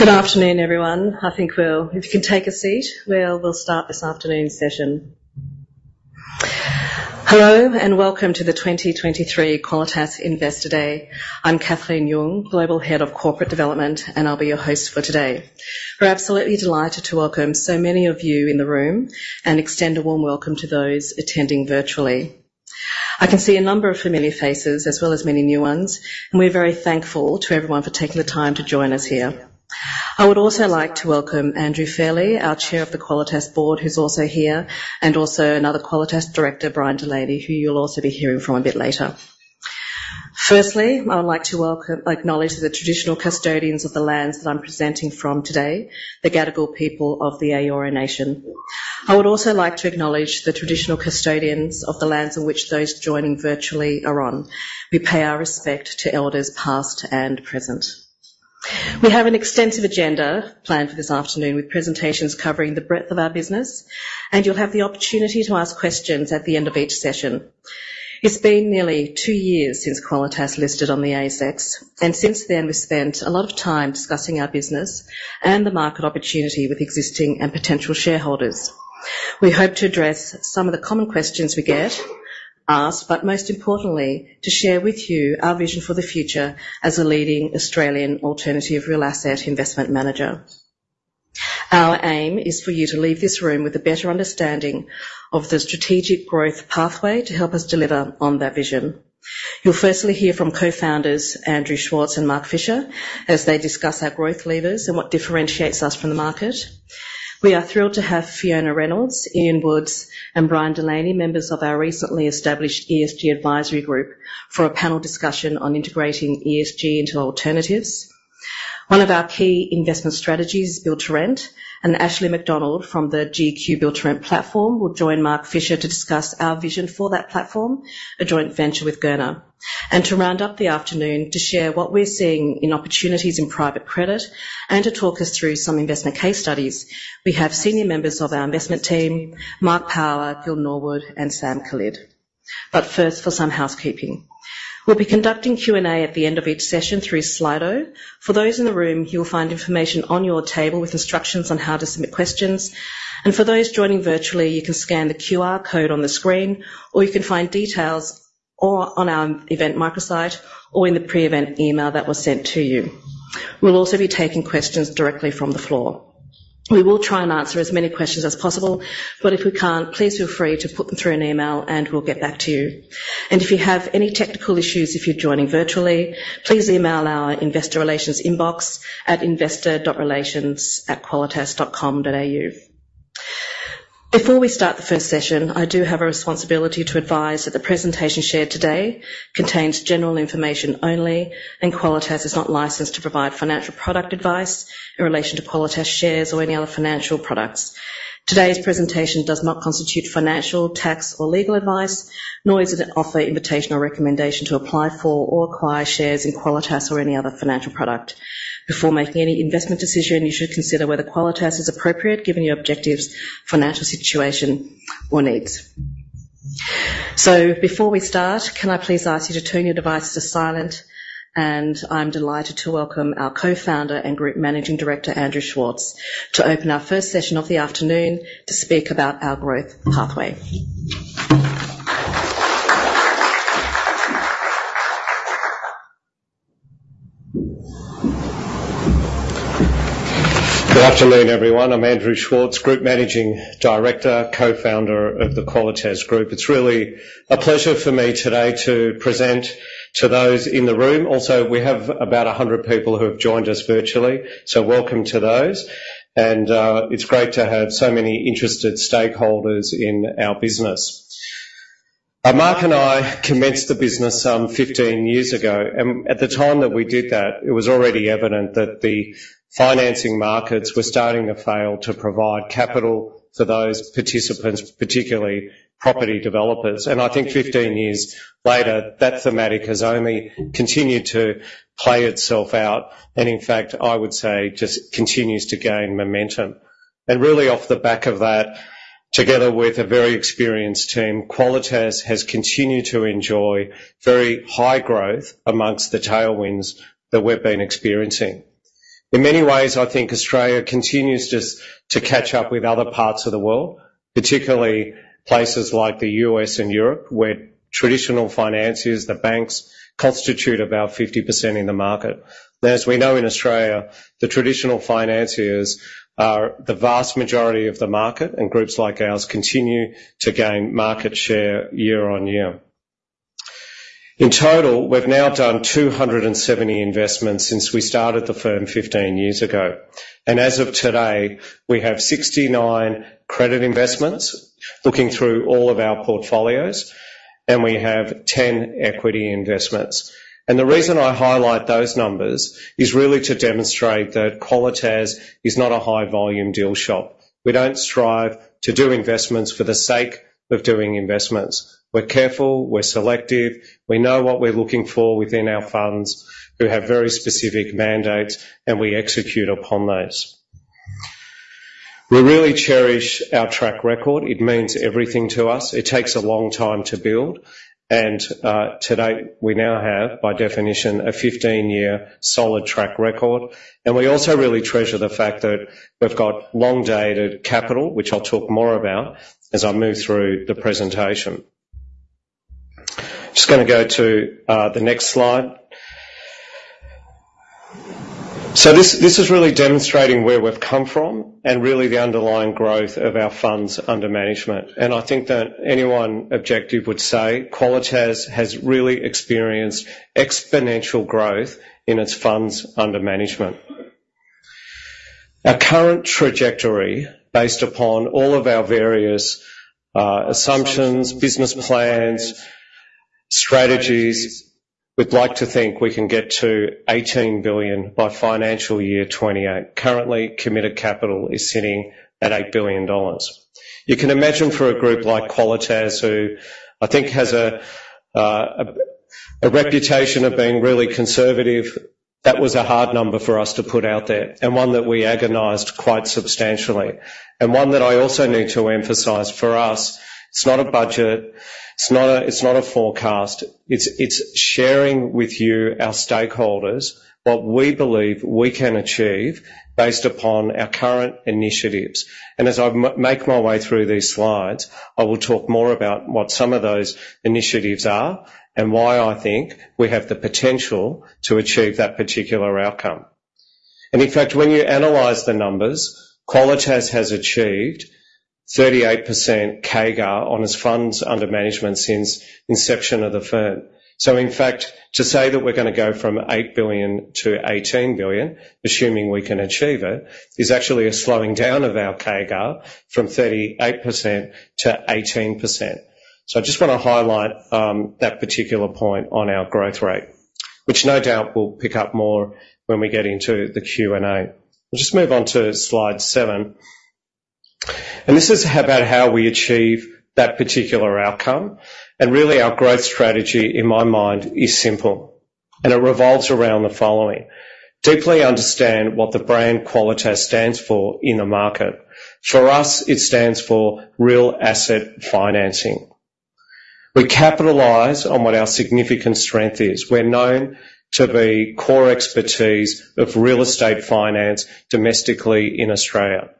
Good afternoon, everyone. I think we'll. If you can take a seat, we'll, we'll start this afternoon's session. Hello, and welcome to the 2023 Qualitas Investor Day. I'm Kathleen Yeung, Global Head of Corporate Development, and I'll be your host for today. We're absolutely delighted to welcome so many of you in the room, and extend a warm welcome to those attending virtually. I can see a number of familiar faces as well as many new ones, and we're very thankful to everyone for taking the time to join us here. I would also like to welcome Andrew Fairley, our Chair of the Qualitas Board, who's also here, and also another Qualitas director, Brian Delaney, who you'll also be hearing from a bit later. Firstly, I would like to welcome, acknowledge the traditional custodians of the lands that I'm presenting from today, the Gadigal people of the Eora Nation. I would also like to acknowledge the traditional custodians of the lands on which those joining virtually are on. We pay our respect to elders, past and present. We have an extensive agenda planned for this afternoon, with presentations covering the breadth of our business, and you'll have the opportunity to ask questions at the end of each session. It's been nearly two years since Qualitas listed on the ASX, and since then, we've spent a lot of time discussing our business and the market opportunity with existing and potential shareholders. We hope to address some of the common questions we get asked, but most importantly, to share with you our vision for the future as a leading Australian alternative real asset investment manager. Our aim is for you to leave this room with a better understanding of the strategic growth pathway to help us deliver on that vision. You'll firstly hear from co-founders Andrew Schwartz and Mark Fischer, as they discuss our growth levers and what differentiates us from the market. We are thrilled to have Fiona Reynolds, Ian Woods, and Brian Delaney, members of our recently established ESG advisory group, for a panel discussion on integrating ESG into alternatives. One of our key investment strategies is build-to-rent, and Ashleigh McDonald from the GQ build-to-rent platform will join Mark Fischer to discuss our vision for that platform, a joint venture with Gurner. And to round up the afternoon, to share what we're seeing in opportunities in private credit, and to talk us through some investment case studies, we have senior members of our investment team, Mark Power, Gil Norwood, and Sam Khalid. But first, for some housekeeping. We'll be conducting Q&A at the end of each session through Slido. For those in the room, you will find information on your table with instructions on how to submit questions, and for those joining virtually, you can scan the QR code on the screen, or you can find details or on our event microsite or in the pre-event email that was sent to you. We'll also be taking questions directly from the floor. We will try and answer as many questions as possible, but if we can't, please feel free to put them through an email, and we'll get back to you. If you have any technical issues if you're joining virtually, please email our investor relations inbox at investor.relations@qualitas.com.au. Before we start the first session, I do have a responsibility to advise that the presentation shared today contains general information only, and Qualitas is not licensed to provide financial product advice in relation to Qualitas shares or any other financial products. Today's presentation does not constitute financial, tax, or legal advice, nor is it an offer, invitation or recommendation to apply for or acquire shares in Qualitas or any other financial product. Before making any investment decision, you should consider whether Qualitas is appropriate given your objectives, financial situation, or needs. Before we start, can I please ask you to turn your devices to silent? I'm delighted to welcome our Co-Founder and Group Managing Director, Andrew Schwartz, to open our first session of the afternoon to speak about our growth pathway. Good afternoon, everyone. I'm Andrew Schwartz, Group Managing Director, co-founder of the Qualitas Group. It's really a pleasure for me today to present to those in the room. Also, we have about 100 people who have joined us virtually, so welcome to those. It's great to have so many interested stakeholders in our business. Mark and I commenced the business some 15 years ago, and at the time that we did that, it was already evident that the financing markets were starting to fail to provide capital for those participants, particularly property developers. I think 15 years later, that thematic has only continued to play itself out, and in fact, I would say just continues to gain momentum. Really off the back of that, together with a very experienced team, Qualitas has continued to enjoy very high growth amongst the tailwinds that we've been experiencing. In many ways, I think Australia continues just to catch up with other parts of the world, particularly places like the U.S. and Europe, where traditional financiers, the banks, constitute about 50% in the market. As we know in Australia, the traditional financiers are the vast majority of the market, and groups like ours continue to gain market share year-on-year. In total, we've now done 270 investments since we started the firm 15 years ago, and as of today, we have 69 credit investments looking through all of our portfolios, and we have 10 equity investments. The reason I highlight those numbers is really to demonstrate that Qualitas is not a high-volume deal shop. We don't strive to do investments for the sake of doing investments. We're careful, we're selective, we know what we're looking for within our funds who have very specific mandates, and we execute upon those.... We really cherish our track record. It means everything to us. It takes a long time to build, and, to date, we now have, by definition, a 15-year solid track record. And we also really treasure the fact that we've got long-dated capital, which I'll talk more about as I move through the presentation. Just gonna go to, the next slide. So this, this is really demonstrating where we've come from and really the underlying growth of our funds under management. And I think that anyone objective would say Qualitas has really experienced exponential growth in its funds under management. Our current trajectory, based upon all of our various assumptions, business plans, strategies, we'd like to think we can get to AUD 18 billion by financial year 2028. Currently, committed capital is sitting at 8 billion dollars. You can imagine for a group like Qualitas, who I think has a reputation of being really conservative, that was a hard number for us to put out there, and one that we agonized quite substantially, and one that I also need to emphasize. For us, it's not a budget, it's not a forecast. It's sharing with you, our stakeholders, what we believe we can achieve based upon our current initiatives. And as I make my way through these slides, I will talk more about what some of those initiatives are, and why I think we have the potential to achieve that particular outcome. In fact, when you analyze the numbers, Qualitas has achieved 38% CAGR on its funds under management since inception of the firm. So in fact, to say that we're gonna go from 8 billion to 18 billion, assuming we can achieve it, is actually a slowing down of our CAGR from 38%-18%. So I just want to highlight that particular point on our growth rate, which no doubt we'll pick up more when we get into the Q&A. We'll just move on to slide 7. This is about how we achieve that particular outcome. Really, our growth strategy, in my mind, is simple, and it revolves around the following: deeply understand what the brand Qualitas stands for in the market. For us, it stands for real asset financing. We capitalize on what our significant strength is. We're known to be core expertise of real estate finance domestically in Australia.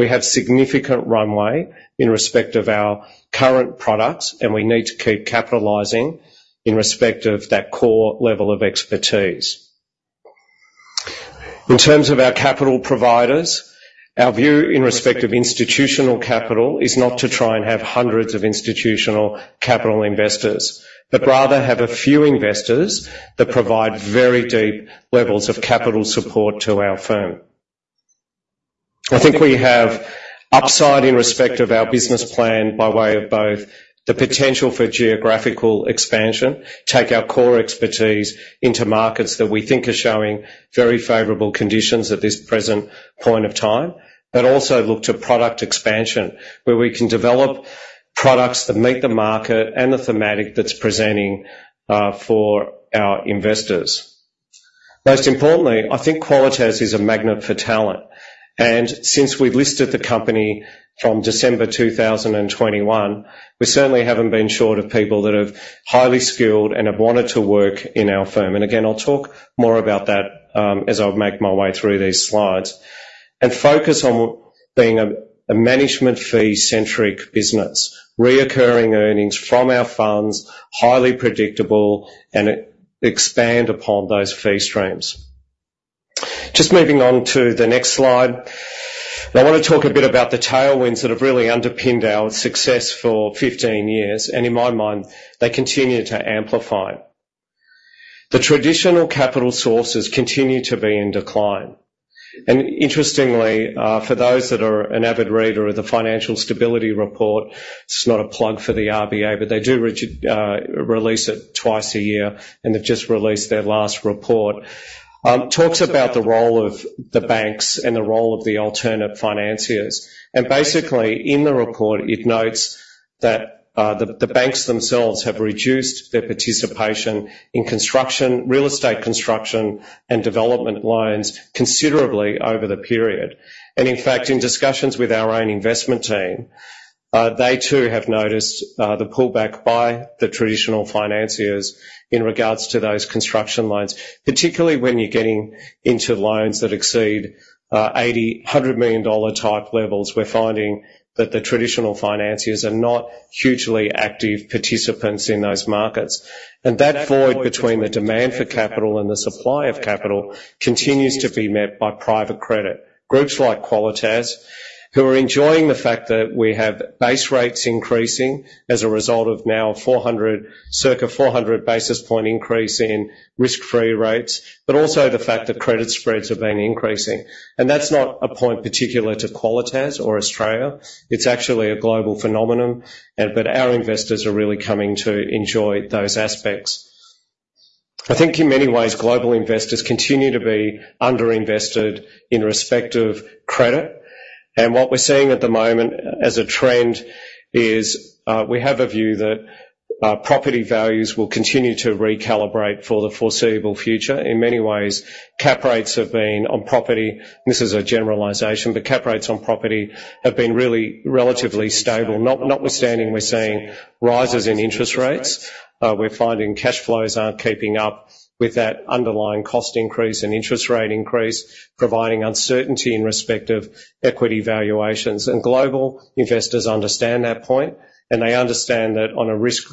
We have significant runway in respect of our current products, and we need to keep capitalizing in respect of that core level of expertise. In terms of our capital providers, our view in respect of institutional capital is not to try and have hundreds of institutional capital investors, but rather have a few investors that provide very deep levels of capital support to our firm. I think we have upside in respect of our business plan, by way of both the potential for geographical expansion, take our core expertise into markets that we think are showing very favorable conditions at this present point of time, but also look to product expansion, where we can develop products that meet the market and the thematic that's presenting, for our investors. Most importantly, I think Qualitas is a magnet for talent, and since we've listed the company from December 2021, we certainly haven't been short of people that are highly skilled and have wanted to work in our firm. Again, I'll talk more about that as I make my way through these slides. And focus on being a management fee-centric business, recurring earnings from our funds, highly predictable, and expand upon those fee streams. Just moving on to the next slide. I want to talk a bit about the tailwinds that have really underpinned our success for 15 years, and in my mind, they continue to amplify. The traditional capital sources continue to be in decline. Interestingly, for those that are an avid reader of the Financial Stability Report, this is not a plug for the RBA, but they do release it twice a year, and they've just released their last report. Talks about the role of the banks and the role of the alternate financiers. Basically, in the report, it notes that the banks themselves have reduced their participation in construction, real estate construction, and development loans considerably over the period. In fact, in discussions with our own investment team, they too have noticed the pullback by the traditional financiers in regards to those construction loans. Particularly, when you're getting into loans that exceed 80 million-100 million dollar type levels, we're finding that the traditional financiers are not hugely active participants in those markets. That void between the demand for capital and the supply of capital continues to be met by private credit. Groups like Qualitas, who are enjoying the fact that we have base rates increasing as a result of now 400, circa 400 basis point increase in risk-free rates, but also the fact that credit spreads have been increasing. And that's not a point particular to Qualitas or Australia, it's actually a global phenomenon, but our investors are really coming to enjoy those aspects. I think in many ways, global investors continue to be underinvested in respect of credit, and what we're seeing at the moment as a trend is, we have a view that property values will continue to recalibrate for the foreseeable future. In many ways, cap rates have been on property, and this is a generalization, but cap rates on property have been really relatively stable. Notwithstanding, we're seeing rises in interest rates, we're finding cash flows aren't keeping up with that underlying cost increase and interest rate increase, providing uncertainty in respect of equity valuations. Global investors understand that point, and they understand that on a risk,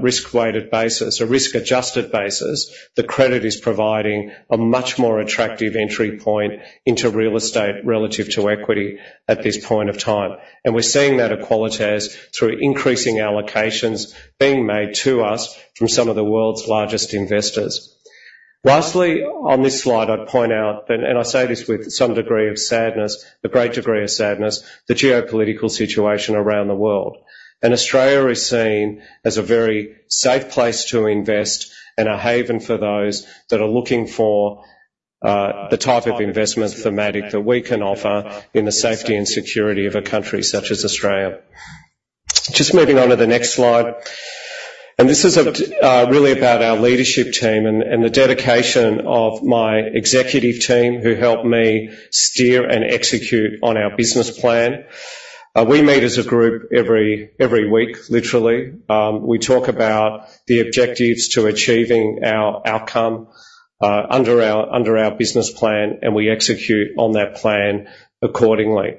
risk-weighted basis, a risk-adjusted basis, the credit is providing a much more attractive entry point into real estate relative to equity at this point of time. We're seeing that at Qualitas through increasing allocations being made to us from some of the world's largest investors. Lastly, on this slide, I'd point out, and I say this with some degree of sadness, a great degree of sadness, the geopolitical situation around the world. Australia is seen as a very safe place to invest and a haven for those that are looking for the type of investment thematic that we can offer in the safety and security of a country such as Australia. Just moving on to the next slide, and this is really about our leadership team and the dedication of my executive team, who help me steer and execute on our business plan. We meet as a group every week, literally. We talk about the objectives to achieving our outcome under our business plan, and we execute on that plan accordingly.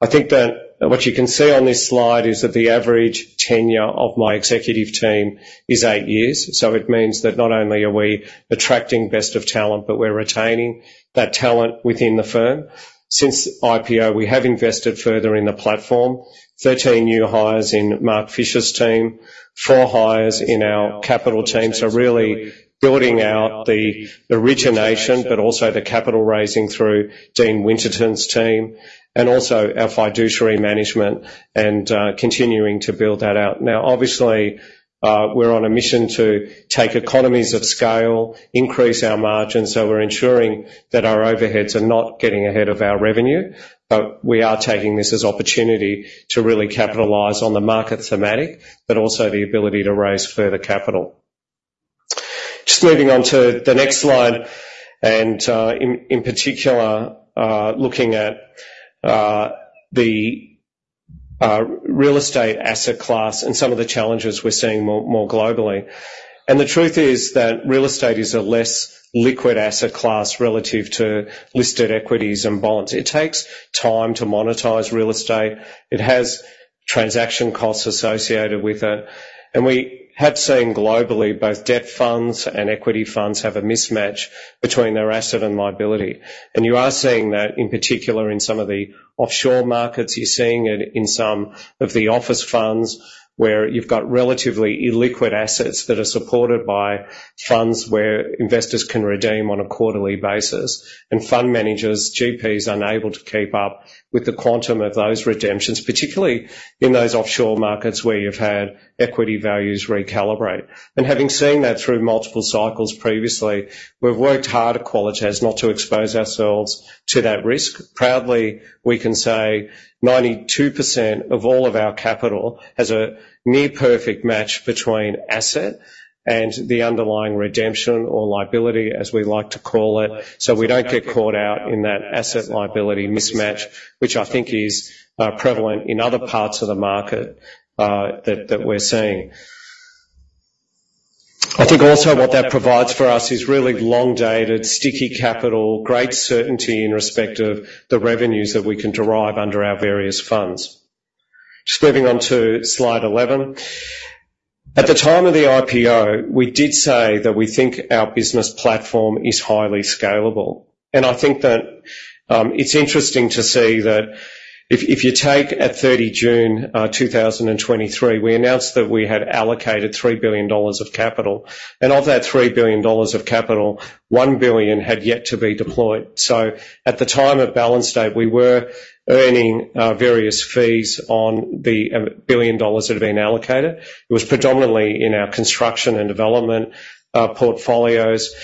I think that what you can see on this slide is that the average tenure of my executive team is 8 years, so it means that not only are we attracting best of talent, but we're retaining that talent within the firm. Since IPO, we have invested further in the platform, 13 new hires in Mark Fischer's team, 4 hires in our capital team. So really building out the origination, but also the capital raising through Dean Winterton's team, and also our fiduciary management and continuing to build that out. Now, obviously, we're on a mission to take economies of scale, increase our margins, so we're ensuring that our overheads are not getting ahead of our revenue. But we are taking this as opportunity to really capitalize on the market thematic, but also the ability to raise further capital. Just moving on to the next slide, and in particular looking at the real estate asset class and some of the challenges we're seeing more globally. And the truth is that real estate is a less liquid asset class relative to listed equities and bonds. It takes time to monetize real estate. It has transaction costs associated with it, and we have seen globally, both debt funds and equity funds have a mismatch between their asset and liability. And you are seeing that in particular in some of the offshore markets. You're seeing it in some of the office funds, where you've got relatively illiquid assets that are supported by funds where investors can redeem on a quarterly basis, and fund managers, GPs, unable to keep up with the quantum of those redemptions, particularly in those offshore markets where you've had equity values recalibrate. And having seen that through multiple cycles previously, we've worked hard at Qualitas not to expose ourselves to that risk. Proudly, we can say 92% of all of our capital has a near perfect match between asset and the underlying redemption or liability, as we like to call it, so we don't get caught out in that asset liability mismatch, which I think is prevalent in other parts of the market that we're seeing. I think also what that provides for us is really long-dated, sticky capital, great certainty in respect of the revenues that we can derive under our various funds. Just moving on to slide 11. At the time of the IPO, we did say that we think our business platform is highly scalable, and I think that it's interesting to see that if you take at 30 June 2023, we announced that we had allocated 3 billion dollars of capital, and of that 3 billion dollars of capital, 1 billion had yet to be deployed. So at the time of balance date, we were earning various fees on the 1 billion dollars that had been allocated. It was predominantly in our construction and development portfolios.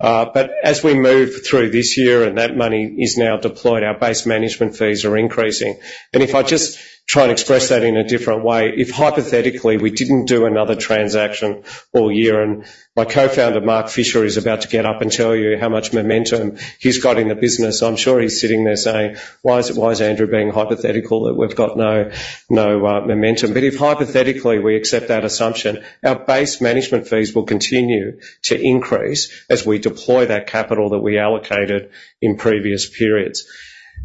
But as we move through this year and that money is now deployed, our base management fees are increasing. If I just try and express that in a different way, if hypothetically, we didn't do another transaction all year, and my co-founder, Mark Fischer, is about to get up and tell you how much momentum he's got in the business, I'm sure he's sitting there saying: "Why is, why is Andrew being hypothetical, that we've got no, no, momentum?" But if hypothetically we accept that assumption, our base management fees will continue to increase as we deploy that capital that we allocated in previous periods.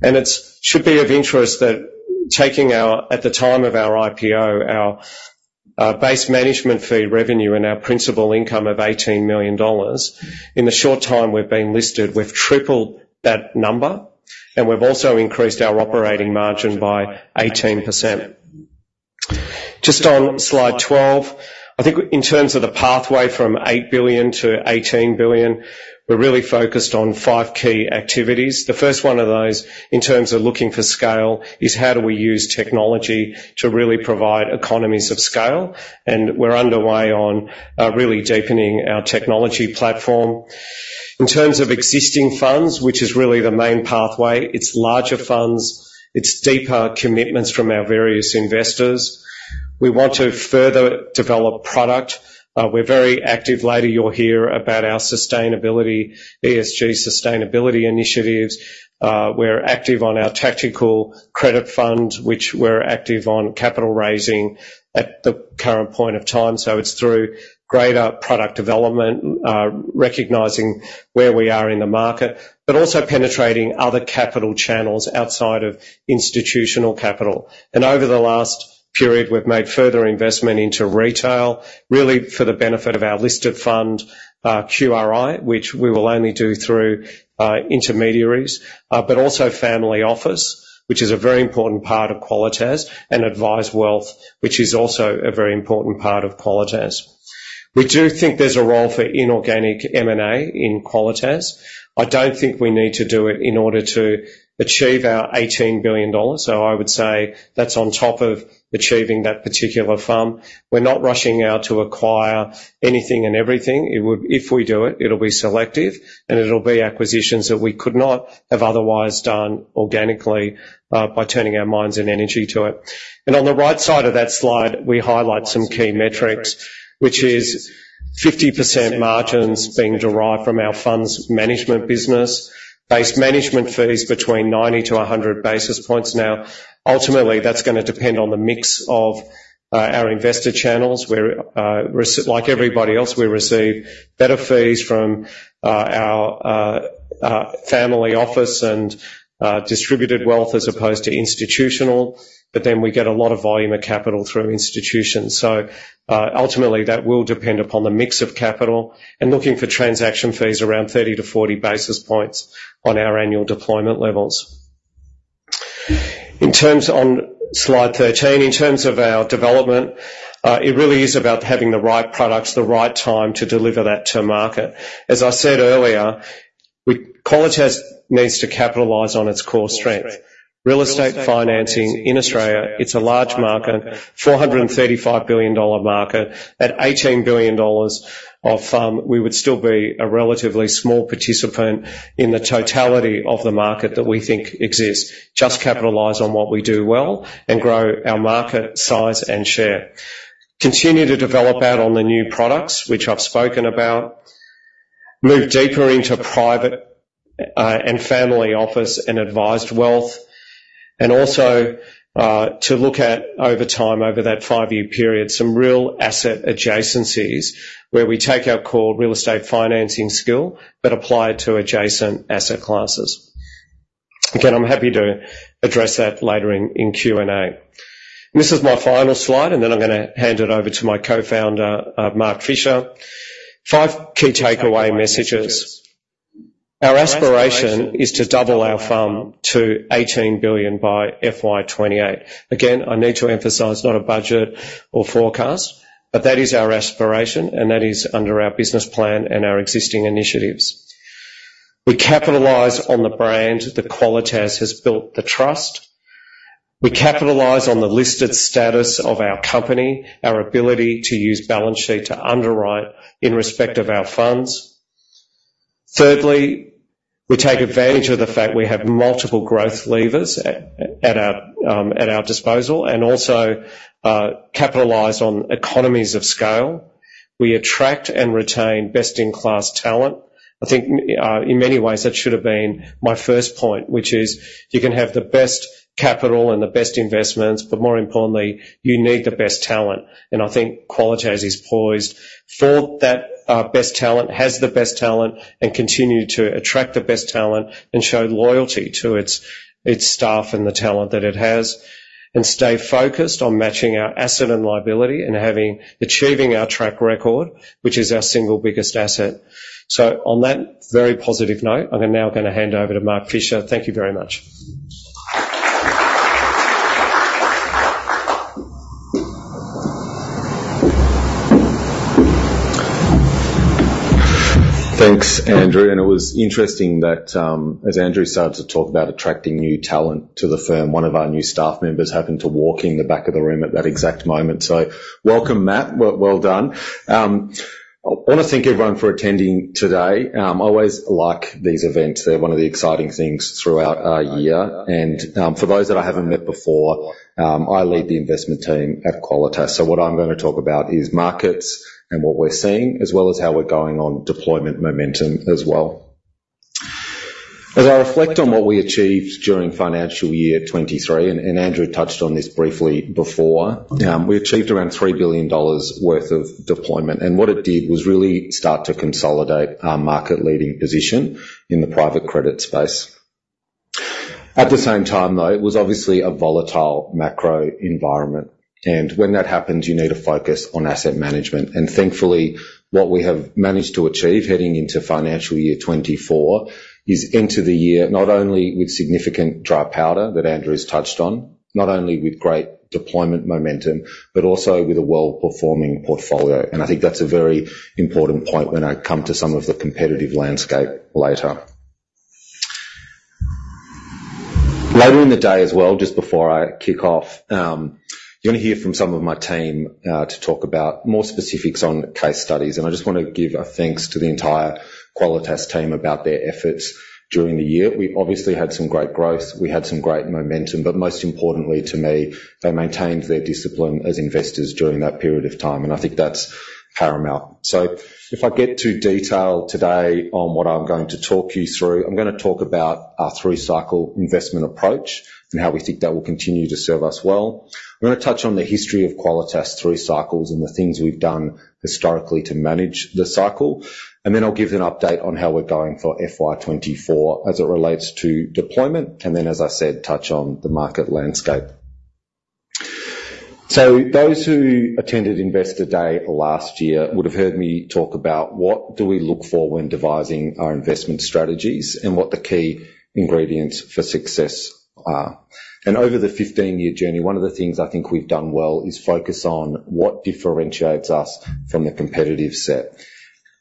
And it should be of interest that taking our at the time of our IPO, our base management fee revenue and our principal income of 18 million dollars, in the short time we've been listed, we've tripled that number, and we've also increased our operating margin by 18%. Just on slide 12, I think in terms of the pathway from 8 billion to 18 billion, we're really focused on five key activities. The first one of those, in terms of looking for scale, is how do we use technology to really provide economies of scale? We're underway on really deepening our technology platform. In terms of existing funds, which is really the main pathway, it's larger funds. It's deeper commitments from our various investors. We want to further develop product. We're very active. Later, you'll hear about our sustainability, ESG sustainability initiatives. We're active on our tactical credit fund, which we're active on capital raising at the current point of time. So it's through greater product development, recognizing where we are in the market, but also penetrating other capital channels outside of institutional capital. Over the last period, we've made further investment into retail, really for the benefit of our listed fund, QRI, which we will only do through intermediaries. But also family office, which is a very important part of Qualitas, and advised wealth, which is also a very important part of Qualitas. We do think there's a role for inorganic M&A in Qualitas. I don't think we need to do it in order to achieve our 18 billion dollars, so I would say that's on top of achieving that particular firm. We're not rushing out to acquire anything and everything. It would. If we do it, it'll be selective, and it'll be acquisitions that we could not have otherwise done organically, by turning our minds and energy to it. And on the right side of that slide, we highlight some key metrics, which is 50% margins being derived from our funds management business. Base management fees between 90-100 basis points. Now, ultimately, that's gonna depend on the mix of our investor channels, where, like everybody else, we receive better fees from our family office and distributed wealth as opposed to institutional, but then we get a lot of volume of capital through institutions. So, ultimately, that will depend upon the mix of capital and looking for transaction fees around 30-40 basis points on our annual deployment levels. On slide 13, in terms of our development, it really is about having the right products, the right time to deliver that to market. As I said earlier, we... Qualitas needs to capitalize on its core strength. Real estate financing in Australia. It's a large 435 billion dollar market. At 18 billion dollars of FUM, we would still be a relatively small participant in the totality of the market that we think exists. Just capitalize on what we do well and grow our market size and share. Continue to develop out on the new products, which I've spoken about. Move deeper into private, and family office and advised wealth, and also, to look at over time, over that five-year period, some real asset adjacencies, where we take our core real estate financing skill but apply it to adjacent asset classes. Again, I'm happy to address that later in Q&A. This is my final slide, and then I'm gonna hand it over to my co-founder, Mark Fischer. Five key takeaway messages. Our aspiration is to double our firm to 18 billion by FY 2028. Again, I need to emphasize, not a budget or forecast, but that is our aspiration, and that is under our business plan and our existing initiatives. We capitalize on the brand that Qualitas has built, the trust. We capitalize on the listed status of our company, our ability to use balance sheet to underwrite in respect of our funds. Thirdly, we take advantage of the fact we have multiple growth levers at our disposal, and also, capitalize on economies of scale. We attract and retain best-in-class talent. I think, in many ways, that should have been my first point, which is you can have the best capital and the best investments, but more importantly, you need the best talent, and I think Qualitas is poised for that, best talent, has the best talent, and continue to attract the best talent and show loyalty to its, its staff and the talent that it has, and stay focused on matching our asset and liability and having - achieving our track record, which is our single biggest asset. So on that very positive note, I'm now gonna hand over to Mark Fischer. Thank you very much. Thanks, Andrew, and it was interesting that, as Andrew started to talk about attracting new talent to the firm, one of our new staff members happened to walk in the back of the room at that exact moment. So welcome, Matt. Well done. I want to thank everyone for attending today. I always like these events. They're one of the exciting things throughout our year, and, for those that I haven't met before, I lead the investment team at Qualitas. So what I'm going to talk about is markets and what we're seeing, as well as how we're going on deployment momentum as well. As I reflect on what we achieved during financial year 2023, and, and Andrew touched on this briefly before, we achieved around 3 billion dollars worth of deployment, and what it did was really start to consolidate our market-leading position in the private credit space. At the same time, though, it was obviously a volatile macro environment, and when that happens, you need to focus on asset management. Thankfully, what we have managed to achieve heading into financial year 2024, is enter the year not only with significant dry powder that Andrew has touched on, not only with great deployment momentum, but also with a well-performing portfolio, and I think that's a very important point when I come to some of the competitive landscape later. Later in the day as well, just before I kick off, you're going to hear from some of my team to talk about more specifics on case studies. I just want to give a thanks to the entire Qualitas team about their efforts during the year. We obviously had some great growth. We had some great momentum, but most importantly to me, they maintained their discipline as investors during that period of time, and I think that's paramount. So if I get to detail today on what I'm going to talk you through, I'm going to talk about our three-cycle investment approach and how we think that will continue to serve us well. I'm going to touch on the history of Qualitas through cycles and the things we've done historically to manage the cycle. And then I'll give you an update on how we're going for FY 2024 as it relates to deployment, and then, as I said, touch on the market landscape. So those who attended Investor Day last year would have heard me talk about what do we look for when devising our investment strategies and what the key ingredients for success are. And over the 15-year journey, one of the things I think we've done well is focus on what differentiates us from the competitive set.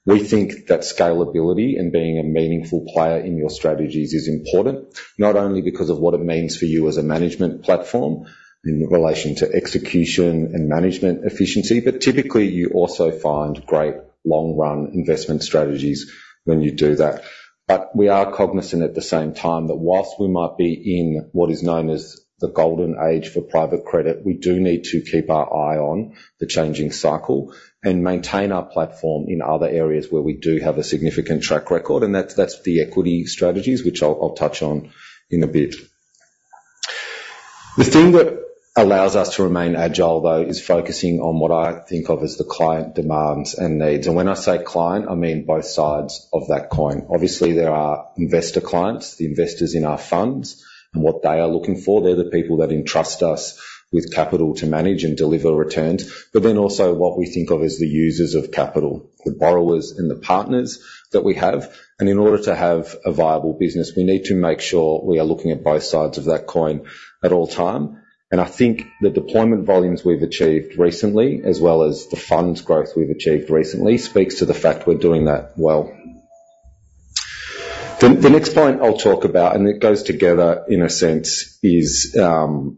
We think that scalability and being a meaningful player in your strategies is important, not only because of what it means for you as a management platform in relation to execution and management efficiency, but typically, you also find great long-run investment strategies when you do that. But we are cognizant at the same time that while we might be in what is known as the golden age for private credit, we do need to keep our eye on the changing cycle and maintain our platform in other areas where we do have a significant track record, and that's, that's the equity strategies, which I'll, I'll touch on in a bit. The thing that allows us to remain agile, though, is focusing on what I think of as the client demands and needs. And when I say client, I mean both sides of that coin. Obviously, there are investor clients, the investors in our funds and what they are looking for. They're the people that entrust us with capital to manage and deliver returns, but then also what we think of as the users of capital, the borrowers and the partners that we have. In order to have a viable business, we need to make sure we are looking at both sides of that coin at all time. I think the deployment volumes we've achieved recently, as well as the funds growth we've achieved recently, speaks to the fact we're doing that well. The next point I'll talk about, and it goes together in a sense, is to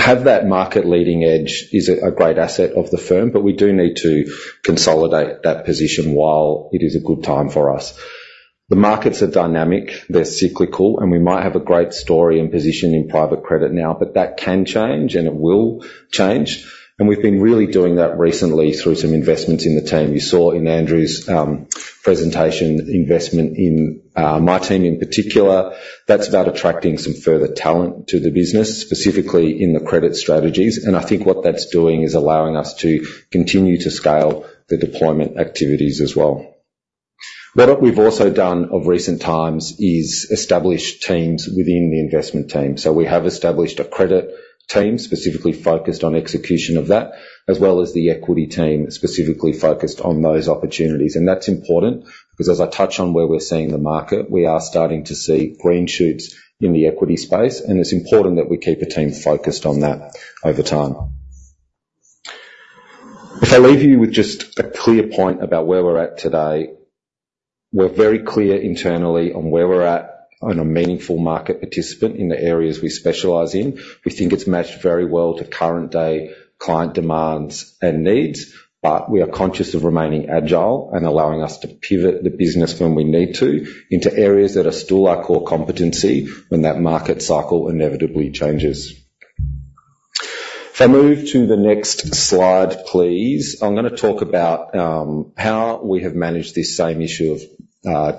have that market leading edge is a great asset of the firm, but we do need to consolidate that position while it is a good time for us. The markets are dynamic, they're cyclical, and we might have a great story and position in private credit now, but that can change, and it will change. We've been really doing that recently through some investments in the team. You saw in Andrew's presentation, investment in my team in particular. That's about attracting some further talent to the business, specifically in the credit strategies, and I think what that's doing is allowing us to continue to scale the deployment activities as well. What we've also done of recent times is establish teams within the investment team. We have established a credit team specifically focused on execution of that, as well as the equity team, specifically focused on those opportunities. And that's important because as I touch on where we're seeing the market, we are starting to see green shoots in the equity space, and it's important that we keep a team focused on that over time. If I leave you with just a clear point about where we're at today, we're very clear internally on where we're at on a meaningful market participant in the areas we specialize in. We think it's matched very well to current day client demands and needs, but we are conscious of remaining agile and allowing us to pivot the business when we need to into areas that are still our core competency, when that market cycle inevitably changes. If I move to the next slide, please. I'm going to talk about how we have managed this same issue of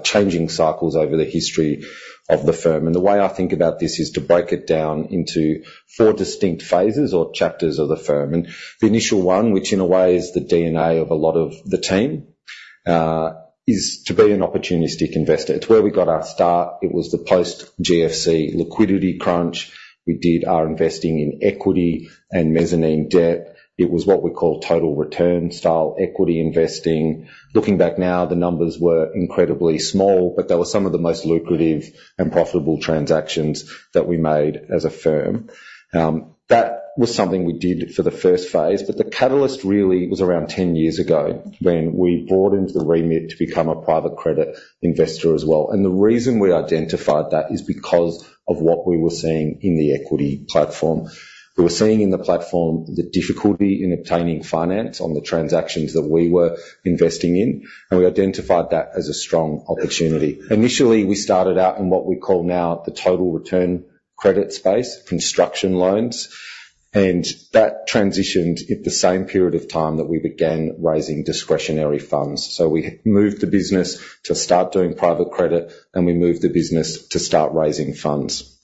changing cycles over the history of the firm. The way I think about this is to break it down into four distinct phases or chapters of the firm. The initial one, which in a way is the DNA of a lot of the team, is to be an opportunistic investor. It's where we got our start. It was the post GFC liquidity crunch. We did our investing in equity and mezzanine debt. It was what we call total return style equity investing. Looking back now, the numbers were incredibly small, but they were some of the most lucrative and profitable transactions that we made as a firm. That was something we did for the first phase, but the catalyst really was around 10 years ago when we bought into the remit to become a private credit investor as well. The reason we identified that is because of what we were seeing in the equity platform. We were seeing in the platform, the difficulty in obtaining finance on the transactions that we were investing in, and we identified that as a strong opportunity. Initially, we started out in what we call now the Total Return Credit space, construction loans, and that transitioned at the same period of time that we began raising discretionary funds. So we moved the business to start doing private credit, and we moved the business to start raising funds.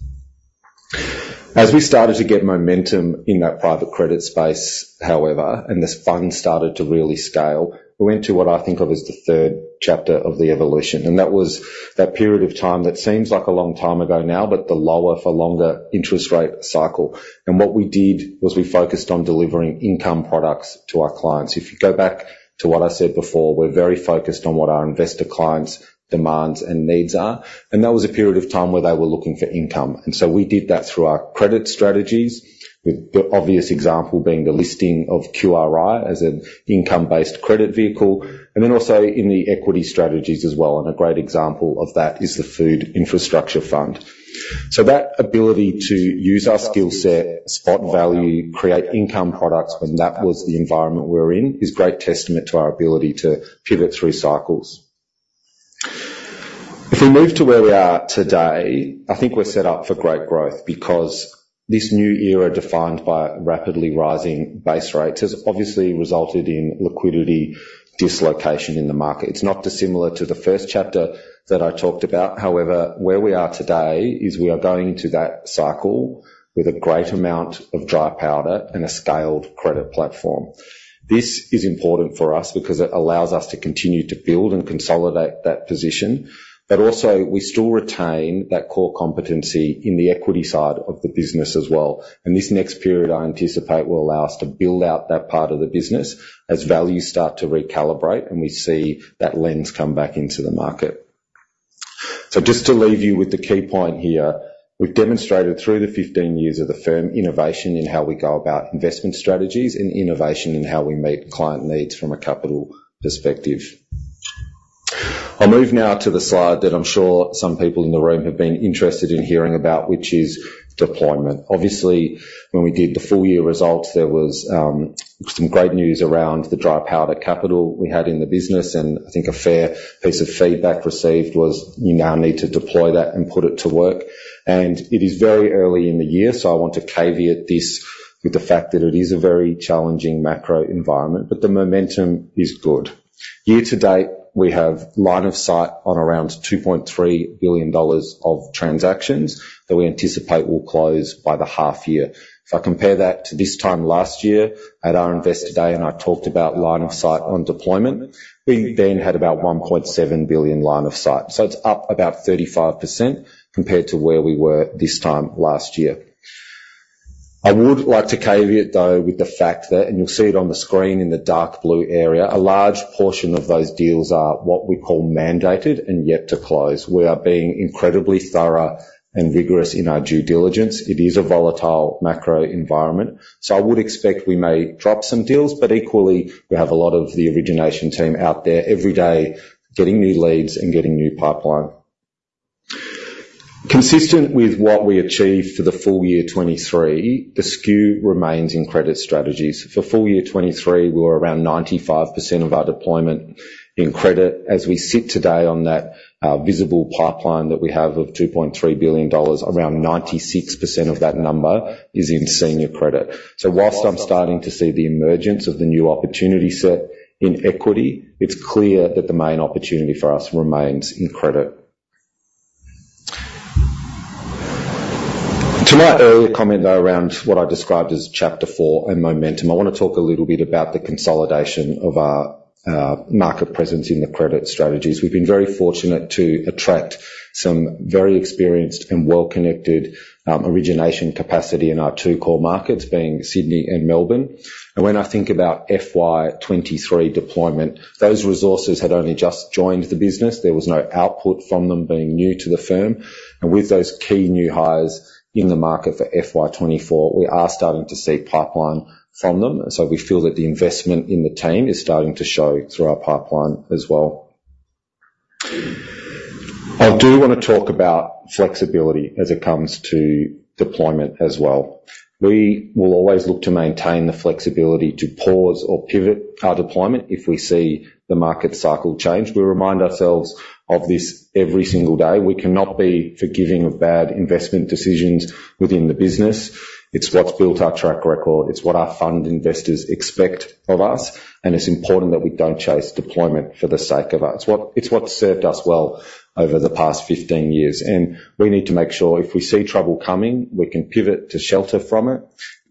As we started to get momentum in that private credit space, however, and this fund started to really scale, we went to what I think of as the third chapter of the evolution, and that was that period of time that seems like a long time ago now, but the lower for longer interest rate cycle. What we did was we focused on delivering income products to our clients. If you go back to what I said before, we're very focused on what our investor clients' demands and needs are, and that was a period of time where they were looking for income. So we did that through our credit strategies, with the obvious example being the listing of QRI as an income-based credit vehicle, and then also in the equity strategies as well. A great example of that is the Food Infrastructure Fund. That ability to use our skill set, spot value, create income products when that was the environment we're in, is great testament to our ability to pivot through cycles. If we move to where we are today, I think we're set up for great growth because this new era, defined by rapidly rising base rates, has obviously resulted in liquidity dislocation in the market. It's not dissimilar to the first chapter that I talked about. However, where we are today is we are going into that cycle with a great amount of dry powder and a scaled credit platform. This is important for us because it allows us to continue to build and consolidate that position, but also we still retain that core competency in the equity side of the business as well. This next period, I anticipate, will allow us to build out that part of the business as values start to recalibrate and we see that lens come back into the market. So just to leave you with the key point here, we've demonstrated through the 15 years of the firm, innovation in how we go about investment strategies and innovation in how we meet client needs from a capital perspective. I'll move now to the slide that I'm sure some people in the room have been interested in hearing about, which is deployment. Obviously, when we did the full year results, there was some great news around the dry powder capital we had in the business, and I think a fair piece of feedback received was, "You now need to deploy that and put it to work." It is very early in the year, so I want to caveat this with the fact that it is a very challenging macro environment, but the momentum is good. Year to date, we have line of sight on around 2.3 billion dollars of transactions that we anticipate will close by the half year. If I compare that to this time last year at our Investor Day, and I talked about line of sight on deployment, we then had about 1.7 billion line of sight, so it's up about 35% compared to where we were this time last year. I would like to caveat, though, with the fact that, and you'll see it on the screen in the dark blue area, a large portion of those deals are what we call mandated and yet to close. We are being incredibly thorough and vigorous in our due diligence. It is a volatile macro environment, so I would expect we may drop some deals, but equally, we have a lot of the origination team out there every day getting new leads and getting new pipeline. Consistent with what we achieved for the full year 2023, the skew remains in credit strategies. For full year 2023, we were around 95% of our deployment in credit. As we sit today on that visible pipeline that we have of 2.3 billion dollars, around 96% of that number is in senior credit. So while I'm starting to see the emergence of the new opportunity set in equity, it's clear that the main opportunity for us remains in credit. To my earlier comment, though, around what I described as chapter four and momentum, I want to talk a little bit about the consolidation of our market presence in the credit strategies. We've been very fortunate to attract some very experienced and well-connected origination capacity in our two core markets, being Sydney and Melbourne. And when I think about FY 2023 deployment, those resources had only just joined the business. There was no output from them being new to the firm. And with those key new hires in the market for FY 2024, we are starting to see pipeline from them, so we feel that the investment in the team is starting to show through our pipeline as well. I do want to talk about flexibility as it comes to deployment as well. We will always look to maintain the flexibility to pause or pivot our deployment if we see the market cycle change. We remind ourselves of this every single day. We cannot be forgiving of bad investment decisions within the business. It's what's built our track record, it's what our fund investors expect of us, and it's important that we don't chase deployment for the sake of it. It's what's served us well over the past 15 years, and we need to make sure if we see trouble coming, we can pivot to shelter from it.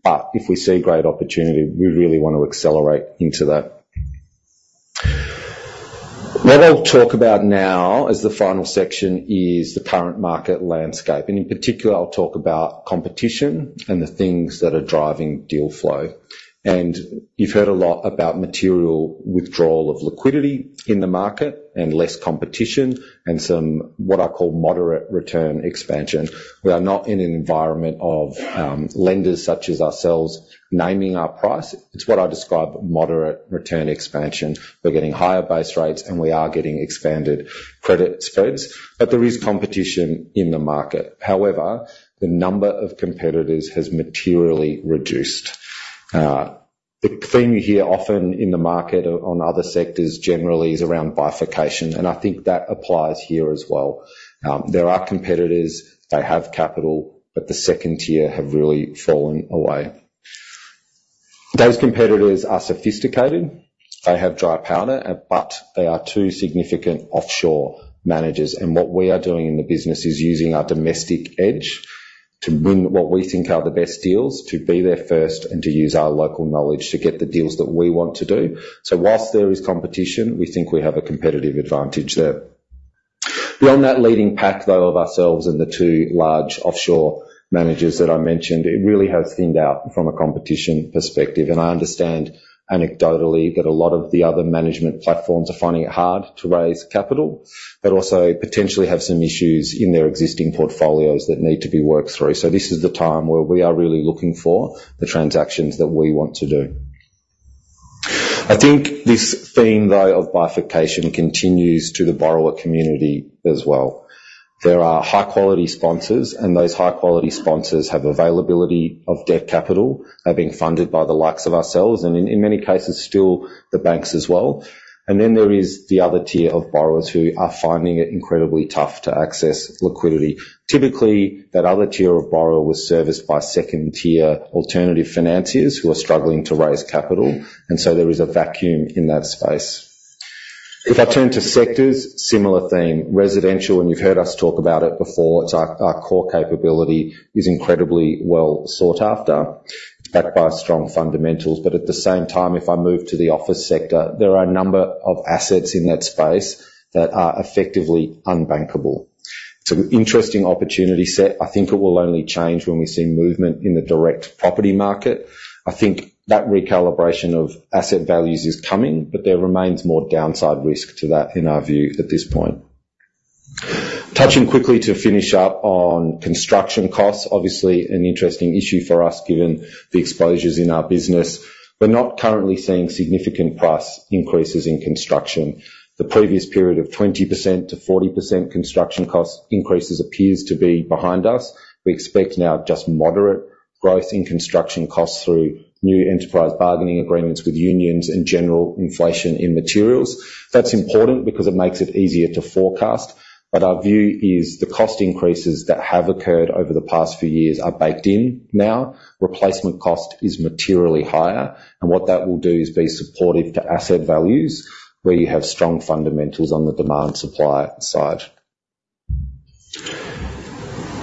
But if we see great opportunity, we really want to accelerate into that. What I'll talk about now as the final section is the current market landscape, and in particular, I'll talk about competition and the things that are driving deal flow. You've heard a lot about material withdrawal of liquidity in the market and less competition and some, what I call moderate return expansion. We are not in an environment of, lenders such as ourselves naming our price. It's what I describe, moderate return expansion. We're getting higher base rates, and we are getting expanded credit spreads, but there is competition in the market. However, the number of competitors has materially reduced. The theme you hear often in the market on other sectors generally is around bifurcation, and I think that applies here as well. There are competitors, they have capital, but the second tier have really fallen away. Those competitors are sophisticated. They have dry powder, but they are two significant offshore managers, and what we are doing in the business is using our domestic edge to win what we think are the best deals, to be there first, and to use our local knowledge to get the deals that we want to do. So whilst there is competition, we think we have a competitive advantage there. Beyond that leading pack, though, of ourselves and the two large offshore managers that I mentioned, it really has thinned out from a competition perspective, and I understand anecdotally, that a lot of the other management platforms are finding it hard to raise capital, but also potentially have some issues in their existing portfolios that need to be worked through. So this is the time where we are really looking for the transactions that we want to do. I think this theme, though, of bifurcation continues to the borrower community as well. There are high quality sponsors, and those high quality sponsors have availability of debt capital. They're being funded by the likes of ourselves, and in, in many cases, still the banks as well. And then there is the other tier of borrowers who are finding it incredibly tough to access liquidity. Typically, that other tier of borrower was serviced by second tier alternative financiers who are struggling to raise capital, and so there is a vacuum in that space. If I turn to sectors, similar theme. Residential, and you've heard us talk about it before, it's our, our core capability is incredibly well sought after, backed by strong fundamentals. But at the same time, if I move to the office sector, there are a number of assets in that space that are effectively unbankable. It's an interesting opportunity set. I think it will only change when we see movement in the direct property market. I think that recalibration of asset values is coming, but there remains more downside risk to that, in our view, at this point. Touching quickly to finish up on construction costs. Obviously, an interesting issue for us, given the exposures in our business. We're not currently seeing significant price increases in construction. The previous period of 20%-40% construction cost increases appears to be behind us. We expect now just moderate growth in construction costs through new enterprise bargaining agreements with unions and general inflation in materials. That's important because it makes it easier to forecast, but our view is the cost increases that have occurred over the past few years are baked in now. Replacement cost is materially higher, and what that will do is be supportive to asset values where you have strong fundamentals on the demand supply side.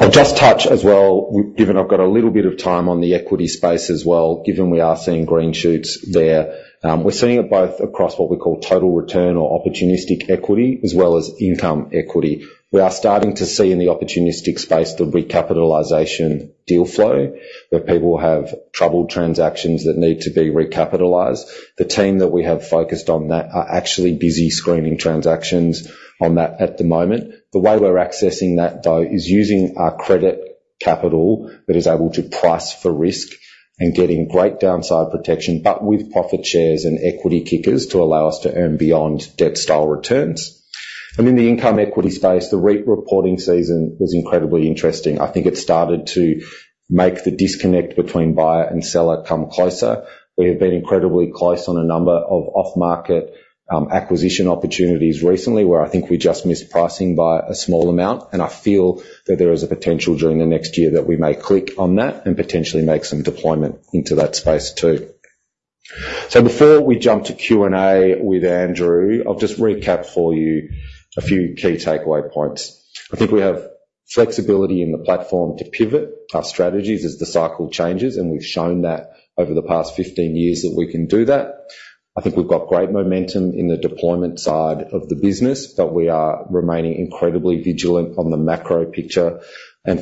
I'll just touch as well, given I've got a little bit of time, on the equity space as well, given we are seeing green shoots there. We're seeing it both across what we call total return or opportunistic equity, as well as income equity. We are starting to see in the opportunistic space, the recapitalization deal flow, where people have troubled transactions that need to be recapitalized. The team that we have focused on that are actually busy screening transactions on that at the moment. The way we're accessing that, though, is using our credit capital that is able to price for risk and getting great downside protection, but with profit shares and equity kickers to allow us to earn beyond debt style returns. And in the income equity space, the REIT reporting season was incredibly interesting. I think it started to make the disconnect between buyer and seller come closer. We have been incredibly close on a number of off-market acquisition opportunities recently, where I think we just missed pricing by a small amount. And I feel that there is a potential during the next year that we may click on that and potentially make some deployment into that space, too. So before we jump to Q&A with Andrew, I'll just recap for you a few key takeaway points. I think we have flexibility in the platform to pivot our strategies as the cycle changes, and we've shown that over the past 15 years that we can do that. I think we've got great momentum in the deployment side of the business, but we are remaining incredibly vigilant on the macro picture.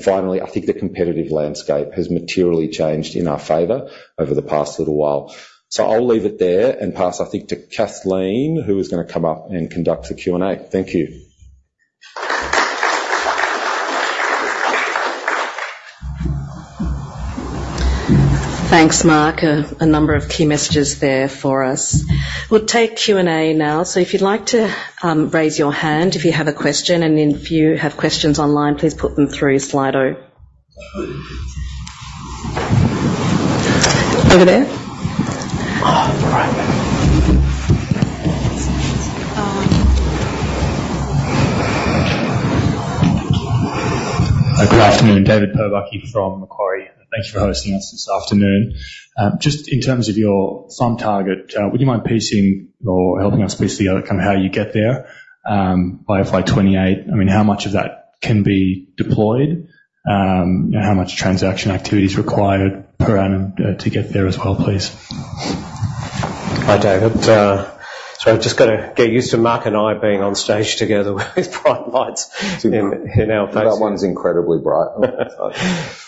Finally, I think the competitive landscape has materially changed in our favor over the past little while. I'll leave it there and pass, I think, to Kathleen, who is going to come up and conduct the Q&A. Thank you. Thanks, Mark. A number of key messages there for us. We'll take Q&A now. So if you'd like to raise your hand if you have a question, and if you have questions online, please put them through Slido. Over there. Oh, right. Hi, good afternoon, David Pobucky from Macquarie. Thank you for hosting us this afternoon. Just in terms of your FUM target, would you mind piecing or helping us piece together kind of how you get there, by FY 2028? I mean, how much of that can be deployed, and how much transaction activity is required per annum, to get there as well, please? Hi, David. So I've just got to get used to Mark and I being on stage together with these bright lights in our faces. That one's incredibly bright.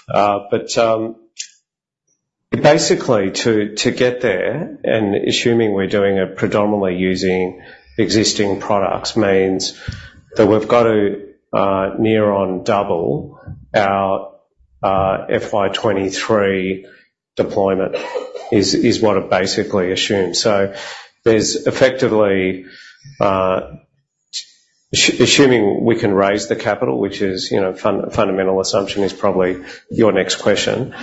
But basically to get there, and assuming we're doing it predominantly using existing products, means that we've got to near on double our FY 2023 deployment, is what I basically assume. So there's effectively... Assuming we can raise the capital, which is, you know, fundamental assumption is probably your next question.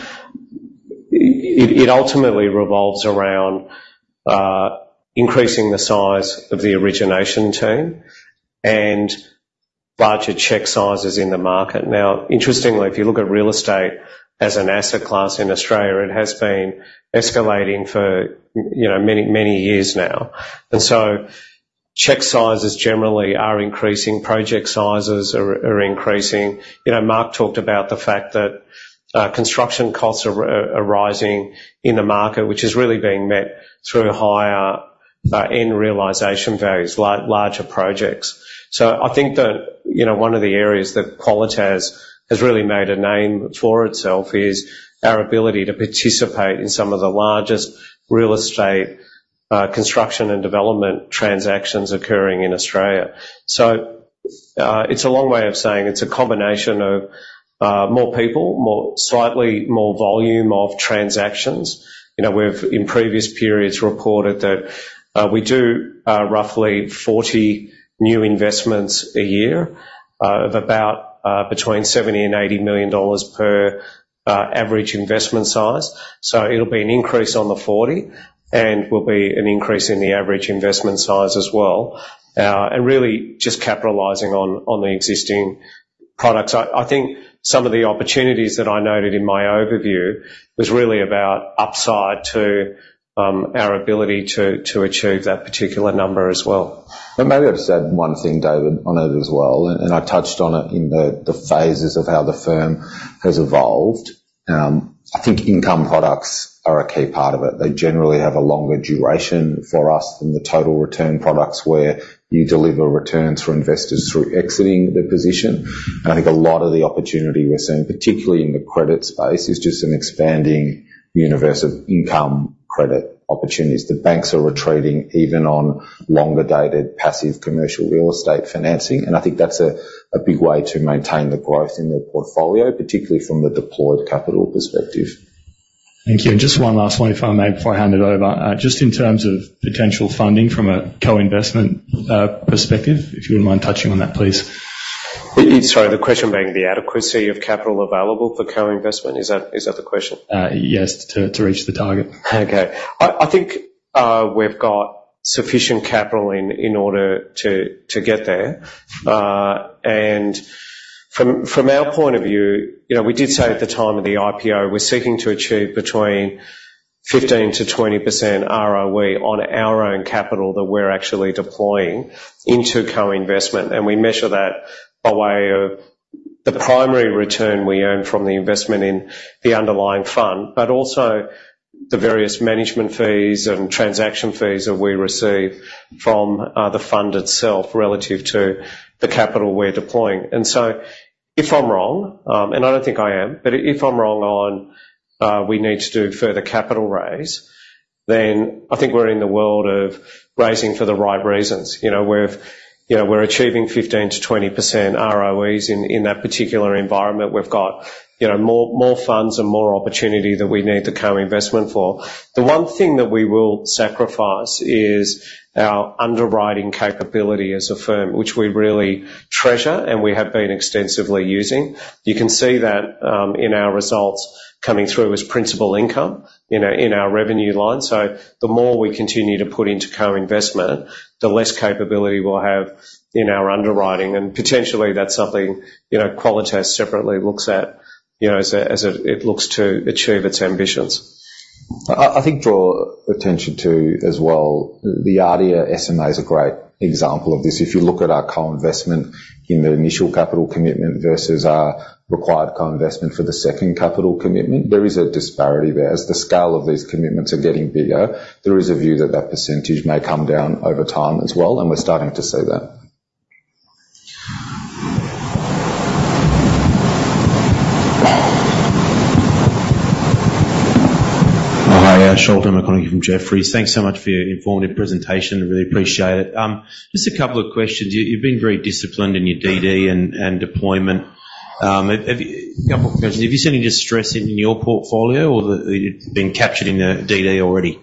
It ultimately revolves around increasing the size of the origination team and larger check sizes in the market. Now, interestingly, if you look at real estate as an asset class in Australia, it has been escalating for, you know, many, many years now, and so check sizes generally are increasing, project sizes are increasing. You know, Mark talked about the fact that construction costs are rising in the market, which is really being met through higher end realization values, larger projects. So I think that, you know, one of the areas that Qualitas has really made a name for itself is our ability to participate in some of the largest real estate, construction and development transactions occurring in Australia. So, it's a long way of saying it's a combination of, more people, more, slightly more volume of transactions. You know, we've, in previous periods, reported that we do roughly 40 new investments a year, of about, between 70 million-80 million dollars per average investment size. So it'll be an increase on the 40, and will be an increase in the average investment size as well. And really just capitalizing on, on the existing products. I think some of the opportunities that I noted in my overview was really about upside to our ability to achieve that particular number as well. But maybe I've said one thing, David, on it as well, and I touched on it in the phases of how the firm has evolved. I think income products are a key part of it. They generally have a longer duration for us than the total return products, where you deliver returns for investors through exiting the position. And I think a lot of the opportunity we're seeing, particularly in the credit space, is just an expanding universe of income credit opportunities. The banks are retreating even on longer-dated passive commercial real estate financing, and I think that's a big way to maintain the growth in the portfolio, particularly from the deployed capital perspective. Thank you. Just one last one, if I may, before I hand it over. Just in terms of potential funding from a co-investment perspective, if you wouldn't mind touching on that, please. Sorry, the question being the adequacy of capital available for co-investment? Is that, is that the question? Yes, to reach the target. Okay. I think we've got sufficient capital in order to get there. And from our point of view, you know, we did say at the time of the IPO, we're seeking to achieve between 15%-20% ROE on our own capital that we're actually deploying into co-investment, and we measure that by way of the primary return we earn from the investment in the underlying fund, but also the various management fees and transaction fees that we receive from the fund itself, relative to the capital we're deploying. And so, if I'm wrong, and I don't think I am, but if I'm wrong on we need to do further capital raise, then I think we're in the world of raising for the right reasons. You know, we've... You know, we're achieving 15%-20% ROEs in that particular environment. We've got, you know, more funds and more opportunity that we need to co-investment for. The one thing that we will sacrifice is our underwriting capability as a firm, which we really treasure, and we have been extensively using. You can see that in our results coming through as principal income, you know, in our revenue line. So the more we continue to put into co-investment, the less capability we'll have in our underwriting, and potentially that's something, you know, Qualitas separately looks at, you know, as it looks to achieve its ambitions. I think draw attention to as well, the ADIA SMA is a great example of this. If you look at our co-investment in the initial capital commitment versus our required co-investment for the second capital commitment, there is a disparity there. As the scale of these commitments are getting bigger, there is a view that that percentage may come down over time as well, and we're starting to see that. Hi, Sholto Maconochie from Jefferies. Thanks so much for your informative presentation. I really appreciate it. Just a couple of questions. You've been very disciplined in your DD and deployment. Have you seen any distress in your portfolio, or that it's been captured in the DD already?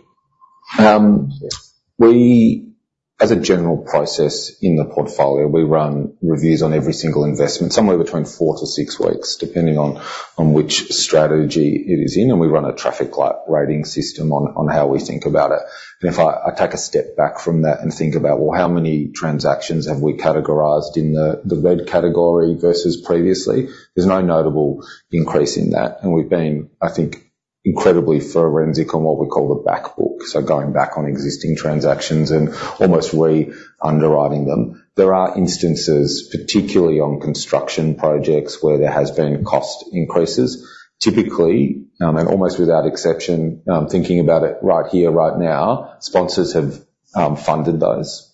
We, as a general process in the portfolio, we run reviews on every single investment, somewhere between four to six weeks, depending on which strategy it is in, and we run a traffic light rating system on how we think about it. And if I take a step back from that and think about, well, how many transactions have we categorized in the red category versus previously? There's no notable increase in that, and we've been, I think, incredibly forensic on what we call the back book, so going back on existing transactions and almost re-underwriting them. There are instances, particularly on construction projects, where there has been cost increases. Typically, and almost without exception, thinking about it right here, right now, sponsors have funded those.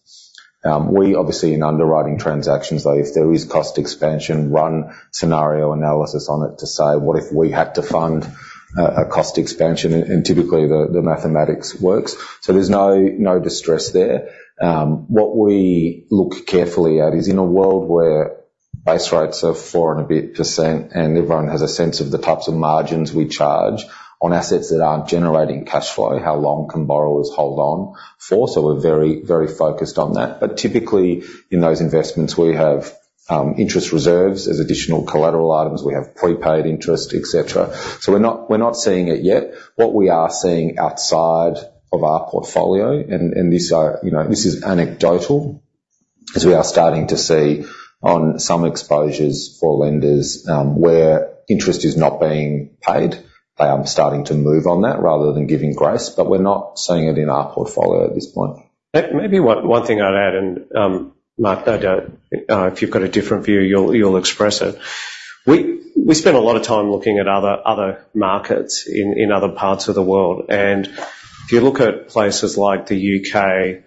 We obviously, in underwriting transactions, though, if there is cost expansion, run scenario analysis on it to say: What if we had to fund a cost expansion? And typically the mathematics works. So there's no distress there. What we look carefully at is, in a world where base rates are 4% and a bit, and everyone has a sense of the types of margins we charge on assets that aren't generating cash flow, how long can borrowers hold on for? So we're very, very focused on that. But typically, in those investments, we have interest reserves as additional collateral items. We have prepaid interest, et cetera. So we're not seeing it yet. What we are seeing outside of our portfolio, and, and this, you know, this is anecdotal, is we are starting to see on some exposures for lenders, where interest is not being paid. They are starting to move on that rather than giving grace, but we're not seeing it in our portfolio at this point. Maybe one thing I'd add, and Mark, I don't... if you've got a different view, you'll express it. We spent a lot of time looking at other markets in other parts of the world, and if you look at places like the U.K.,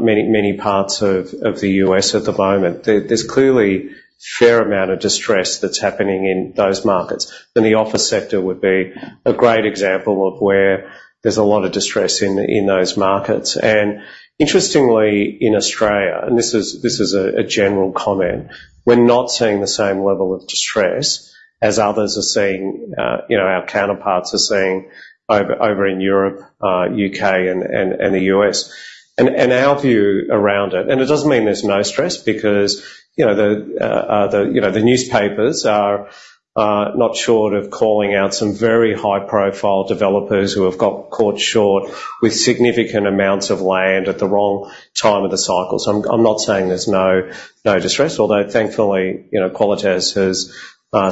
many parts of the U.S. at the moment, there's clearly a fair amount of distress that's happening in those markets, and the office sector would be a great example of where there's a lot of distress in those markets. And interestingly, in Australia, and this is a general comment, we're not seeing the same level of distress as others are seeing, you know, our counterparts are seeing over in Europe, U.K., and the U.S. Our view around it, and it doesn't mean there's no stress because, you know, the newspapers are not short of calling out some very high-profile developers who have got caught short with significant amounts of land at the wrong time of the cycle. So I'm not saying there's no distress, although thankfully, you know, Qualitas has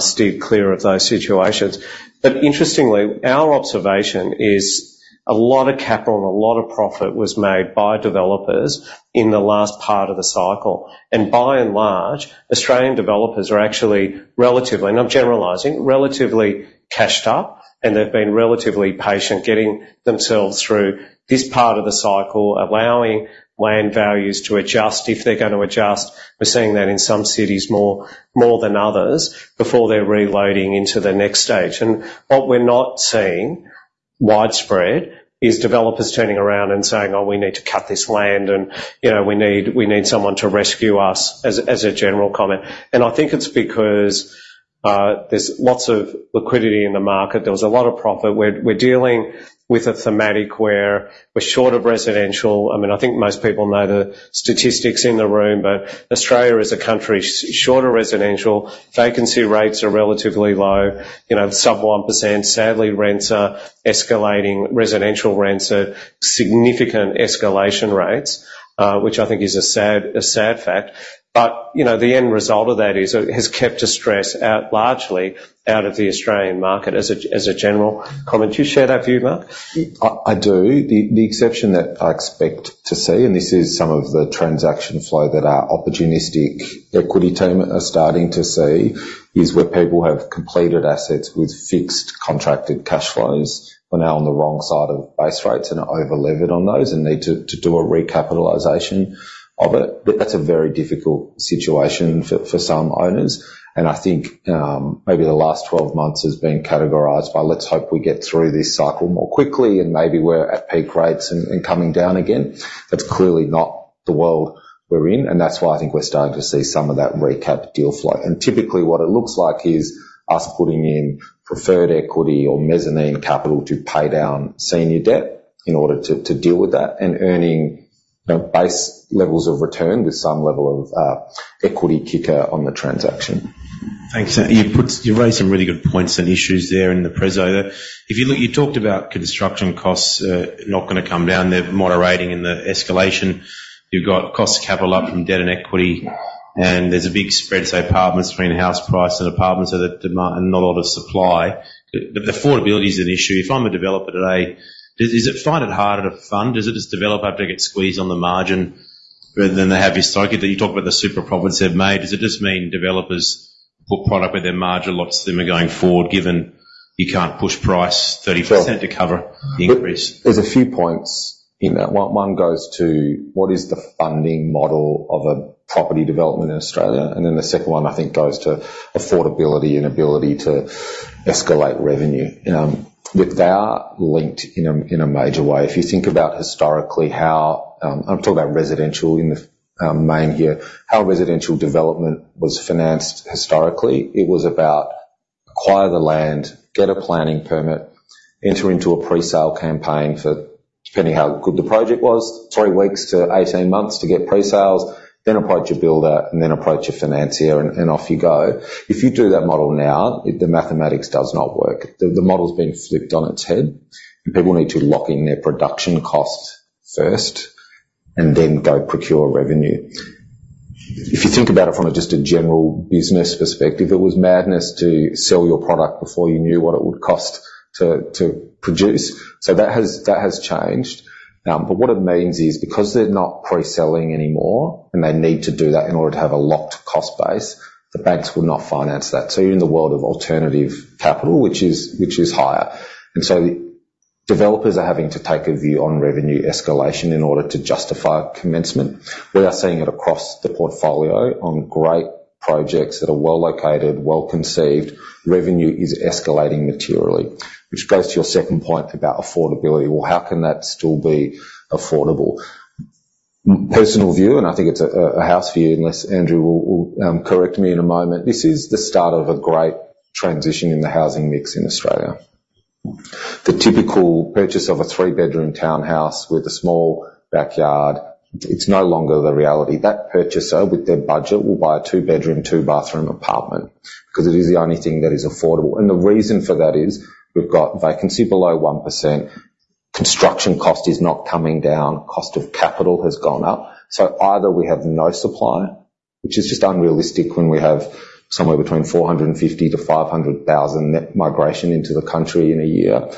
steered clear of those situations. But interestingly, our observation is a lot of capital and a lot of profit was made by developers in the last part of the cycle. And by and large, Australian developers are actually relatively, and I'm generalizing, relatively cashed up, and they've been relatively patient getting themselves through this part of the cycle, allowing land values to adjust if they're going to adjust. We're seeing that in some cities more, more than others, before they're reloading into the next stage. And what we're not seeing widespread is developers turning around and saying, "Oh, we need to cut this land, and, you know, we need, we need someone to rescue us," as a general comment. And I think it's because there's lots of liquidity in the market. There was a lot of profit. We're dealing with a thematic where we're short of residential. I mean, I think most people know the statistics in the room, but Australia is a country short of residential. Vacancy rates are relatively low, you know, sub 1%. Sadly, rents are escalating. Residential rents are significant escalation rates, which I think is a sad, a sad fact. But, you know, the end result of that is, has kept distress out, largely out of the Australian market as a, as a general comment. Do you share that view, Mark? I do. The exception that I expect to see, and this is some of the transaction flow that our opportunistic equity team are starting to see, is where people have completed assets with fixed contracted cash flows, are now on the wrong side of base rates and are over-levered on those and need to do a recapitalization of it. But that's a very difficult situation for some owners, and I think maybe the last 12 months has been categorized by let's hope we get through this cycle more quickly, and maybe we're at peak rates and coming down again. That's clearly not the world we're in, and that's why I think we're starting to see some of that recapital deal flow. Typically, what it looks like is us putting in preferred equity or mezzanine capital to pay down senior debt in order to deal with that, and earning, you know, base levels of return with some level of equity kicker on the transaction. Thanks. You raised some really good points and issues there in the preso. If you look, you talked about construction costs not gonna come down, they're moderating and the escalation. You've got cost of capital up from debt and equity, and there's a big spread, say, apartments between house price and apartments, so the demand and not a lot of supply. But affordability is an issue. If I'm a developer today, does, is it find it harder to fund? Does it, as a developer, have to get squeezed on the margin rather than the heaviest cycle that you talk about, the super profits they've made? Does it just mean developers put product where their margin, lots of them are going forward, given you can't push price 30% to cover the increase? There's a few points in that. One, one goes to: what is the funding model of a property development in Australia? And then the second one, I think, goes to affordability and ability to escalate revenue. They are linked in a major way. If you think about historically, how, I'm talking about residential in the main here, how residential development was financed historically, it was about acquire the land, get a planning permit, enter into a presale campaign for, depending how good the project was, 3 weeks to 18 months to get presales, then approach your builder, and then approach your financier, and off you go. If you do that model now, the mathematics does not work. The model's been flipped on its head. People need to lock in their production costs first, and then go procure revenue. If you think about it from just a general business perspective, it was madness to sell your product before you knew what it would cost to produce. So that has changed. But what it means is, because they're not pre-selling anymore, and they need to do that in order to have a locked cost base, the banks will not finance that. So you're in the world of alternative capital, which is higher. And so the developers are having to take a view on revenue escalation in order to justify commencement. We are seeing it across the portfolio on great projects that are well-located, well-conceived. Revenue is escalating materially, which goes to your second point about affordability. Well, how can that still be affordable? My personal view, and I think it's a house view, unless Andrew will correct me in a moment. This is the start of a great transition in the housing mix in Australia. The typical purchase of a three-bedroom townhouse with a small backyard, it's no longer the reality. That purchaser, with their budget, will buy a two-bedroom, two-bathroom apartment because it is the only thing that is affordable. And the reason for that is we've got vacancy below 1%, construction cost is not coming down, cost of capital has gone up. So either we have no supply, which is just unrealistic when we have somewhere between 450,000-500,000 net migration into the country in a year,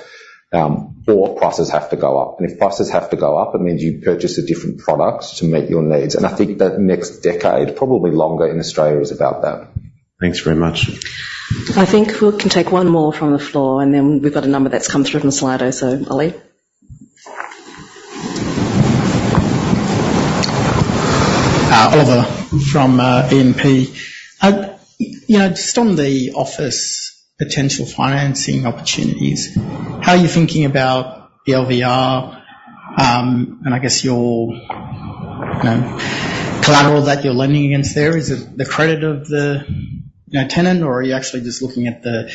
or prices have to go up. If prices have to go up, it means you purchase a different product to meet your needs. And I think that next decade, probably longer in Australia, is about that. Thanks very much. I think we can take one more from the floor, and then we've got a number that's come through from Slido. So, Ollie? Oliver, from E&P. You know, just on the office potential financing opportunities, how are you thinking about the LVR, and I guess your- Collateral that you're lending against there? Is it the credit of the, you know, tenant, or are you actually just looking at the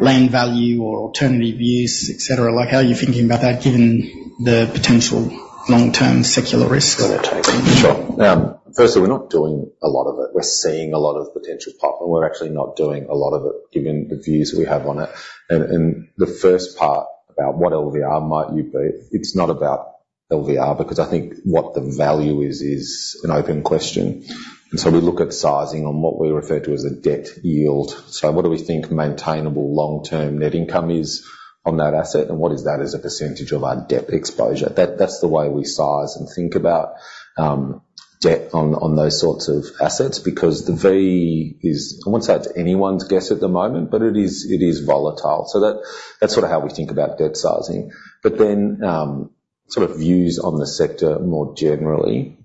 land value or alternative use, et cetera? Like, how are you thinking about that, given the potential long-term secular risk that they're taking? Sure. Firstly, we're not doing a lot of it. We're seeing a lot of potential profit. We're actually not doing a lot of it, given the views we have on it. And the first part about what LVR might you be, it's not about LVR, because I think what the value is, is an open question. And so we look at sizing on what we refer to as a debt yield. So what do we think maintainable long-term net income is on that asset, and what is that as a percentage of our debt exposure? That, that's the way we size and think about debt on, on those sorts of assets, because the V is... I won't say it's anyone's guess at the moment, but it is, it is volatile. So that, that's sort of how we think about debt sizing. But then, sort of views on the sector more generally.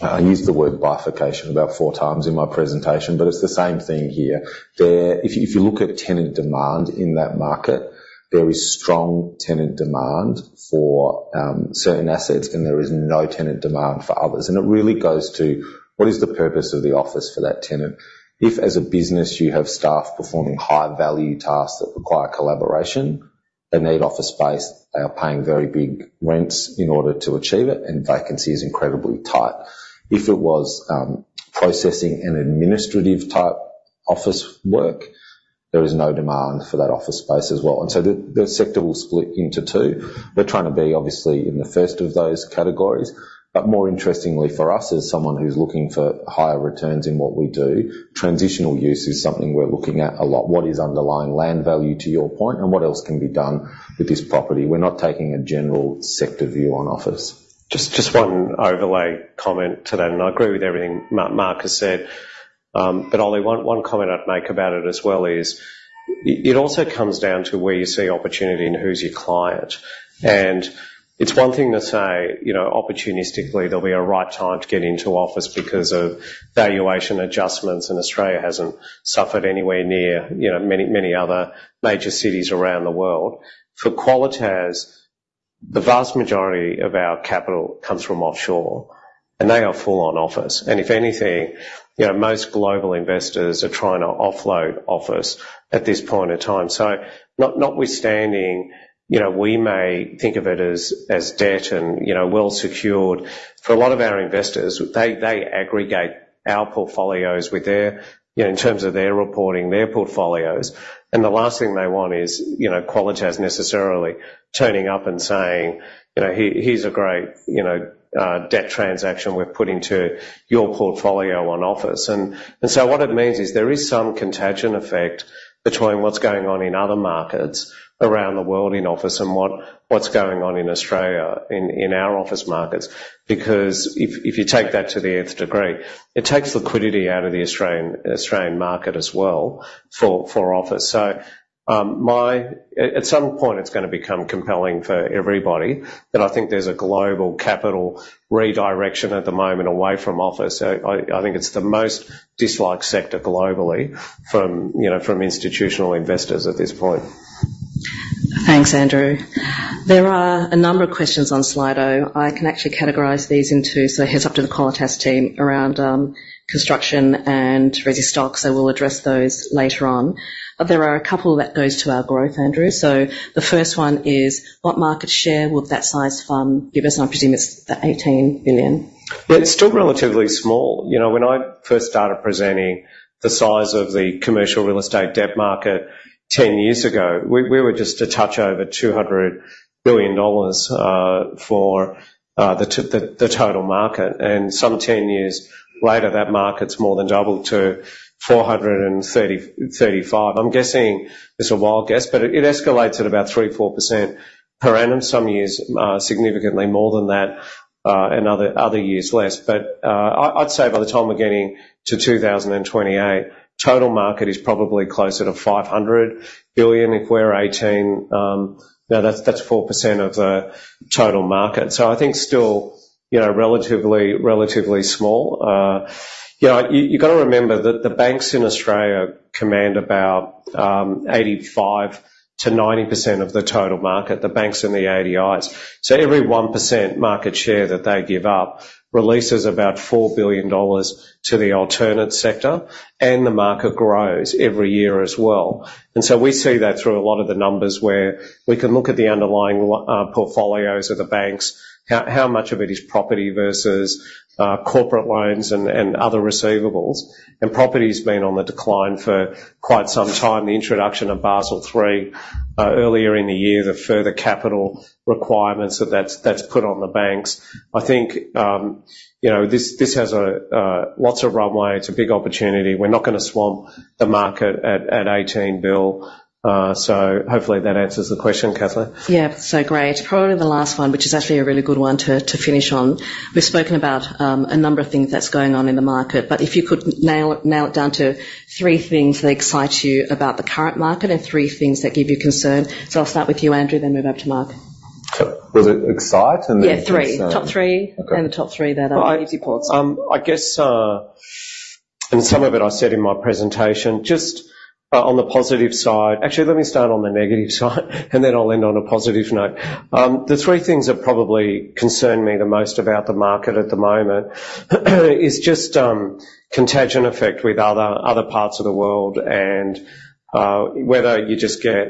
I used the word bifurcation about four times in my presentation, but it's the same thing here. There. If you, if you look at tenant demand in that market, there is strong tenant demand for certain assets and there is no tenant demand for others. And it really goes to: What is the purpose of the office for that tenant? If, as a business, you have staff performing high-value tasks that require collaboration, they need office space. They are paying very big rents in order to achieve it, and vacancy is incredibly tight. If it was processing an administrative-type office work, there is no demand for that office space as well. And so the sector will split into two. We're trying to be obviously in the first of those categories, but more interestingly for us, as someone who's looking for higher returns in what we do, transitional use is something we're looking at a lot. What is underlying land value, to your point, and what else can be done with this property? We're not taking a general sector view on office. Just one overlay comment to that, and I agree with everything Mark has said. But Ollie, one comment I'd make about it as well is, it also comes down to where you see opportunity and who's your client. And it's one thing to say, you know, opportunistically, there'll be a right time to get into office because of valuation adjustments, and Australia hasn't suffered anywhere near, you know, many other major cities around the world. For Qualitas, the vast majority of our capital comes from offshore, and they are full on office. And if anything, you know, most global investors are trying to offload office at this point in time. So not, notwithstanding, you know, we may think of it as debt and, you know, well secured. For a lot of our investors, they aggregate our portfolios with their... You know, in terms of their reporting, their portfolios, and the last thing they want is, you know, Qualitas necessarily turning up and saying, "You know, here, here's a great, you know, debt transaction we've put into your portfolio on office." And so what it means is there is some contagion effect between what's going on in other markets around the world in office and what's going on in Australia in our office markets. Because if you take that to the nth degree, it takes liquidity out of the Australian market as well for office. So at some point, it's going to become compelling for everybody, but I think there's a global capital redirection at the moment away from office. So I think it's the most disliked sector globally from, you know, from institutional investors at this point. Thanks, Andrew. There are a number of questions on Slido. I can actually categorize these into... So here's up to the Qualitas team around, construction and resi stocks, so we'll address those later on. But there are a couple that goes to our growth, Andrew. So the first one is: What market share will that size fund give us? And I presume it's the 18 billion. It's still relatively small. You know, when I first started presenting the size of the commercial real estate debt market 10 years ago, we were just a touch over 200 billion dollars for the total market, and some 10 years later, that market's more than doubled to 435 billion. I'm guessing, it's a wild guess, but it escalates at about 3%-4% per annum. Some years significantly more than that and other years less. But I'd say by the time we're getting to 2028, total market is probably closer to 500 billion. If we're 18 now, that's 4% of the total market. So I think still, you know, relatively, relatively small. You know, you, you gotta remember that the banks in Australia command about 85%-90% of the total market, the banks and the ADIs. So every 1% market share that they give up releases about 4 billion dollars to the alternate sector, and the market grows every year as well. And so we see that through a lot of the numbers, where we can look at the underlying portfolios of the banks, how, how much of it is property versus corporate loans and other receivables. And property's been on the decline for quite some time. The introduction of Basel III earlier in the year, the further capital requirements that that's put on the banks. I think you know, this has lots of runway. It's a big opportunity. We're not going to swamp the market at 18 billion. So hopefully that answers the question, Kathleen. Yeah. So great. Probably the last one, which is actually a really good one to finish on. We've spoken about a number of things that's going on in the market, but if you could nail it down to three things that excite you about the current market and three things that give you concern. So I'll start with you, Andrew, then move over to Mark. Sure. Was it ASX and then- Yeah, three. Top three- Okay. And the top three that are easy points. I guess, and some of it I said in my presentation. Just, on the positive side—actually, let me start on the negative side, and then I'll end on a positive note. The three things that probably concern me the most about the market at the moment is just, contagion effect with other parts of the world, and, whether you just get,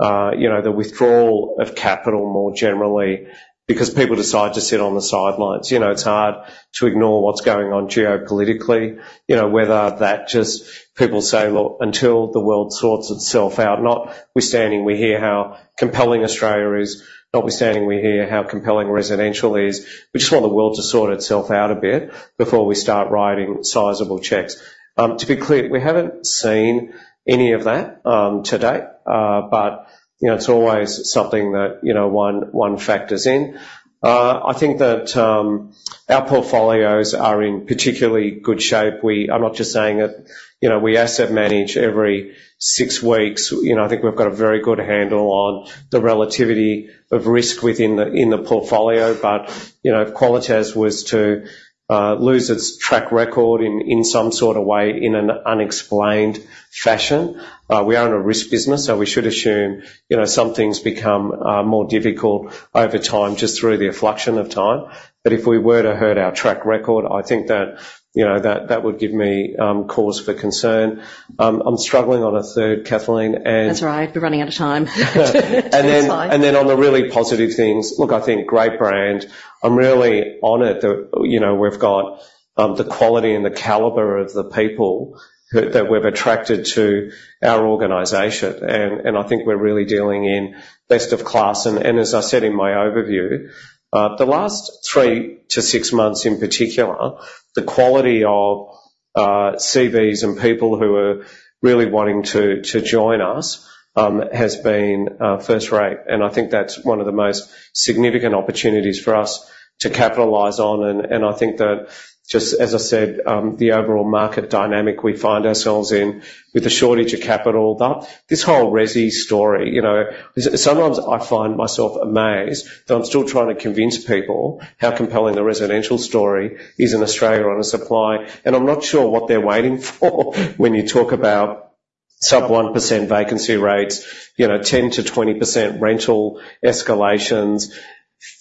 you know, the withdrawal of capital more generally because people decide to sit on the sidelines. You know, it's hard to ignore what's going on geopolitically. You know, whether that just people say: "Well, until the world sorts itself out," notwithstanding, we hear how compelling Australia is, notwithstanding we hear how compelling residential is. We just want the world to sort itself out a bit before we start writing sizable checks. To be clear, we haven't seen any of that to date, but, you know, it's always something that, you know, one factors in. I think that our portfolios are in particularly good shape. We... I'm not just saying it, you know, we asset manage every six weeks. You know, I think we've got a very good handle on the relativity of risk within the portfolio. But, you know, if Qualitas was to lose its track record in some sort of way, in an unexplained fashion, we are in a risk business, so we should assume, you know, some things become more difficult over time just through the effluxion of time. But if we were to hurt our track record, I think that, you know, that would give me cause for concern. I'm struggling on a third, Kathleen, and- That's right. We're running out of time. And then on the really positive things, look, I think great brand. I'm really honored that, you know, we've got the quality and the caliber of the people that we've attracted to our organization. And I think we're really dealing in best of class. And as I said in my overview, the last 3-6 months in particular, the quality of CVs and people who are really wanting to join us has been first rate, and I think that's one of the most significant opportunities for us to capitalize on. I think that just as I said, the overall market dynamic we find ourselves in with the shortage of capital, that this whole resi story, you know, sometimes I find myself amazed that I'm still trying to convince people how compelling the residential story is in Australia on a supply. And I'm not sure what they're waiting for when you talk about sub 1% vacancy rates, you know, 10%-20% rental escalations,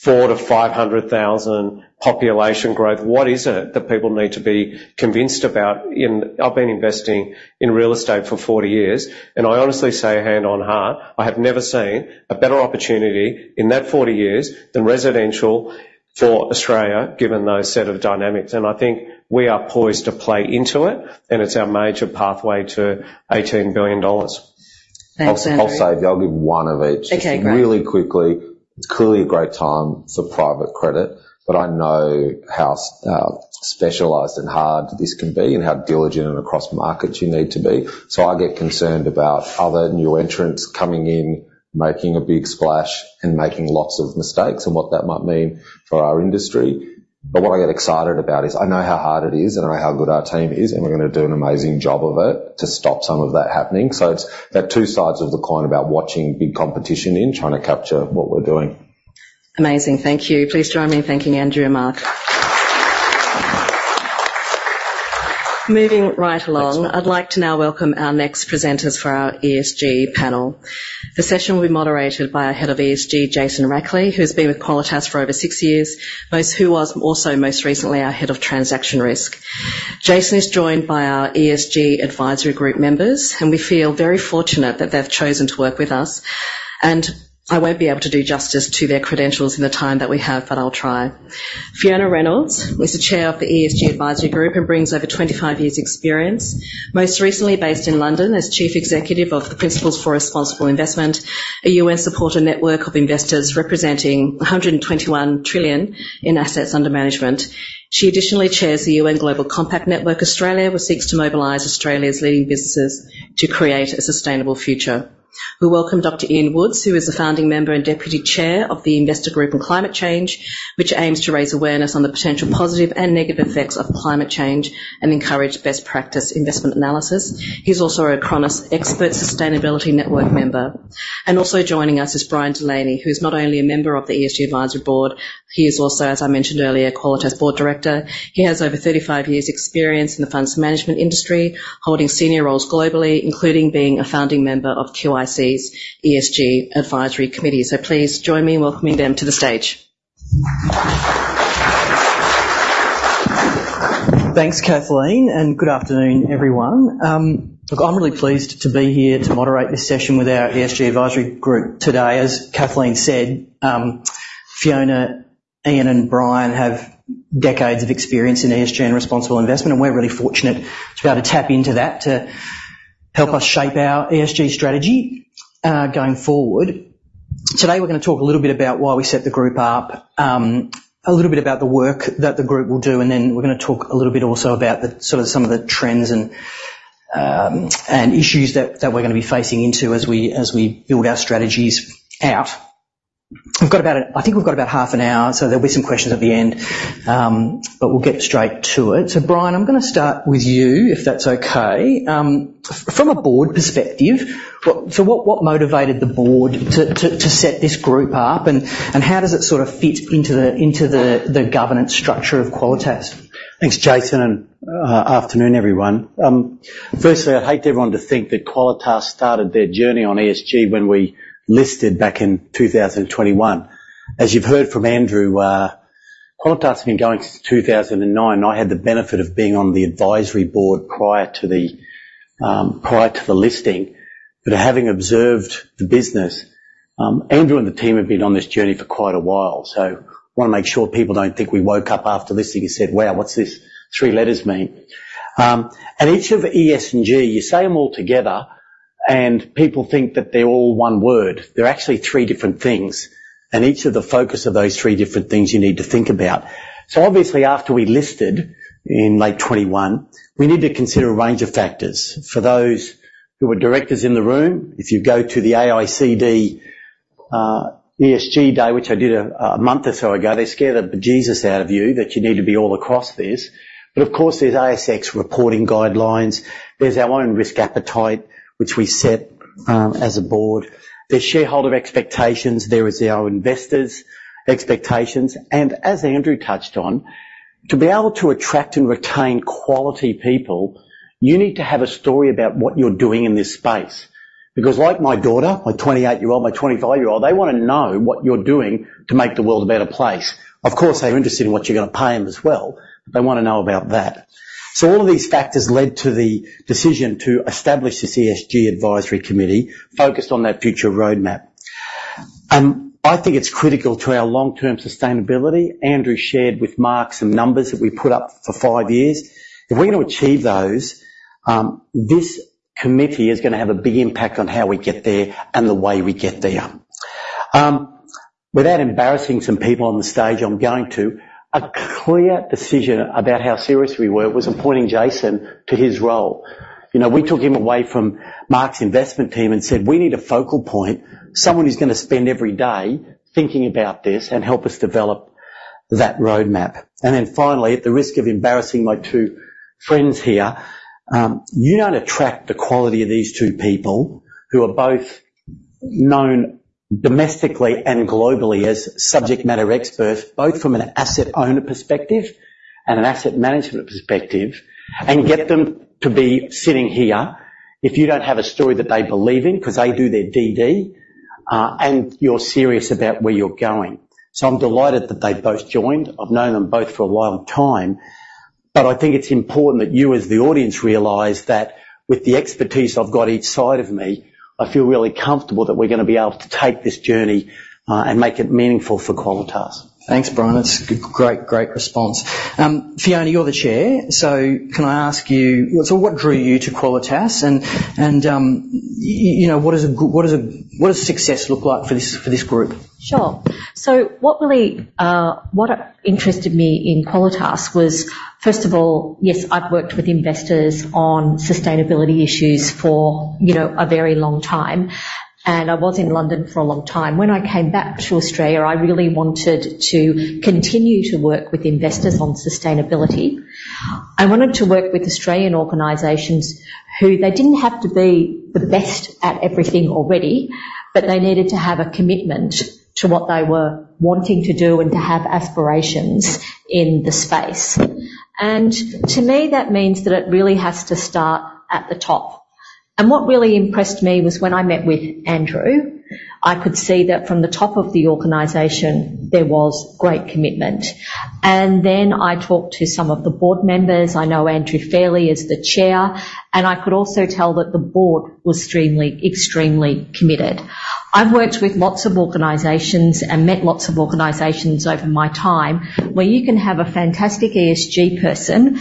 400,000-500,000 population growth. What is it that people need to be convinced about in... I've been investing in real estate for 40 years, and I honestly say, hand on heart, I have never seen a better opportunity in that 40 years than residential for Australia, given those set of dynamics. I think we are poised to play into it, and it's our major pathway to AUD 18 billion. Thanks, Andrew. I'll say, I'll give one of each. Okay, great. Really quickly. It's clearly a great time for private credit, but I know how specialized and hard this can be, and how diligent and across markets you need to be. So I get concerned about other new entrants coming in, making a big splash and making lots of mistakes and what that might mean for our industry. But what I get excited about is I know how hard it is, and I know how good our team is, and we're going to do an amazing job of it to stop some of that happening. So it's that two sides of the coin about watching big competition in, trying to capture what we're doing. Amazing. Thank you. Please join me in thanking Andrew and Mark. Moving right along. Thanks, Mark. I'd like to now welcome our next presenters for our ESG panel. The session will be moderated by our Head of ESG, Jason Rackley, who has been with Qualitas for over 6 years, who was also most recently our Head of Transaction Risk. Jason is joined by our ESG advisory group members, and we feel very fortunate that they've chosen to work with us, and I won't be able to do justice to their credentials in the time that we have, but I'll try. Fiona Reynolds is the Chair of the ESG Advisory Group, and brings over 25 years experience. Most recently based in London as Chief Executive of the Principles for Responsible Investment, a UN-supported network of investors representing 121 trillion in assets under management. She additionally chairs the UN Global Compact Network Australia, which seeks to mobilize Australia's leading businesses to create a sustainable future. We welcome Dr. Ian Woods, who is a founding member and Deputy Chair of the Investor Group on Climate Change, which aims to raise awareness on the potential positive and negative effects of climate change, and encourage best practice investment analysis. He's also a Chronos expert sustainability network member. Also joining us is Brian Delaney, who is not only a member of the ESG Advisory Board, he is also, as I mentioned earlier, Qualitas Board Director. He has over 35 years experience in the funds management industry, holding senior roles globally, including being a founding member of QIC's ESG Advisory Committee. Please join me in welcoming them to the stage. Thanks, Kathleen, and good afternoon, everyone. Look, I'm really pleased to be here to moderate this session with our ESG advisory group today. As Kathleen said, Fiona, Ian, and Brian have decades of experience in ESG and responsible investment, and we're really fortunate to be able to tap into that to help us shape our ESG strategy, going forward. Today, we're going to talk a little bit about why we set the group up, a little bit about the work that the group will do, and then we're going to talk a little bit also about the sort of some of the trends and, and issues that we're going to be facing into as we build our strategies out. We've got about a. I think we've got about half an hour, so there'll be some questions at the end, but we'll get straight to it. So Brian, I'm going to start with you, if that's okay. From a board perspective, what motivated the board to set this group up, and how does it sort of fit into the governance structure of Qualitas? Thanks, Jason, and afternoon, everyone. Firstly, I'd hate everyone to think that Qualitas started their journey on ESG when we listed back in 2021. As you've heard from Andrew, Qualitas has been going since 2009. I had the benefit of being on the advisory board prior to the listing. But having observed the business, Andrew and the team have been on this journey for quite a while. So I wanna make sure people don't think we woke up after listing and said: "Wow, what's this three letters mean?" And each of E, S and G, you say them all together, and people think that they're all one word. They're actually three different things, and each of the focus of those three different things you need to think about. So obviously, after we listed in late 2021, we need to consider a range of factors. For those who are directors in the room, if you go to the AICD ESG day, which I did a month or so ago, they scare the bejesus out of you that you need to be all across this. But of course, there's ASX reporting guidelines. There's our own risk appetite, which we set, as a board. There's shareholder expectations, there is our investors' expectations, and as Andrew touched on, to be able to attract and retain quality people, you need to have a story about what you're doing in this space. Because like my daughter, my 28-year-old, my 25-year-old, they wanna know what you're doing to make the world a better place. Of course, they're interested in what you're gonna pay them as well. They wanna know about that. So all of these factors led to the decision to establish this ESG advisory committee focused on that future roadmap. I think it's critical to our long-term sustainability. Andrew shared with Mark some numbers that we put up for five years. If we're going to achieve those, this committee is gonna have a big impact on how we get there and the way we get there. Without embarrassing some people on the stage, a clear decision about how serious we were was appointing Jason to his role. You know, we took him away from Mark's investment team and said: "We need a focal point, someone who's gonna spend every day thinking about this and help us develop that roadmap." And then finally, at the risk of embarrassing my two friends here, you don't attract the quality of these two people who are both known domestically and globally as subject matter experts, both from an asset owner perspective and an asset management perspective, and get them to be sitting here if you don't have a story that they believe in, 'cause they do their DD, and you're serious about where you're going. So I'm delighted that they both joined. I've known them both for a long time, but I think it's important that you, as the audience, realize that with the expertise I've got each side of me, I feel really comfortable that we're gonna be able to take this journey, and make it meaningful for Qualitas. Thanks, Brian. It's a great, great response. Fiona, you're the chair, so can I ask you, so what drew you to Qualitas and you know, what does success look like for this group? Sure. So what really what interested me in Qualitas was, first of all, yes, I've worked with investors on sustainability issues for, you know, a very long time, and I was in London for a long time. When I came back to Australia, I really wanted to continue to work with investors on sustainability. I wanted to work with Australian organizations who they didn't have to be the best at everything already, but they needed to have a commitment to what they were wanting to do and to have aspirations in the space. And to me, that means that it really has to start at the top. And what really impressed me was when I met with Andrew, I could see that from the top of the organization, there was great commitment. And then I talked to some of the board members. I know Andrew Fairley as the Chair, and I could also tell that the board was extremely, extremely committed. I've worked with lots of organizations and met lots of organizations over my time, where you can have a fantastic ESG person,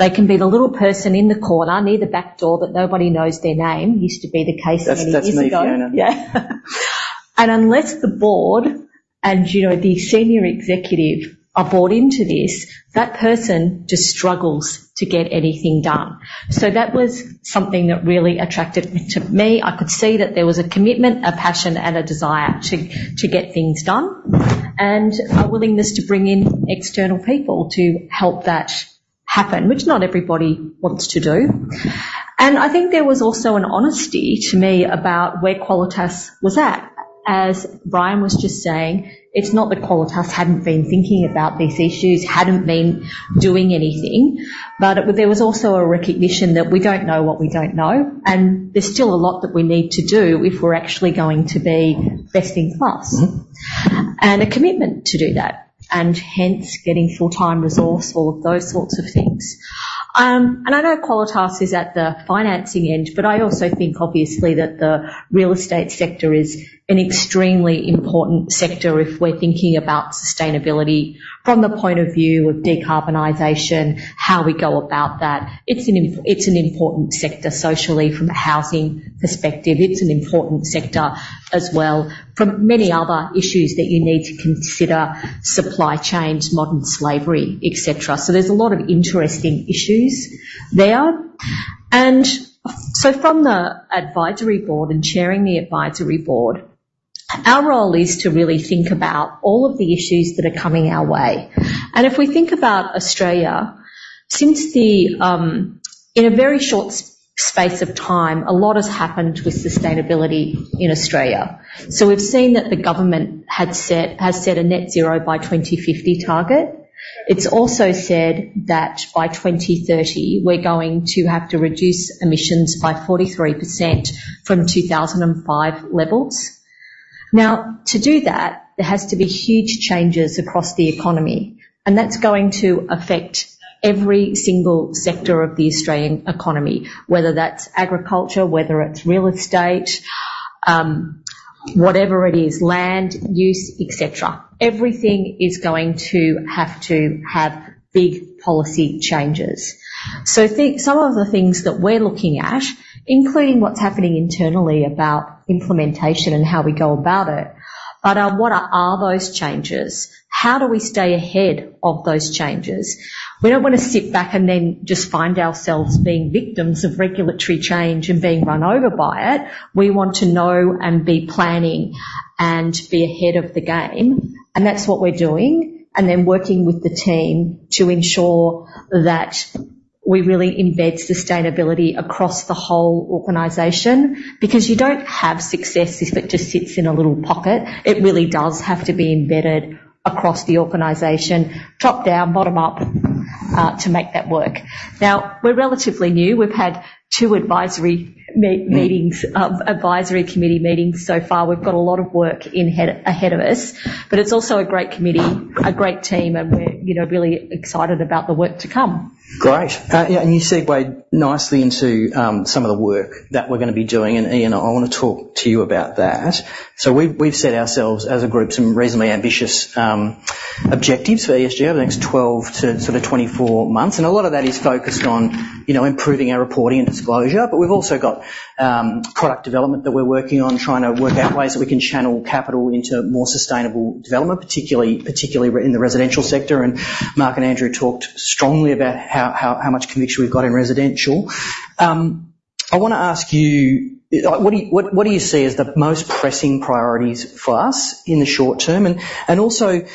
they can be the little person in the corner near the back door, that nobody knows their name. Used to be the case many years ago. That's me, Fiona. Yeah. And unless the board and, you know, the senior executive are bought into this, that person just struggles to get anything done. So that was something that really attracted me to me. I could see that there was a commitment, a passion, and a desire to, to get things done, and a willingness to bring in external people to help that happen, which not everybody wants to do. And I think there was also an honesty to me about where Qualitas was at. As Brian was just saying, it's not that Qualitas hadn't been thinking about these issues, hadn't been doing anything, but there was also a recognition that we don't know what we don't know, and there's still a lot that we need to do if we're actually going to be best in class. Mm-hmm. And a commitment to do that, and hence getting full-time resource for those sorts of things. And I know Qualitas is at the financing end, but I also think, obviously, that the real estate sector is an extremely important sector if we're thinking about sustainability from the point of view of decarbonization, how we go about that. It's an important sector socially from a housing perspective. It's an important sector as well from many other issues that you need to consider: supply chains, modern slavery, et cetera. So there's a lot of interesting issues there. And so from the advisory board and chairing the advisory board, our role is to really think about all of the issues that are coming our way. And if we think about Australia, since the... In a very short sp-... space of time, a lot has happened with sustainability in Australia. So we've seen that the government had set, has set a net zero by 2050 target. It's also said that by 2030, we're going to have to reduce emissions by 43% from 2005 levels. Now, to do that, there has to be huge changes across the economy, and that's going to affect every single sector of the Australian economy, whether that's agriculture, whether it's real estate, whatever it is, land use, et cetera. Everything is going to have to have big policy changes. So some of the things that we're looking at, including what's happening internally about implementation and how we go about it, but what are those changes? How do we stay ahead of those changes? We don't want to sit back and then just find ourselves being victims of regulatory change and being run over by it. We want to know and be planning and be ahead of the game, and that's what we're doing, and then working with the team to ensure that we really embed sustainability across the whole organization. Because you don't have success if it just sits in a little pocket. It really does have to be embedded across the organization, top down, bottom up, to make that work. Now, we're relatively new. We've had two advisory meetings, advisory committee meetings so far. We've got a lot of work ahead of us, but it's also a great committee, a great team, and we're, you know, really excited about the work to come. Great. Yeah, and you segued nicely into some of the work that we're gonna be doing, and, Ian, I want to talk to you about that. So we've set ourselves, as a group, some reasonably ambitious objectives for ESG over the next 12 to sort of 24 months, and a lot of that is focused on, you know, improving our reporting and disclosure. But we've also got product development that we're working on, trying to work out ways that we can channel capital into more sustainable development, particularly in the residential sector, and Mark and Andrew talked strongly about how much conviction we've got in residential. I want to ask you what do you see as the most pressing priorities for us in the short term? And also,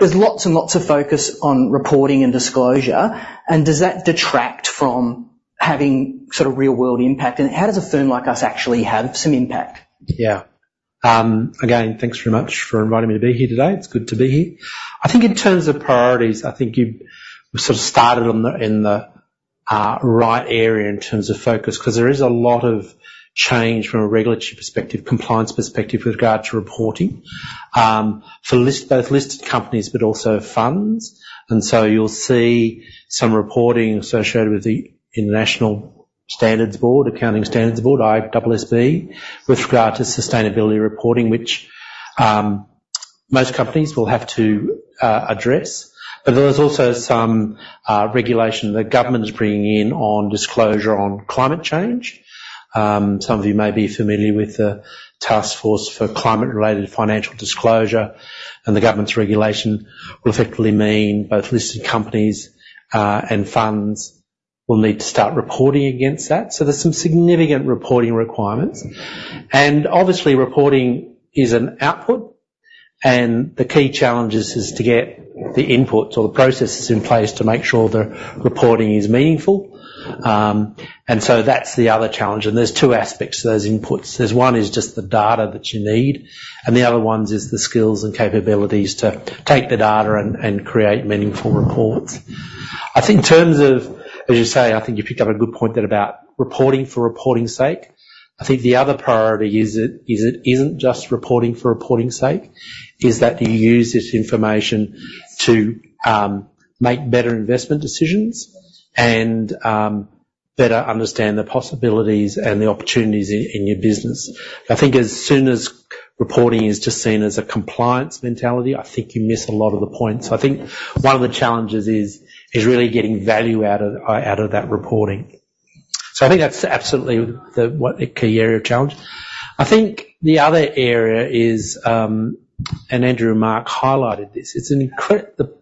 there's lots and lots of focus on reporting and disclosure, and does that detract from having sort of real-world impact, and how does a firm like us actually have some impact? Yeah. Again, thanks very much for inviting me to be here today. It's good to be here. I think in terms of priorities, I think you've sort of started on the, in the, right area in terms of focus, 'cause there is a lot of change from a regulatory perspective, compliance perspective with regard to reporting, for listed, both listed companies but also funds. And so you'll see some reporting associated with the International Standards Board, Accounting Standards Board, IASB, with regard to sustainability reporting, which, most companies will have to, address. But there is also some regulation the government is bringing in on disclosure on climate change. Some of you may be familiar with the Task Force on Climate-related Financial Disclosures, and the government's regulation will effectively mean both listed companies, and funds will need to start reporting against that. There's some significant reporting requirements. Obviously, reporting is an output, and the key challenge is, is to get the inputs or the processes in place to make sure the reporting is meaningful. That's the other challenge, and there's two aspects to those inputs. There's one is just the data that you need, and the other ones is the skills and capabilities to take the data and, and create meaningful reports. I think in terms of, as you say, I think you picked up a good point there about reporting for reporting's sake. I think the other priority is it, is it isn't just reporting for reporting's sake, is that you use this information to, make better investment decisions and, better understand the possibilities and the opportunities in, in your business. I think as soon as reporting is just seen as a compliance mentality, I think you miss a lot of the points. I think one of the challenges is really getting value out of that reporting. So I think that's absolutely a key area of challenge. I think the other area is, and Andrew and Mark highlighted this, the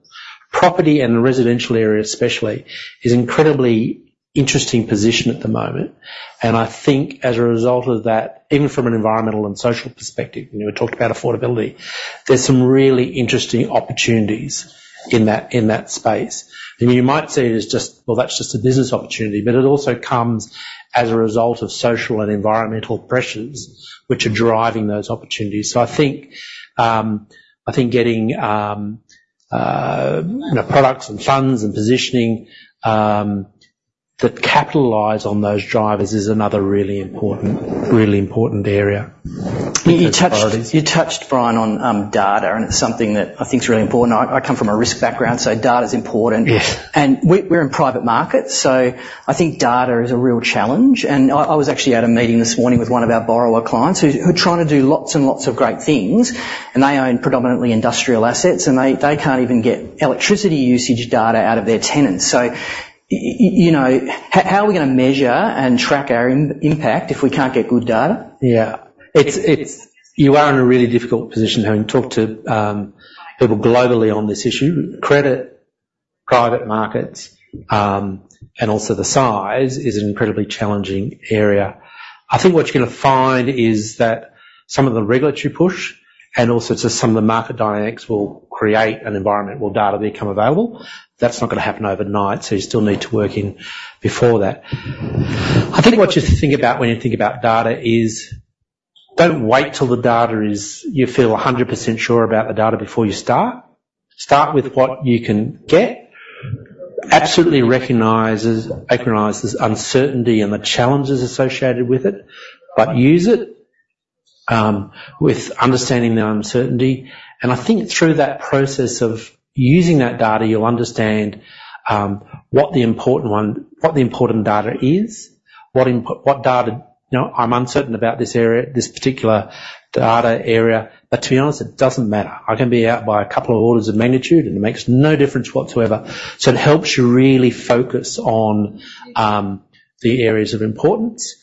property and the residential area especially is in an incredibly interesting position at the moment, and I think as a result of that, even from an environmental and social perspective, when we talked about affordability, there's some really interesting opportunities in that space. And you might see it as just, well, that's just a business opportunity, but it also comes as a result of social and environmental pressures, which are driving those opportunities. So I think, I think getting, you know, products and funds and positioning that capitalize on those drivers is another really important, really important area. You touched, Brian, on data, and it's something that I think is really important. I come from a risk background, so data is important. Yes. We're in private markets, so I think data is a real challenge. I was actually at a meeting this morning with one of our borrower clients who are trying to do lots and lots of great things, and they own predominantly industrial assets, and they can't even get electricity usage data out of their tenants. So you know, how are we gonna measure and track our impact if we can't get good data? Yeah. It's- You are in a really difficult position. Having talked to people globally on this issue, credit, private markets, and also the size is an incredibly challenging area. I think what you're gonna find is that some of the regulatory push, and also just some of the market dynamics will create an environment where data become available. That's not gonna happen overnight, so you still need to work in before that. I think what you think about when you think about data is, don't wait till the data is you feel 100% sure about the data before you start. Start with what you can get. Absolutely recognizes uncertainty and the challenges associated with it, but use it with understanding the uncertainty. And I think through that process of using that data, you'll understand what the important one, what the important data is, what input, what data. You know, I'm uncertain about this area, this particular data area, but to be honest, it doesn't matter. I can be out by a couple of orders of magnitude, and it makes no difference whatsoever. So it helps you really focus on the areas of importance.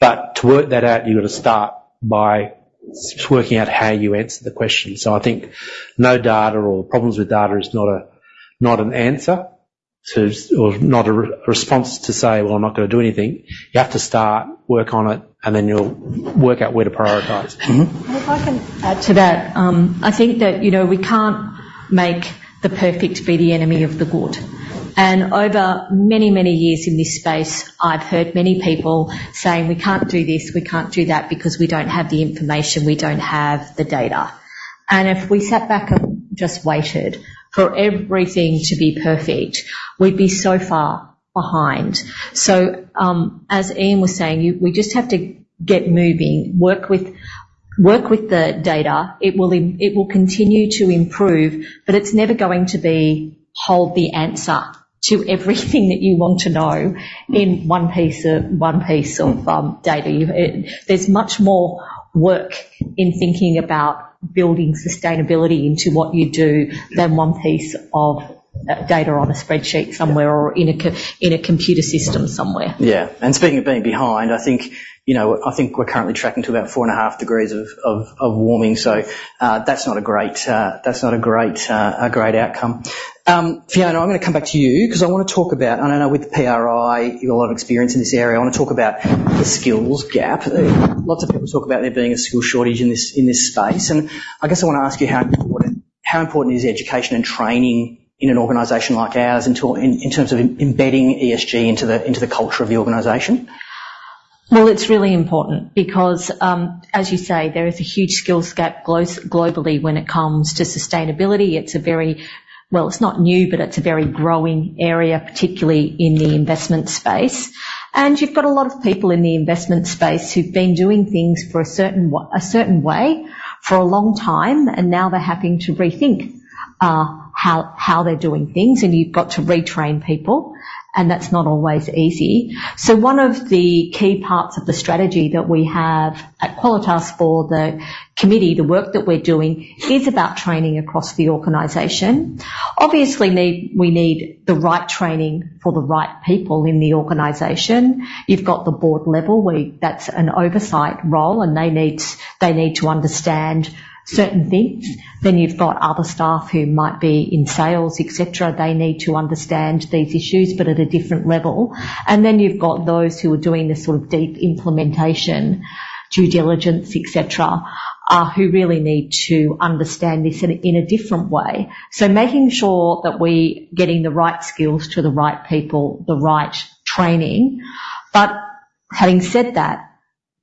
But to work that out, you've got to start by just working out how you answer the question. So I think no data or problems with data is not a, not an answer to, or not a response to say, well, I'm not gonna do anything. You have to start, work on it, and then you'll work out where to prioritize. Mm-hmm. Well, if I can add to that, I think that, you know, we can't make the perfect be the enemy of the good. And over many, many years in this space, I've heard many people saying, "We can't do this, we can't do that because we don't have the information, we don't have the data." And if we sat back and just waited for everything to be perfect, we'd be so far behind. So, as Ian was saying, you, we just have to get moving, work with, work with the data. It will continue to improve, but it's never going to be, hold the answer to everything that you want to know in one piece of, one piece of, data. There's much more work in thinking about building sustainability into what you do than one piece of data on a spreadsheet somewhere or in a computer system somewhere. Yeah. And speaking of being behind, I think, you know, I think we're currently tracking to about 4.5 degrees of warming. So, that's not a great outcome. Fiona, I'm gonna come back to you because I wanna talk about... And I know with PRI, you've got a lot of experience in this area. I want to talk about the skills gap. Lots of people talk about there being a skills shortage in this space, and I guess I want to ask you, how important is education and training in an organization like ours in terms of embedding ESG into the culture of the organization? Well, it's really important because, as you say, there is a huge skills gap globally when it comes to sustainability. It's a very... Well, it's not new, but it's a very growing area, particularly in the investment space. And you've got a lot of people in the investment space who've been doing things for a certain way for a long time, and now they're having to rethink how they're doing things, and you've got to retrain people, and that's not always easy. So one of the key parts of the strategy that we have at Qualitas for the committee, the work that we're doing, is about training across the organization. Obviously, we need the right training for the right people in the organization. You've got the board level, where that's an oversight role, and they need to, they need to understand certain things. Then you've got other staff who might be in sales, et cetera. They need to understand these issues, but at a different level. And then you've got those who are doing the sort of deep implementation, due diligence, et cetera, who really need to understand this in a different way. So making sure that we're getting the right skills to the right people, the right training. But having said that,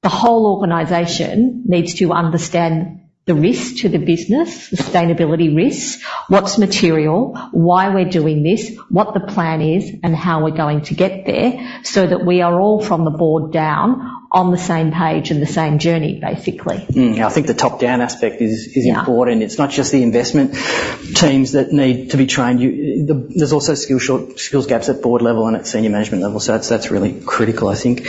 the whole organization needs to understand the risk to the business, sustainability risks, what's material, why we're doing this, what the plan is, and how we're going to get there so that we are all, from the board down, on the same page and the same journey, basically. Yeah, I think the top-down aspect is. Yeah Important. It's not just the investment teams that need to be trained. There's also skills gaps at board level and at senior management level, so that's really critical, I think.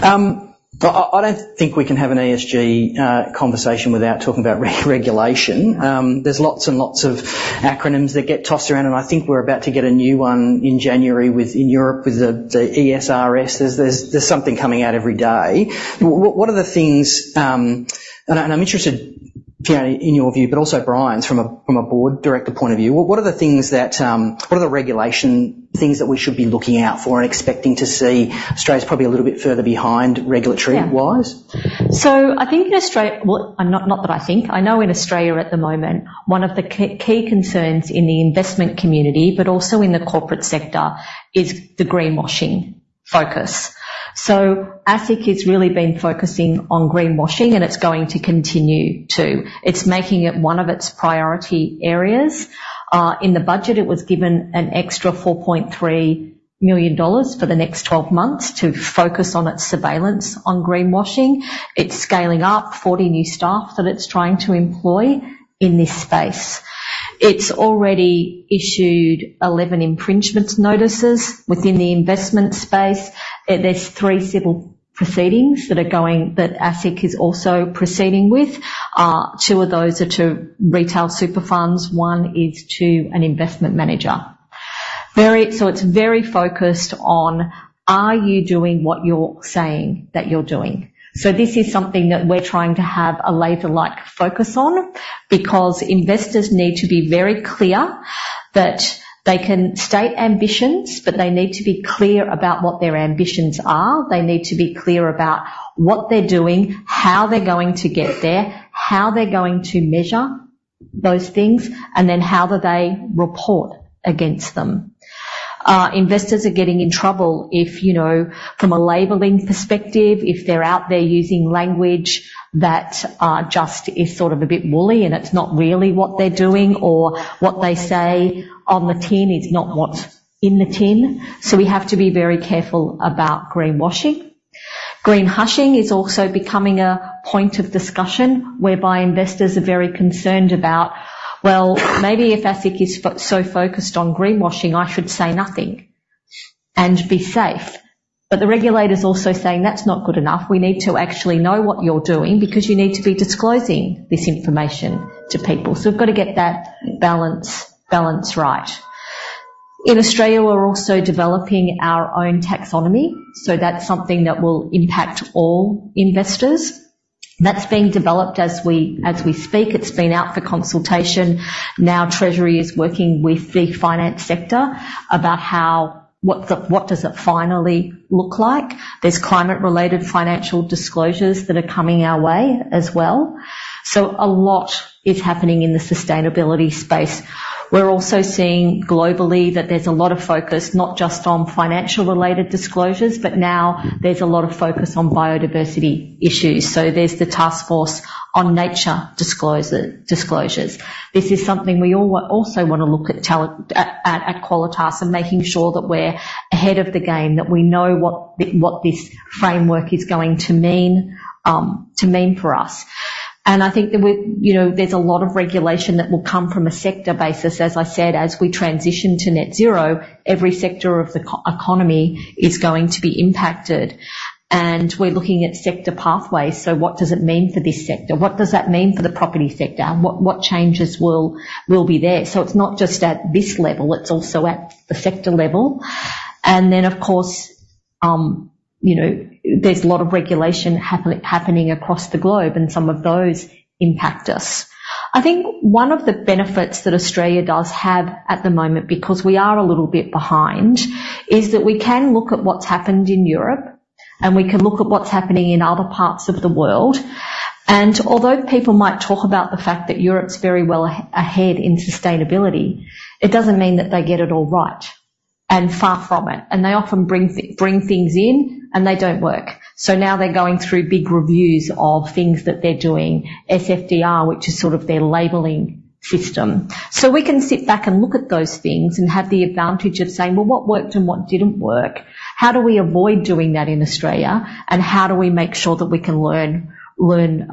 But I don't think we can have an ESG conversation without talking about re-regulation. Mm. There's lots and lots of acronyms that get tossed around, and I think we're about to get a new one in January with, in Europe, with the ESRS. There's something coming out every day. What are the things... I'm interested, Fiona, in your view, but also Brian's, from a board director point of view. What are the things that, what are the regulation things that we should be looking out for and expecting to see? Australia's probably a little bit further behind regulatory-wise. Yeah. So I think in Australia, well, I'm not, not that I think, I know in Australia at the moment, one of the key concerns in the investment community, but also in the corporate sector, is the greenwashing focus. So ASIC has really been focusing on greenwashing, and it's going to continue to. It's making it one of its priority areas. In the budget, it was given an extra 4.3 million dollars for the next 12 months to focus on its surveillance on greenwashing. It's scaling up 40 new staff that it's trying to employ in this space. It's already issued 11 infringement notices within the investment space. There's 3 civil proceedings that are going, that ASIC is also proceeding with. Two of those are to retail super funds, one is to an investment manager. Very... So it's very focused on, are you doing what you're saying that you're doing?... So this is something that we're trying to have a laser-like focus on, because investors need to be very clear that they can state ambitions, but they need to be clear about what their ambitions are. They need to be clear about what they're doing, how they're going to get there, how they're going to measure those things, and then how do they report against them. Investors are getting in trouble if, you know, from a labeling perspective, if they're out there using language that just is sort of a bit woolly and it's not really what they're doing or what they say on the tin is not what's in the tin. So we have to be very careful about greenwashing. Greenhushing is also becoming a point of discussion, whereby investors are very concerned about, "Well, maybe if ASIC is so focused on greenwashing, I should say nothing and be safe." But the regulator's also saying, "That's not good enough. We need to actually know what you're doing because you need to be disclosing this information to people." So we've got to get that balance, balance right. In Australia, we're also developing our own taxonomy, so that's something that will impact all investors. That's being developed as we, as we speak. It's been out for consultation. Now Treasury is working with the finance sector about how what does it finally look like. There's climate-related financial disclosures that are coming our way as well. So a lot is happening in the sustainability space. We're also seeing globally that there's a lot of focus, not just on financial-related disclosures, but now there's a lot of focus on biodiversity issues. So there's the Taskforce on Nature-related Financial Disclosures. This is something we also want to look at Qualitas and making sure that we're ahead of the game, that we know what this framework is going to mean to mean for us. And I think that we, you know, there's a lot of regulation that will come from a sector basis. As I said, as we transition to net zero, every sector of the economy is going to be impacted, and we're looking at sector pathways. So what does it mean for this sector? What does that mean for the property sector? What changes will be there? So it's not just at this level, it's also at the sector level. And then, of course, you know, there's a lot of regulation happening across the globe, and some of those impact us. I think one of the benefits that Australia does have at the moment, because we are a little bit behind, is that we can look at what's happened in Europe, and we can look at what's happening in other parts of the world. And although people might talk about the fact that Europe's very well ahead in sustainability, it doesn't mean that they get it all right, and far from it, and they often bring things in, and they don't work. So now they're going through big reviews of things that they're doing, SFDR, which is sort of their labeling system. So we can sit back and look at those things and have the advantage of saying, "Well, what worked and what didn't work? How do we avoid doing that in Australia, and how do we make sure that we can learn, learn,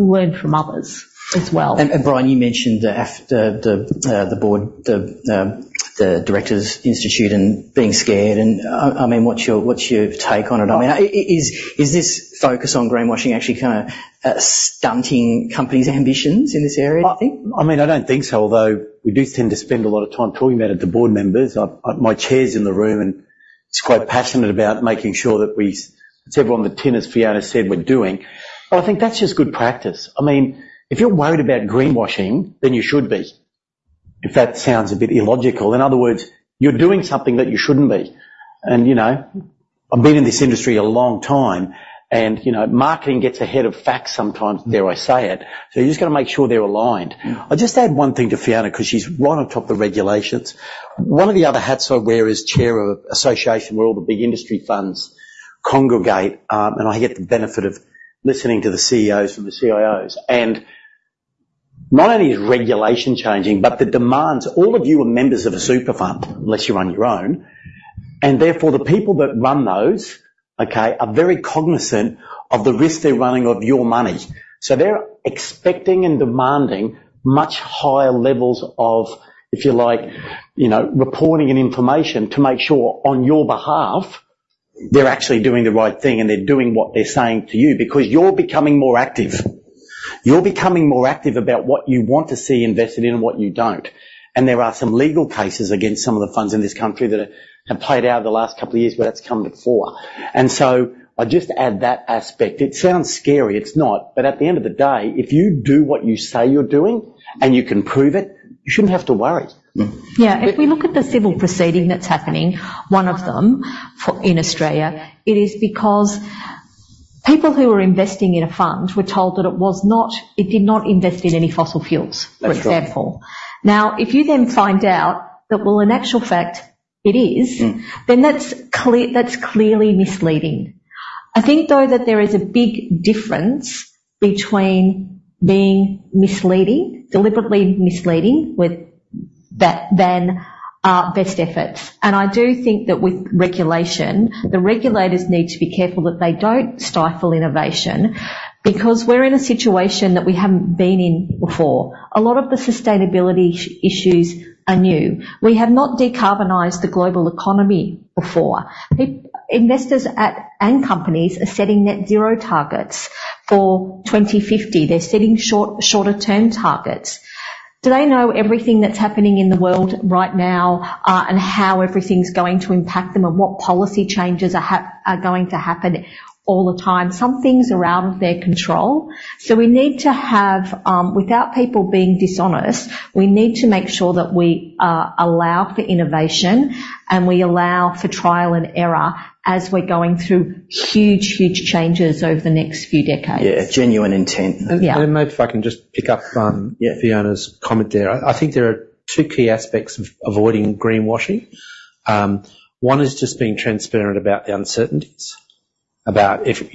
learn from others as well? Brian, you mentioned the board, the Directors Institute and being scared, and I mean, what's your take on it? I mean, is this focus on greenwashing actually kind of stunting companies' ambitions in this area, do you think? I mean, I don't think so, although we do tend to spend a lot of time talking about it to board members. I've. My chair's in the room, and he's quite passionate about making sure that we. It's everything on the tin, as Fiona said, we're doing. But I think that's just good practice. I mean, if you're worried about greenwashing, then you should be. If that sounds a bit illogical, in other words, you're doing something that you shouldn't be. You know, I've been in this industry a long time and, you know, marketing gets ahead of facts sometimes, dare I say it, so you just gotta make sure they're aligned. Mm. I'll just add one thing to Fiona, because she's right on top of the regulations. One of the other hats I wear is chair of association, where all the big industry funds congregate, and I get the benefit of listening to the CEOs and the CIOs. And not only is regulation changing, but the demands. All of you are members of a super fund, unless you're on your own, and therefore, the people that run those, okay, are very cognizant of the risk they're running of your money. So they're expecting and demanding much higher levels of, if you like, you know, reporting and information to make sure on your behalf, they're actually doing the right thing and they're doing what they're saying to you, because you're becoming more active. You're becoming more active about what you want to see invested in and what you don't. There are some legal cases against some of the funds in this country that have played out over the last couple of years where that's come before. So I just add that aspect. It sounds scary. It's not. At the end of the day, if you do what you say you're doing and you can prove it, you shouldn't have to worry. Mm. Yeah. If we look at the civil proceeding that's happening, one of them in Australia, it is because people who were investing in a fund were told that it was not—it did not invest in any fossil fuels- That's right. for example. Now, if you then find out that, well, in actual fact, it is- Mm Then that's clearly misleading. I think, though, that there is a big difference between being misleading, deliberately misleading, with that, than best efforts. And I do think that with regulation, the regulators need to be careful that they don't stifle innovation, because we're in a situation that we haven't been in before. A lot of the sustainability issues are new. We have not decarbonized the global economy before. People, investors and companies are setting net zero targets for 2050. They're setting shorter term targets. Do they know everything that's happening in the world right now, and how everything's going to impact them, and what policy changes are going to happen all the time? Some things are out of their control. We need to have, without people being dishonest, we need to make sure that we allow for innovation, and we allow for trial and error as we're going through huge, huge changes over the next few decades. Yeah, genuine intent. Yeah. Maybe if I can just pick up on- Yeah Fiona's comment there. I think there are two key aspects of avoiding greenwashing. One is just being transparent about the uncertainties, about if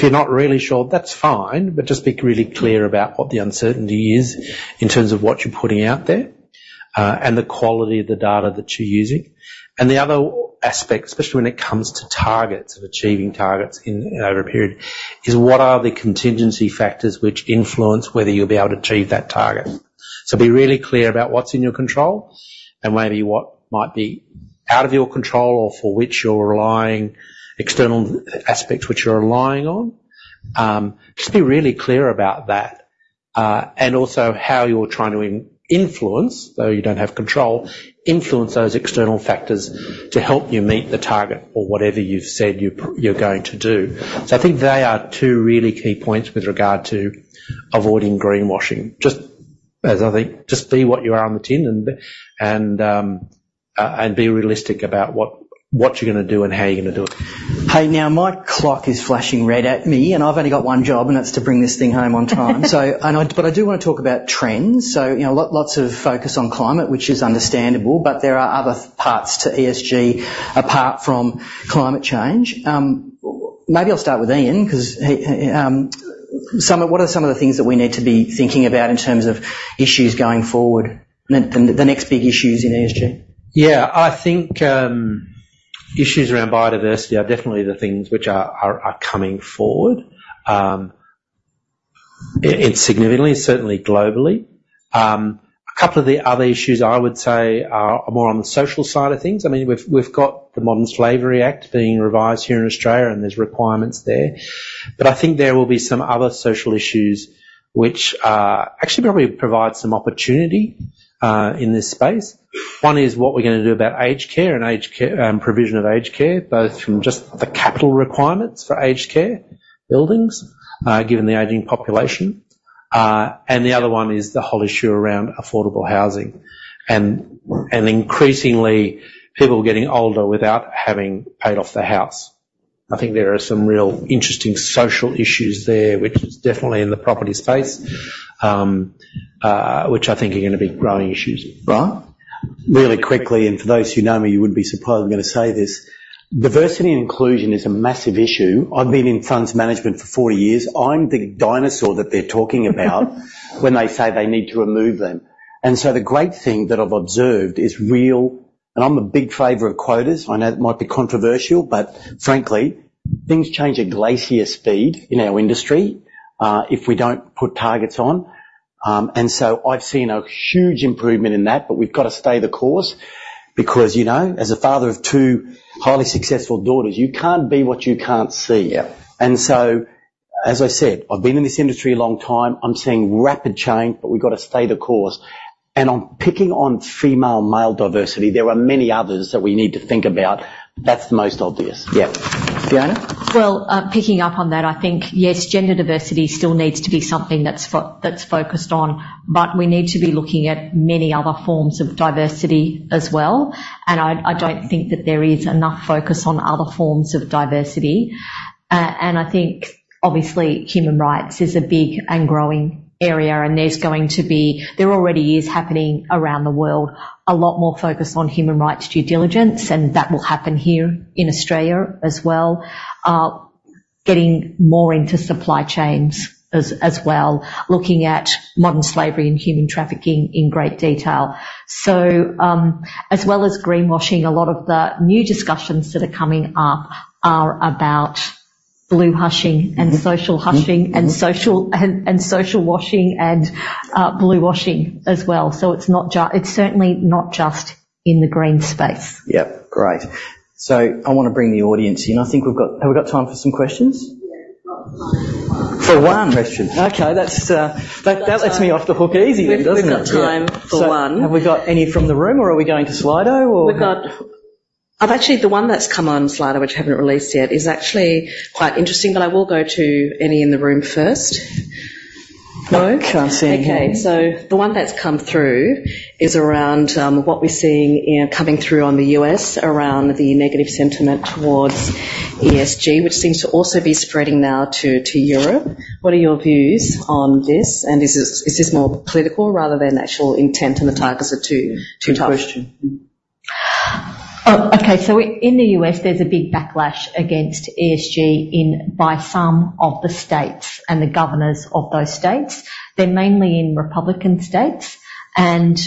you're not really sure, that's fine, but just be really clear about what the uncertainty is in terms of what you're putting out there, and the quality of the data that you're using. And the other aspect, especially when it comes to targets, of achieving targets over a period, is what are the contingency factors which influence whether you'll be able to achieve that target? So be really clear about what's in your control and maybe what might be out of your control or for which you're relying on external aspects which you're relying on. Just be really clear about that, and also how you're trying to influence, though you don't have control, influence those external factors to help you meet the target or whatever you've said you're going to do. So I think they are two really key points with regard to avoiding greenwashing. Just be what you are on the tin and be realistic about what you're gonna do and how you're gonna do it. Hey, now my clock is flashing red at me, and I've only got one job, and that's to bring this thing home on time. So, but I do want to talk about trends. So, you know, lots of focus on climate, which is understandable, but there are other parts to ESG apart from climate change. Maybe I'll start with Ian, because some of... What are some of the things that we need to be thinking about in terms of issues going forward, and the next big issues in ESG? Yeah, I think issues around biodiversity are definitely the things which are coming forward, and significantly, certainly globally. A couple of the other issues I would say are more on the social side of things. I mean, we've got the Modern Slavery Act being revised here in Australia, and there's requirements there. But I think there will be some other social issues which actually probably provide some opportunity in this space. One is, what we're gonna do about aged care and aged care provision of aged care, both from just the capital requirements for aged care buildings, given the aging population. And the other one is the whole issue around affordable housing and increasingly people getting older without having paid off their house. I think there are some real interesting social issues there, which is definitely in the property space, which I think are going to be growing issues. Brian? Really quickly, for those who know me, you would be surprised I'm going to say this: diversity and inclusion is a massive issue. I've been in funds management for 40 years. I'm the dinosaur that they're talking about when they say they need to remove them. So the great thing that I've observed is real. And I'm a big fan of quotas. I know it might be controversial, but frankly, things change at glacial speed in our industry if we don't put targets on. And so I've seen a huge improvement in that, but we've got to stay the course because, you know, as a father of 2 highly successful daughters, you can't be what you can't see. Yeah. So, as I said, I've been in this industry a long time. I'm seeing rapid change, but we've got to stay the course. I'm picking on female/male diversity. There are many others that we need to think about. That's the most obvious. Yeah. Fiona? Well, picking up on that, I think, yes, gender diversity still needs to be something that's focused on, but we need to be looking at many other forms of diversity as well, and I don't think that there is enough focus on other forms of diversity. I think obviously, human rights is a big and growing area, and there's going to be... There already is happening around the world, a lot more focus on human rights due diligence, and that will happen here in Australia as well. Getting more into supply chains as well, looking at modern slavery and human trafficking in great detail. So, as well as greenwashing, a lot of the new discussions that are coming up are about bluehushing. Mm-hmm And social housing- Mm-hmm And social washing, and bluewashing as well. So it's not just. It's certainly not just in the green space. Yep, great. So I want to bring the audience in. I think we've got... Have we got time for some questions? Yeah, for one. For one question. Okay, that lets me off the hook easier, doesn't it? We've got time for one. Have we got any from the room, or are we going to Slido, or— We've got... I've actually, the one that's come on Slido, which I haven't released yet, is actually quite interesting, but I will go to any in the room first. No? I can't see any. Okay, so the one that's come through is around what we're seeing, you know, coming through on the U.S. around the negative sentiment towards ESG, which seems to also be spreading now to Europe. What are your views on this? And is this more political rather than actual intent, and the targets are too tough? Good question. Okay, so in the U.S., there's a big backlash against ESG by some of the states and the governors of those states. They're mainly in Republican states, and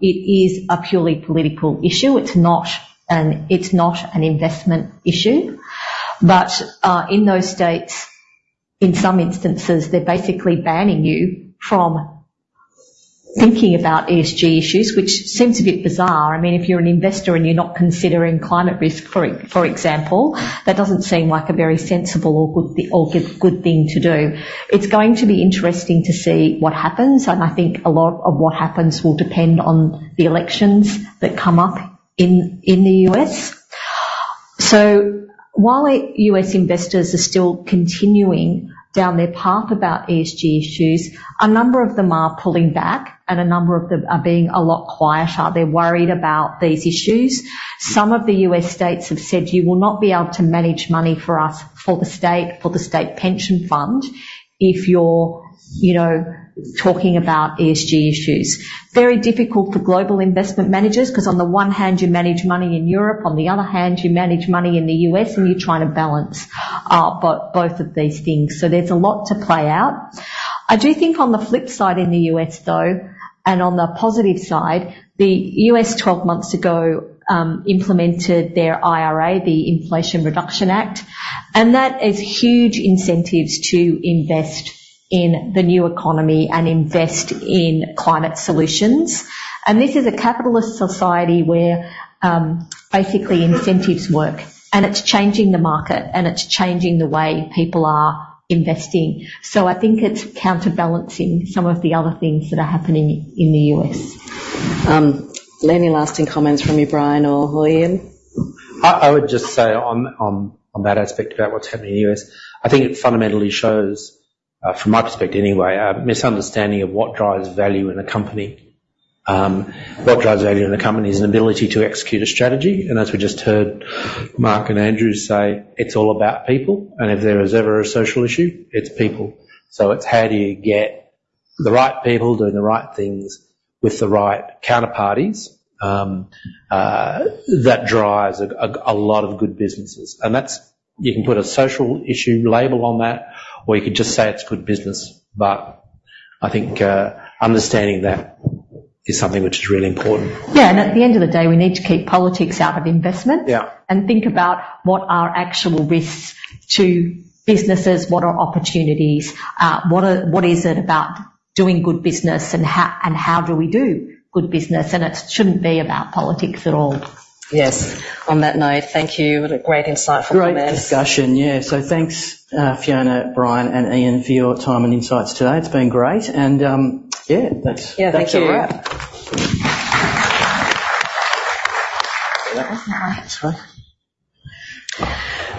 it is a purely political issue. It's not an investment issue. But in those states, in some instances, they're basically banning you from thinking about ESG issues, which seems a bit bizarre. I mean, if you're an investor and you're not considering climate risk, for example, that doesn't seem like a very sensible or good thing to do. It's going to be interesting to see what happens, and I think a lot of what happens will depend on the elections that come up in the U.S.? So while U.S. investors are still continuing down their path about ESG issues, a number of them are pulling back, and a number of them are being a lot quieter. They're worried about these issues. Some of the U.S. states have said: "You will not be able to manage money for us, for the state, for the state pension fund, if you're, you know, talking about ESG issues." Very difficult for global investment managers, 'cause on the one hand, you manage money in Europe, on the other hand, you manage money in the U.S., and you're trying to balance both of these things. So there's a lot to play out. I do think on the flip side, in the U.S., though, and on the positive side, the U.S., 12 months ago, implemented their IRA, the Inflation Reduction Act, and that is huge incentives to invest in the new economy and invest in climate solutions. And this is a capitalist society where, basically, incentives work, and it's changing the market, and it's changing the way people are investing. So I think it's counterbalancing some of the other things that are happening in the U.S. Any lasting comments from you, Brian or Ian? I would just say on that aspect about what's happening in the U.S., I think it fundamentally shows, from my perspective anyway, a misunderstanding of what drives value in a company. What drives value in a company is an ability to execute a strategy, and as we just heard Mark and Andrew say, it's all about people, and if there is ever a social issue, it's people. So it's how do you get the right people doing the right things with the right counterparties? That drives a lot of good businesses, and that's. You can put a social issue label on that, or you could just say it's good business. But I think understanding that is something which is really important. Yeah, and at the end of the day, we need to keep politics out of investment- Yeah and think about what are actual risks to businesses, what are opportunities, what is it about doing good business, and how, and how do we do good business? And it shouldn't be about politics at all. Yes. On that note, thank you. What a great insight from you both. Great discussion. Yeah. So thanks, Fiona, Brian, and Ian, for your time and insights today. It's been great, and yeah, that's- Yeah, thank you. That's a wrap. That was nice.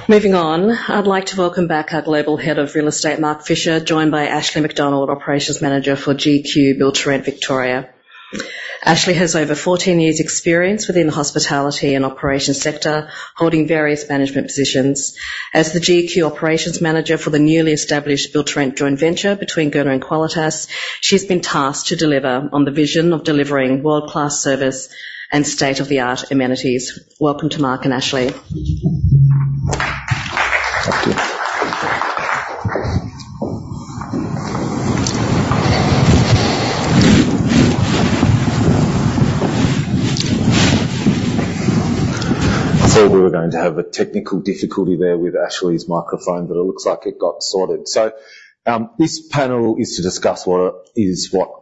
Moving on, I'd like to welcome back our Global Head of Real Estate, Mark Fischer, joined by Ashleigh Macdonald, Operations Manager for GQ Build to Rent Victoria. Ashleigh has over 14 years experience within the hospitality and operations sector, holding various management positions. As the GQ Operations Manager for the newly established Build to Rent joint venture between Gurner and Qualitas, she's been tasked to deliver on the vision of delivering world-class service and state-of-the-art amenities. Welcome to Mark and Ashleigh. Thank you. I thought we were going to have a technical difficulty there with Ashleigh's microphone, but it looks like it got sorted. This panel is to discuss what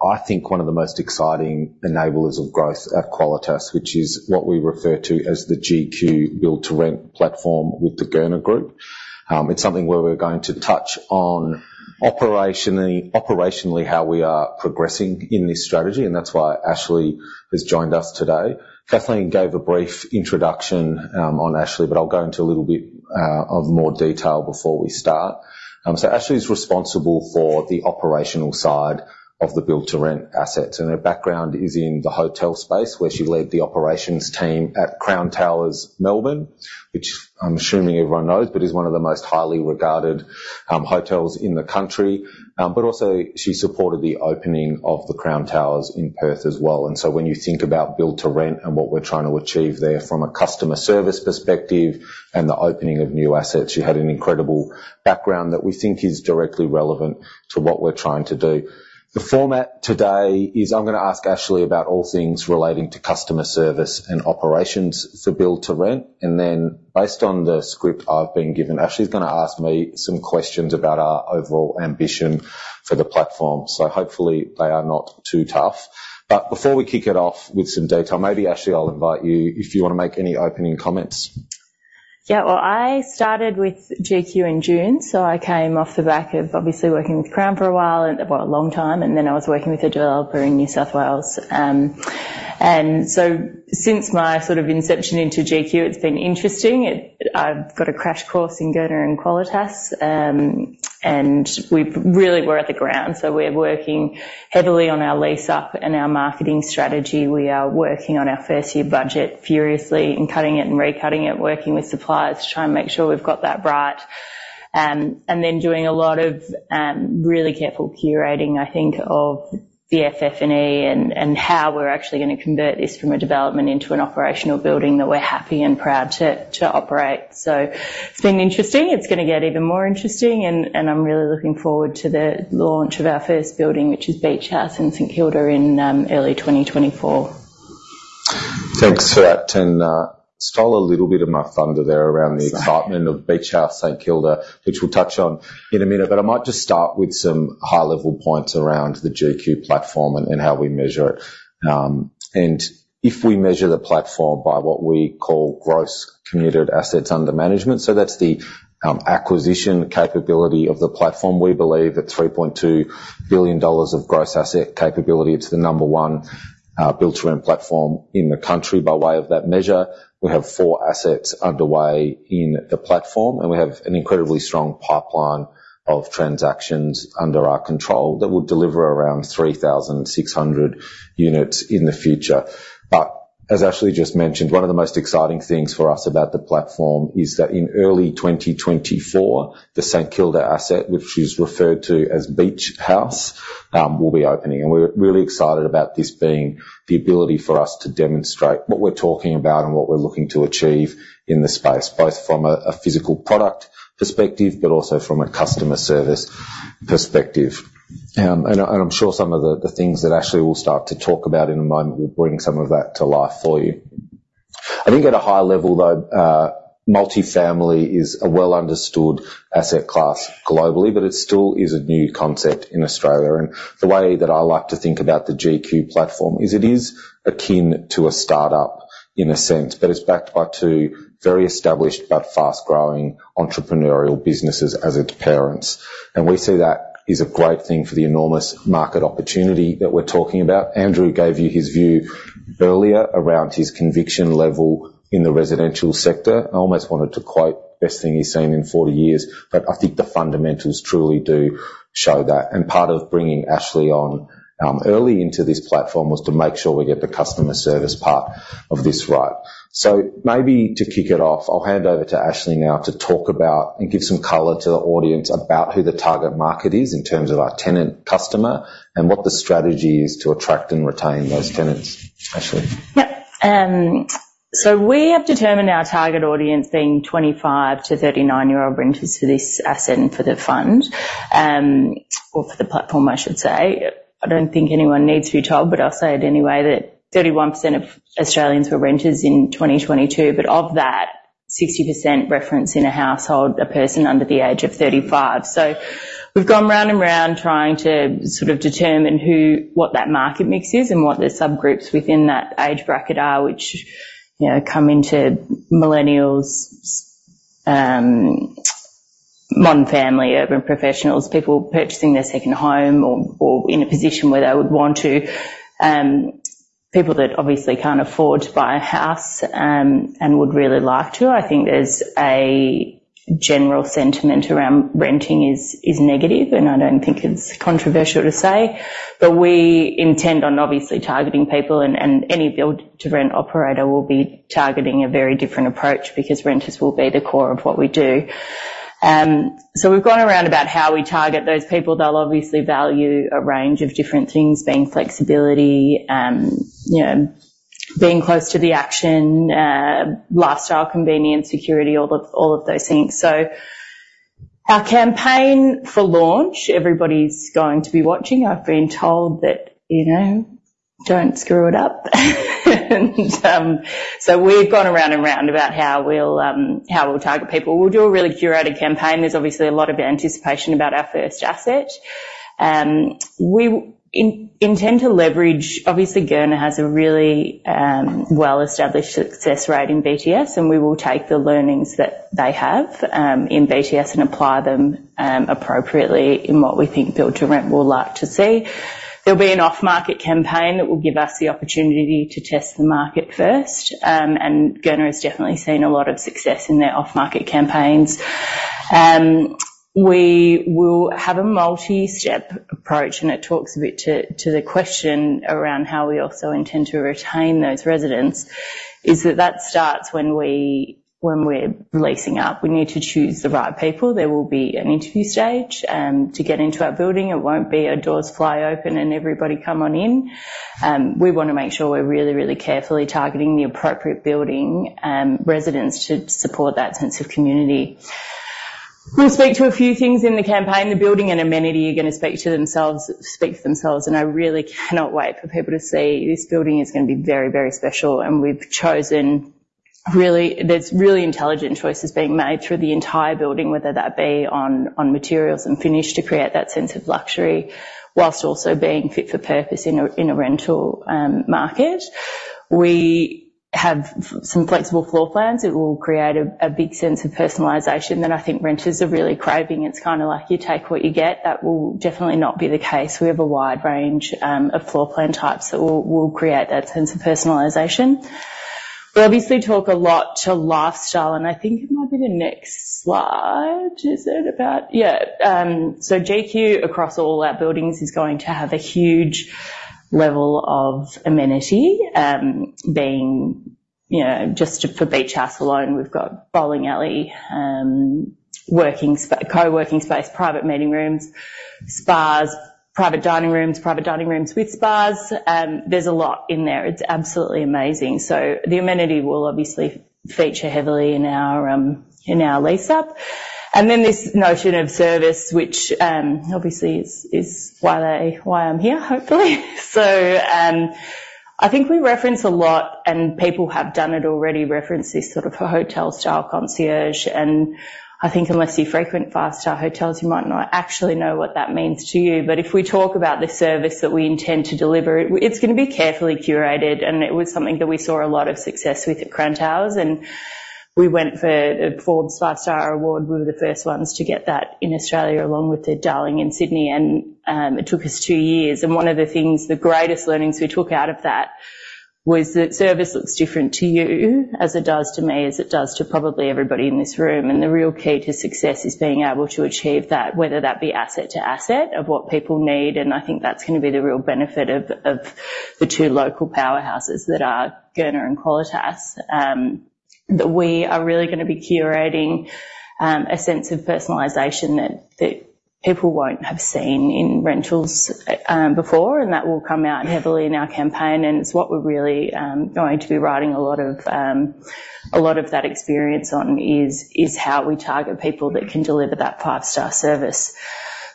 I think one of the most exciting enablers of growth at Qualitas, which is what we refer to as the GQ Build to Rent platform with the Gurner Group. It's something where we're going to touch on operationally how we are progressing in this strategy, and that's why Ashleigh has joined us today. Kathleen gave a brief introduction on Ashleigh, but I'll go into a little bit of more detail before we start. Ashleigh is responsible for the operational side of the Build to Rent assets, and her background is in the hotel space, where she led the operations team at Crown Towers, Melbourne, which I'm assuming everyone knows, but is one of the most highly regarded hotels in the country. But also she supported the opening of the Crown Towers in Perth as well. So when you think about Build to Rent and what we're trying to achieve there from a customer service perspective and the opening of new assets, she had an incredible background that we think is directly relevant to what we're trying to do. The format today is, I'm gonna ask Ashleigh about all things relating to customer service and operations for Build to Rent, and then based on the script I've been given, Ashleigh's gonna ask me some questions about our overall ambition for the platform. So hopefully they are not too tough. But before we kick it off with some detail, maybe, Ashleigh, I'll invite you, if you want to make any opening comments. Yeah. Well, I started with GQ in June, so I came off the back of obviously working with Crown for a while, and, well, a long time, and then I was working with a developer in New South Wales. And so since my sort of inception into GQ, it's been interesting. I've got a crash course in Gurner and Qualitas, and we really were at the ground. So we're working heavily on our lease-up and our marketing strategy. We are working on our first year budget furiously and cutting it and recutting it, working with suppliers to try and make sure we've got that right. And then doing a lot of really careful curating, I think, of the FF&E and how we're actually going to convert this from a development into an operational building that we're happy and proud to operate. So it's been interesting. It's gonna get even more interesting, and I'm really looking forward to the launch of our first building, which is Beach House in St Kilda in early 2024. Thanks for that, and stole a little bit of my thunder there around the- Sorry. Excitement of Beach House, St Kilda, which we'll touch on in a minute. But I might just start with some high-level points around the GQ platform and how we measure it. And if we measure the platform by what we call gross committed assets under management, so that's the acquisition capability of the platform. We believe that 3.2 billion dollars of gross asset capability. It's the number one build-to-rent platform in the country by way of that measure. We have four assets underway in the platform, and we have an incredibly strong pipeline of transactions under our control that will deliver around 3,600 units in the future. As Ashleigh just mentioned, one of the most exciting things for us about the platform is that in early 2024, the St Kilda asset, which is referred to as Beach House, will be opening. And we're really excited about this being the ability for us to demonstrate what we're talking about and what we're looking to achieve in this space, both from a physical product perspective, but also from a customer service perspective. And I, I'm sure some of the things that Ashleigh will start to talk about in a moment will bring some of that to life for you. I think at a high level, though, multifamily is a well-understood asset class globally, but it still is a new concept in Australia. And the way that I like to think about the GQ platform is it is akin to a startup in a sense, but it's backed by two very established but fast-growing entrepreneurial businesses as its parents. And we see that as a great thing for the enormous market opportunity that we're talking about. Andrew gave you his view earlier around his conviction level in the residential sector. I almost wanted to quote, "Best thing he's seen in 40 years," but I think the fundamentals truly do show that. And part of bringing Ashleigh on, early into this platform was to make sure we get the customer service part of this right. So maybe to kick it off, I'll hand over to Ashleigh now to talk about and give some color to the audience about who the target market is in terms of our tenant customer and what the strategy is to attract and retain those tenants. Ashleigh? Yep. So we have determined our target audience being 25- to 39-year-old renters for this asset and for the fund, or for the platform, I should say. I don't think anyone needs to be told, but I'll say it anyway, that 31% of Australians were renters in 2022, but of that, 60% reference in a household a person under the age of 35. So we've gone round and round trying to sort of determine who—what that market mix is and what the subgroups within that age bracket are, which, you know, come into millennials, modern family, urban professionals, people purchasing their second home or, or in a position where they would want to. People that obviously can't afford to buy a house, and would really like to. I think there's a general sentiment around renting is, is negative, and I don't think it's controversial to say. But we intend on obviously targeting people, and any build-to-rent operator will be targeting a very different approach because renters will be the core of what we do. So we've gone around about how we target those people. They'll obviously value a range of different things, being flexibility, you know, being close to the action, lifestyle, convenience, security, all of those things. So our campaign for launch, everybody's going to be watching. I've been told that, you know, "Don't screw it up." And so we've gone around and round about how we'll target people. We'll do a really curated campaign. There's obviously a lot of anticipation about our first asset. We intend to leverage... Obviously, Gurner has a really, well-established success rate in BTS, and we will take the learnings that they have, in BTS and apply them, appropriately in what we think build-to-rent will like to see. There'll be an off-market campaign that will give us the opportunity to test the market first, and Gurner has definitely seen a lot of success in their off-market campaigns. We will have a multi-step approach, and it talks a bit to the question around how we also intend to retain those residents, is that starts when we're leasing up. We need to choose the right people. There will be an interview stage, to get into our building. It won't be a doors fly open and everybody come on in. We want to make sure we're really, really carefully targeting the appropriate building residents to support that sense of community. We'll speak to a few things in the campaign. The building and amenity are going to speak to themselves, speak for themselves, and I really cannot wait for people to see. This building is going to be very, very special, and we've chosen really, there's really intelligent choices being made through the entire building, whether that be on materials and finish, to create that sense of luxury, while also being fit for purpose in a rental market. We have some flexible floor plans. It will create a big sense of personalization that I think renters are really craving. It's kind of like you take what you get. That will definitely not be the case. We have a wide range of floor plan types that will create that sense of personalization. We obviously talk a lot to lifestyle, and I think it might be the next slide. Is it about? Yeah. So GQ, across all our buildings, is going to have a huge level of amenity, being, you know, just for Beach House alone, we've got bowling alley, co-working space, private meeting rooms, spas, private dining rooms, private dining rooms with spas. There's a lot in there. It's absolutely amazing. So the amenity will obviously feature heavily in our lease-up. And then this notion of service, which obviously is why they, why I'm here, hopefully. So, I think we reference a lot, and people have done it already, referenced this sort of a hotel-style concierge, and I think unless you frequent five-star hotels, you might not actually know what that means to you. But if we talk about the service that we intend to deliver, it's going to be carefully curated, and it was something that we saw a lot of success with at Crown Towers, and we went for a Forbes Five-Star Award. We were the first ones to get that in Australia, along with the Darling in Sydney, and it took us 2 years. And one of the things, the greatest learnings we took out of that, was that service looks different to you, as it does to me, as it does to probably everybody in this room. And the real key to success is being able to achieve that, whether that be asset to asset of what people need, and I think that's going to be the real benefit of the two local powerhouses that are Gurner and Qualitas. That we are really going to be curating a sense of personalization that people won't have seen in rentals before, and that will come out heavily in our campaign, and it's what we're really going to be riding a lot of that experience on is how we target people that can deliver that five-star service.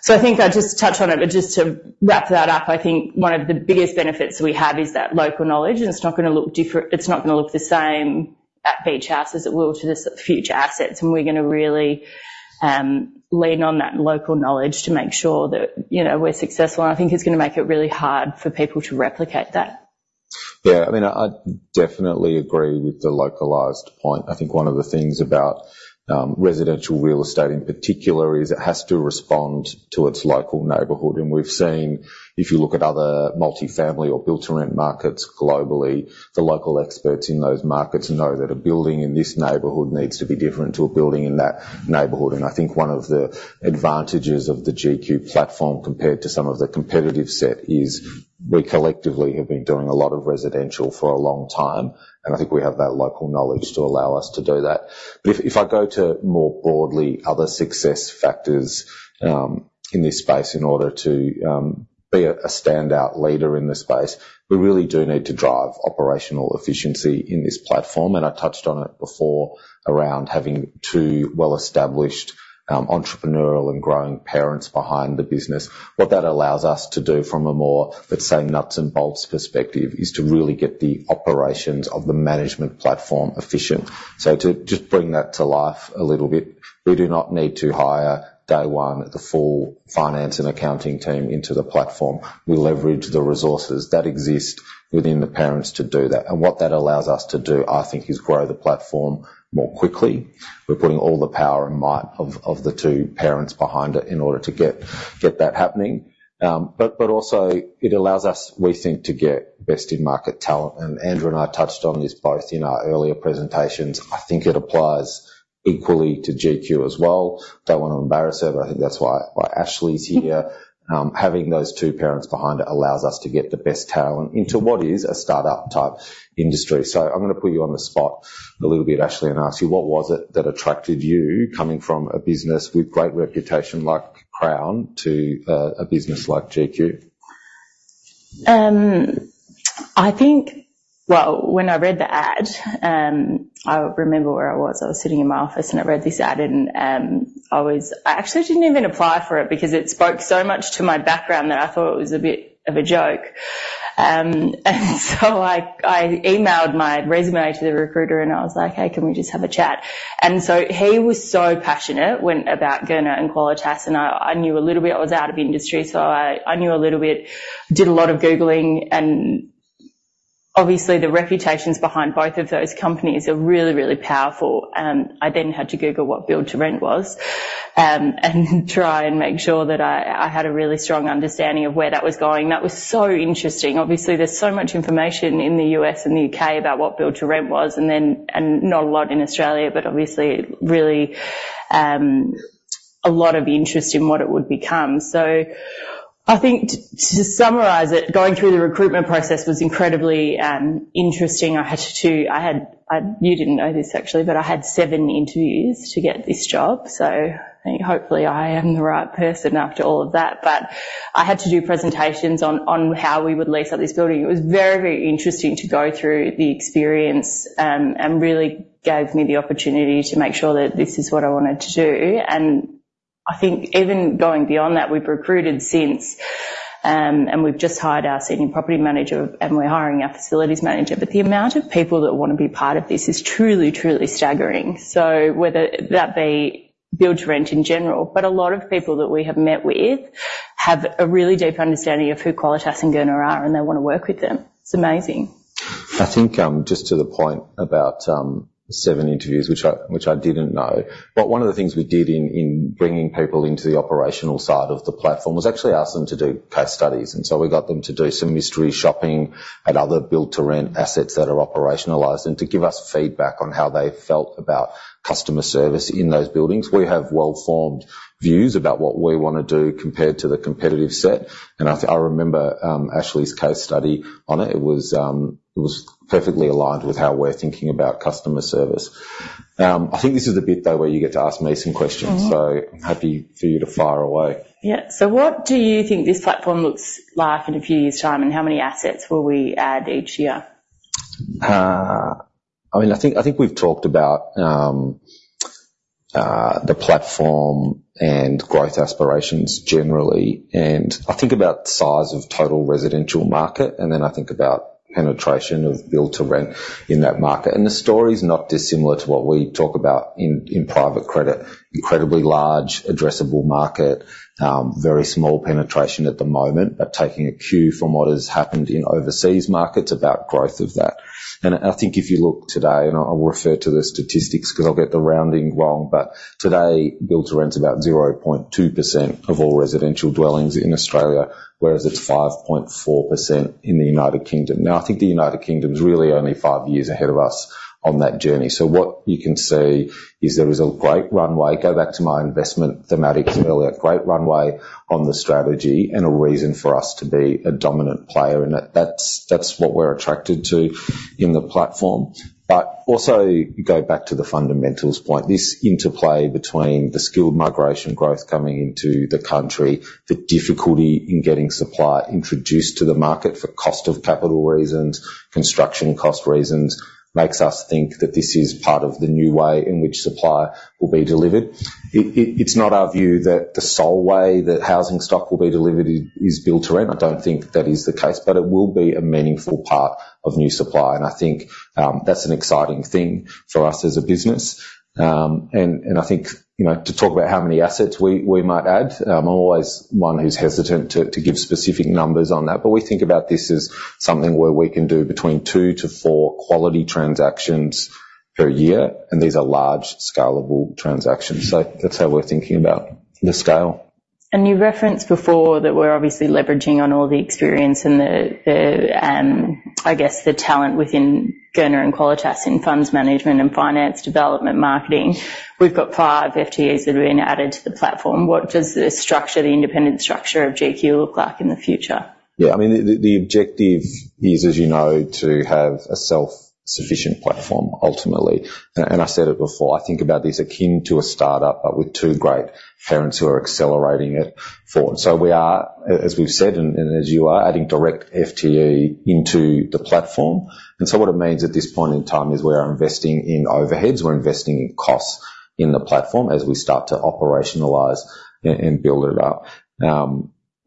So I think I'll just touch on it, but just to wrap that up, I think one of the biggest benefits we have is that local knowledge, and it's not gonna look different, it's not gonna look the same at Beach House as it will to the future assets. And we're gonna really lean on that local knowledge to make sure that, you know, we're successful. And I think it's gonna make it really hard for people to replicate that. Yeah. I mean, I definitely agree with the localized point. I think one of the things about residential real estate in particular is it has to respond to its local neighborhood. And we've seen, if you look at other multi-family or build-to-rent markets globally, the local experts in those markets know that a building in this neighborhood needs to be different to a building in that neighborhood. And I think one of the advantages of the GQ platform compared to some of the competitive set is we collectively have been doing a lot of residential for a long time, and I think we have that local knowledge to allow us to do that. But if I go to more broadly other success factors, in this space, in order to be a standout leader in this space, we really do need to drive operational efficiency in this platform, and I touched on it before around having two well-established, entrepreneurial and growing parents behind the business. What that allows us to do from a more, let's say, nuts and bolts perspective, is to really get the operations of the management platform efficient. So to just bring that to life a little bit, we do not need to hire, day one, the full finance and accounting team into the platform. We leverage the resources that exist within the parents to do that. And what that allows us to do, I think, is grow the platform more quickly. We're putting all the power and might of the two parents behind it in order to get that happening. But also it allows us, we think, to get best in market talent, and Andrew and I touched on this both in our earlier presentations. I think it applies equally to GQ as well. Don't want to embarrass her, but I think that's why Ashleigh's here. Having those two parents behind it allows us to get the best talent into what is a startup type industry. So I'm gonna put you on the spot a little bit, Ashleigh, and ask you, what was it that attracted you, coming from a business with great reputation like Crown, to a business like GQ? I think. Well, when I read the ad, I remember where I was. I was sitting in my office, and I read this ad, and I actually didn't even apply for it because it spoke so much to my background that I thought it was a bit of a joke. And so I emailed my resume to the recruiter, and I was like: "Hey, can we just have a chat?" And so he was so passionate about Gurner and Qualitas, and I knew a little bit. I was out of the industry, so I knew a little bit. Did a lot of Googling, and obviously, the reputations behind both of those companies are really, really powerful. I then had to Google what build to rent was, and try and make sure that I had a really strong understanding of where that was going. That was so interesting. Obviously, there's so much information in the U.S. and the U.K. about what build to rent was, and then not a lot in Australia, but obviously really a lot of interest in what it would become. So I think to summarize it, going through the recruitment process was incredibly interesting. You didn't know this, actually, but I had seven interviews to get this job, so hopefully I am the right person after all of that. But I had to do presentations on how we would lease out this building. It was very, very interesting to go through the experience, and really gave me the opportunity to make sure that this is what I wanted to do. I think even going beyond that, we've recruited since, and we've just hired our senior property manager and we're hiring our facilities manager. But the amount of people that want to be part of this is truly, truly staggering. So whether that be build to rent in general, but a lot of people that we have met with have a really deep understanding of who Qualitas and Gurner are, and they want to work with them. It's amazing. I think, just to the point about seven interviews, which I didn't know, but one of the things we did in bringing people into the operational side of the platform was actually ask them to do case studies. And so we got them to do some mystery shopping at other build to rent assets that are operationalized and to give us feedback on how they felt about customer service in those buildings. We have well-formed views about what we want to do compared to the competitive set, and I remember Ashleigh's case study on it. It was perfectly aligned with how we're thinking about customer service. I think this is the bit, though, where you get to ask me some questions. Mm-hmm. So happy for you to fire away. Yeah. So what do you think this platform looks like in a few years' time, and how many assets will we add each year? I mean, I think, I think we've talked about the platform and growth aspirations generally, and I think about size of total residential market, and then I think about penetration of build to rent in that market. And the story is not dissimilar to what we talk about in private credit. Incredibly large addressable market, very small penetration at the moment, but taking a cue from what has happened in overseas markets about growth of that.... And I think if you look today, and I'll refer to the statistics because I'll get the rounding wrong, but today build to rent is about 0.2% of all residential dwellings in Australia, whereas it's 5.4% in the United Kingdom. Now, I think the United Kingdom is really only five years ahead of us on that journey. So what you can see is there is a great runway. Go back to my investment thematics earlier, great runway on the strategy and a reason for us to be a dominant player, and that's what we're attracted to in the platform. But also go back to the fundamentals point, this interplay between the skilled migration growth coming into the country, the difficulty in getting supply introduced to the market for cost of capital reasons, construction cost reasons, makes us think that this is part of the new way in which supply will be delivered. It's not our view that the sole way that housing stock will be delivered is build to rent. I don't think that is the case, but it will be a meaningful part of new supply, and I think that's an exciting thing for us as a business. And I think, you know, to talk about how many assets we might add, I'm always one who's hesitant to give specific numbers on that. But we think about this as something where we can do between 2-4 quality transactions per year, and these are large, scalable transactions. So that's how we're thinking about the scale. You referenced before that we're obviously leveraging on all the experience and I guess the talent within Gurner and Qualitas in funds management and finance, development, marketing. We've got 5 FTEs that have been added to the platform. What does the structure, the independent structure of GQ look like in the future? Yeah, I mean, the objective is, as you know, to have a self-sufficient platform ultimately. And I said it before, I think about this akin to a startup, but with two great parents who are accelerating it forward. So we are, as we've said, and as you are, adding direct FTE into the platform. And so what it means at this point in time is we are investing in overheads, we're investing in costs in the platform as we start to operationalize and build it up.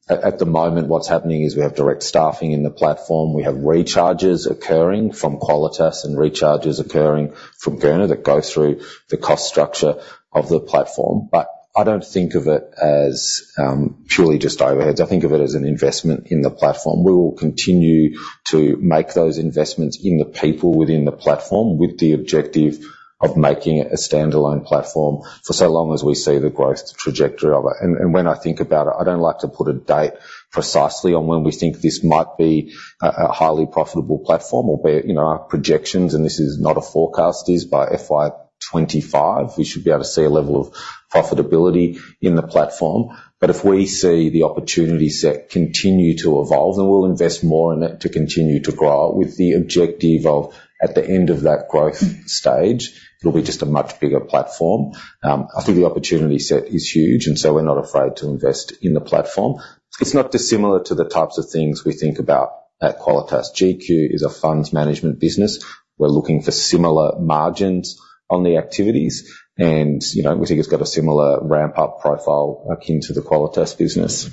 At the moment, what's happening is we have direct staffing in the platform. We have recharges occurring from Qualitas and recharges occurring from Gurner that go through the cost structure of the platform. But I don't think of it as purely just overheads. I think of it as an investment in the platform. We will continue to make those investments in the people within the platform, with the objective of making it a standalone platform for so long as we see the growth trajectory of it. And when I think about it, I don't like to put a date precisely on when we think this might be a highly profitable platform, albeit, you know, our projections, and this is not a forecast, is by FY 2025, we should be able to see a level of profitability in the platform. But if we see the opportunity set continue to evolve, then we'll invest more in it to continue to grow with the objective of at the end of that growth stage, it'll be just a much bigger platform. I think the opportunity set is huge, and so we're not afraid to invest in the platform. It's not dissimilar to the types of things we think about at Qualitas. GQ is a funds management business. We're looking for similar margins on the activities and, you know, we think it's got a similar ramp-up profile akin to the Qualitas business.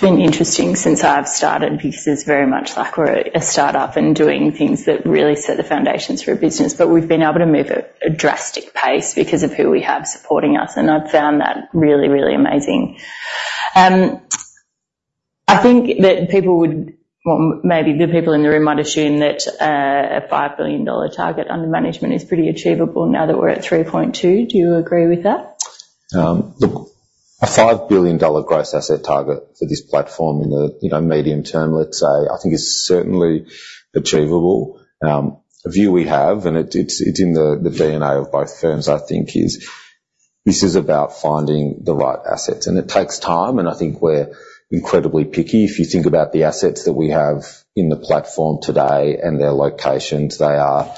It's been interesting since I've started, and because it's very much like we're a startup and doing things that really set the foundations for a business. But we've been able to move at a drastic pace because of who we have supporting us, and I've found that really, really amazing. I think that people would... Well, maybe the people in the room might assume that a 5 billion dollar target under management is pretty achievable now that we're at 3.2 billion. Do you agree with that? Look, a 5 billion dollar gross asset target for this platform in the, you know, medium term, let's say, I think is certainly achievable. A view we have, and it's in the DNA of both firms, I think is, this is about finding the right assets. And it takes time, and I think we're incredibly picky. If you think about the assets that we have in the platform today and their locations, they are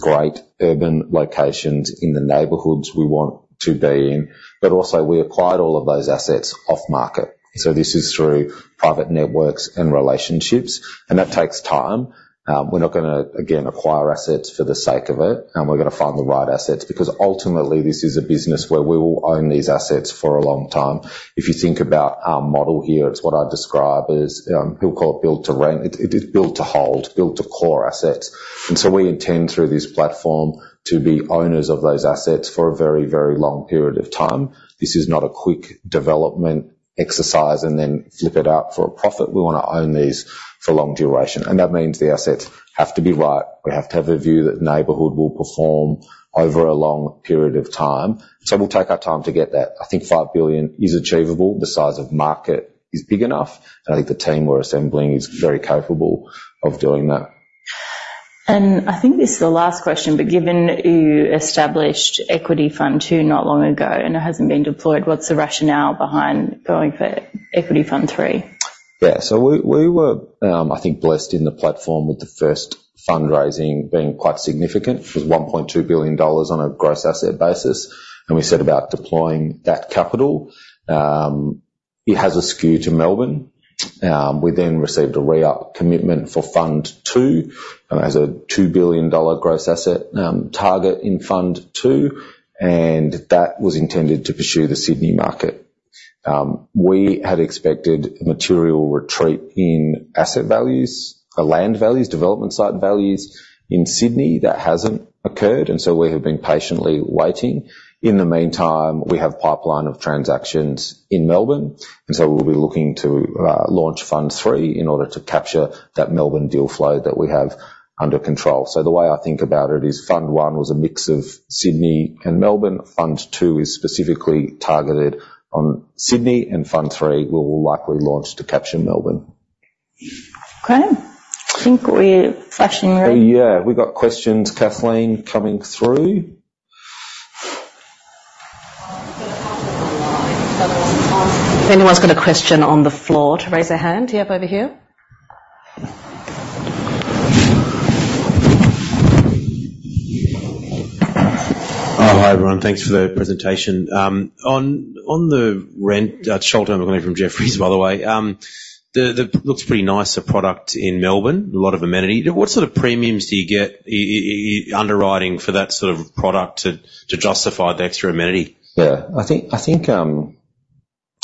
great urban locations in the neighborhoods we want to be in. But also, we acquired all of those assets off market, so this is through private networks and relationships, and that takes time. We're not gonna, again, acquire assets for the sake of it, and we're gonna find the right assets because ultimately, this is a business where we will own these assets for a long time. If you think about our model here, it's what I'd describe as, people call it build to rent. It is built to hold, built to core assets, and so we intend through this platform to be owners of those assets for a very, very long period of time. This is not a quick development exercise and then flip it out for a profit. We want to own these for long duration, and that means the assets have to be right. We have to have a view that neighborhood will perform over a long period of time, so we'll take our time to get that. I think 5 billion is achievable. The size of market is big enough, and I think the team we're assembling is very capable of doing that. I think this is the last question, but given you established Equity Fund Two not long ago, and it hasn't been deployed, what's the rationale behind going for Equity Fund Three? Yeah. So we were, I think, blessed in the platform with the first fundraising being quite significant, which was 1.2 billion dollars on a gross asset basis, and we set about deploying that capital. It has a skew to Melbourne. We then received a re-up commitment for Fund Two. It has a 2 billion dollar gross asset target in Fund Two, and that was intended to pursue the Sydney market. We had expected a material retreat in asset values, land values, development site values in Sydney. That hasn't occurred, and so we have been patiently waiting. In the meantime, we have pipeline of transactions in Melbourne, and so we'll be looking to launch Fund Three in order to capture that Melbourne deal flow that we have under control. The way I think about it is, Fund One was a mix of Sydney and Melbourne. Fund two is specifically targeted on Sydney, and Fund Three will likely launch to capture Melbourne. Okay. I think we're flashing red. Yeah, we've got questions, Kathleen, coming through. If anyone's got a question on the floor, to raise their hand. Yep, over here. Hi, everyone. Thanks for the presentation. Sholto, I'm calling from Jefferies, by the way. It looks pretty nice, the product in Melbourne, a lot of amenity. What sort of premiums do you get underwriting for that sort of product to justify the extra amenity? Yeah. I think,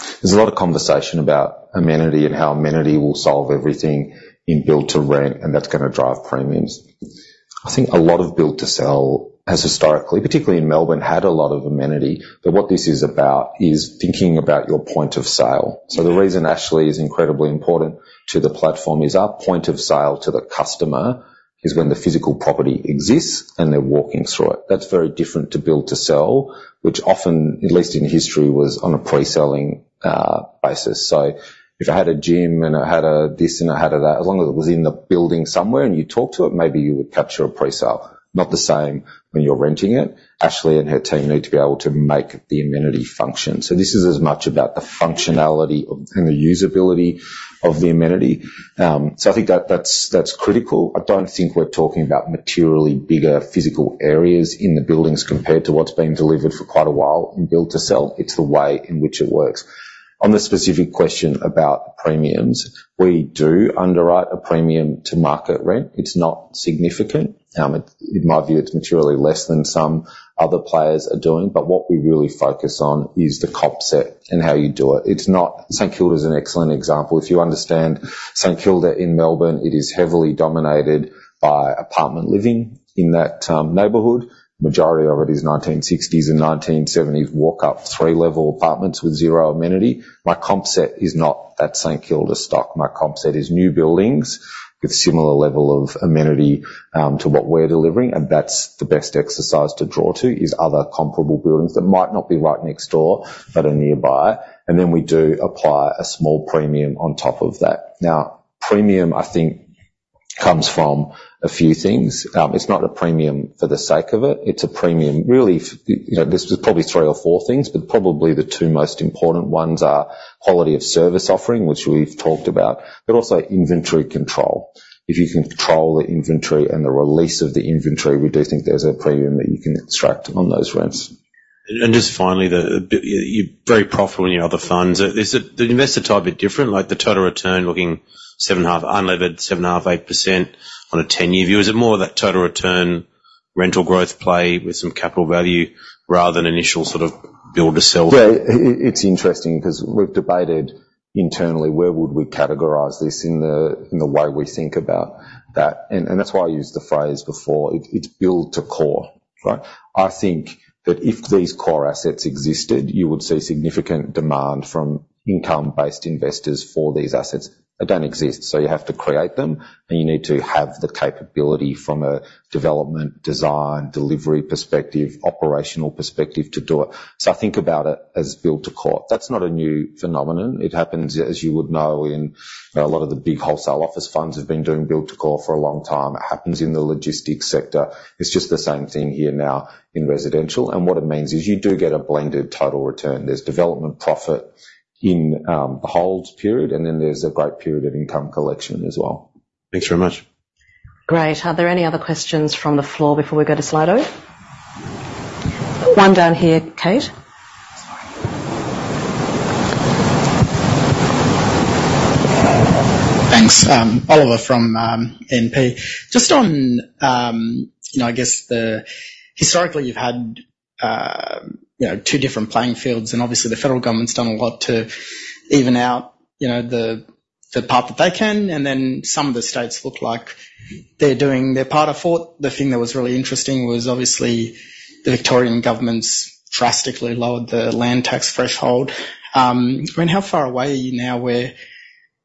I think, there's a lot of conversation about amenity and how amenity will solve everything in build to rent, and that's gonna drive premiums. I think a lot of build to sell has historically, particularly in Melbourne, had a lot of amenity, but what this is about is thinking about your point of sale. So the reason Ashleigh is incredibly important to the platform is our point of sale to the customer is when the physical property exists, and they're walking through it. That's very different to build to sell, which often, at least in history, was on a pre-selling basis. So if I had a gym and I had a this and I had a that, as long as it was in the building somewhere and you talked to it, maybe you would capture a pre-sale. Not the same when you're renting it. Ashleigh and her team need to be able to make the amenity function. So this is as much about the functionality of and the usability of the amenity. So I think that's critical. I don't think we're talking about materially bigger physical areas in the buildings compared to what's been delivered for quite a while in build to sell. It's the way in which it works. On the specific question about premiums, we do underwrite a premium to market rent. It's not significant. In my view, it's materially less than some other players are doing, but what we really focus on is the comp set and how you do it. It's not... St Kilda is an excellent example. If you understand St Kilda in Melbourne, it is heavily dominated by apartment living in that neighborhood. Majority of it is 1960s and 1970s, walk-up, 3-level apartments with zero amenity. My comp set is not at St Kilda stock. My comp set is new buildings with similar level of amenity to what we're delivering, and that's the best exercise to draw to, is other comparable buildings that might not be right next door but are nearby. And then we do apply a small premium on top of that. Now, premium, I think, comes from a few things. It's not a premium for the sake of it, it's a premium, really, you know, this is probably three or four things, but probably the two most important ones are quality of service offering, which we've talked about, but also inventory control. If you can control the inventory and the release of the inventory, we do think there's a premium that you can extract on those rents. Just finally, you're very profitable in your other funds. Is the investor type a bit different? Like, the total return looking 7.5 unlevered, 7.5-8% on a 10-year view. Is it more of that total return rental growth play with some capital value rather than initial sort of build to sell? Yeah, it's interesting because we've debated internally, where would we categorize this in the, in the way we think about that, and that's why I used the phrase before, it's build to core, right? I think that if these core assets existed, you would see significant demand from income-based investors for these assets. They don't exist, so you have to create them, and you need to have the capability from a development, design, delivery perspective, operational perspective to do it. So I think about it as build to core. That's not a new phenomenon. It happens, as you would know, in a lot of the big wholesale office funds have been doing build to core for a long time. It happens in the logistics sector. It's just the same thing here now in residential, and what it means is you do get a blended total return. There's development profit in the hold period, and then there's a great period of income collection as well. Thanks very much. Great. Are there any other questions from the floor before we go to Slido? One down here, Kate. Sorry. Thanks. Oliver, from E&P. Just on, you know, I guess the... Historically, you've had, you know, two different playing fields, and obviously, the federal government's done a lot to even out, you know, the, the part that they can, and then some of the states look like they're doing their part of the effort. The thing that was really interesting was obviously the Victorian government's drastically lowered the land tax threshold. I mean, how far away are you now, where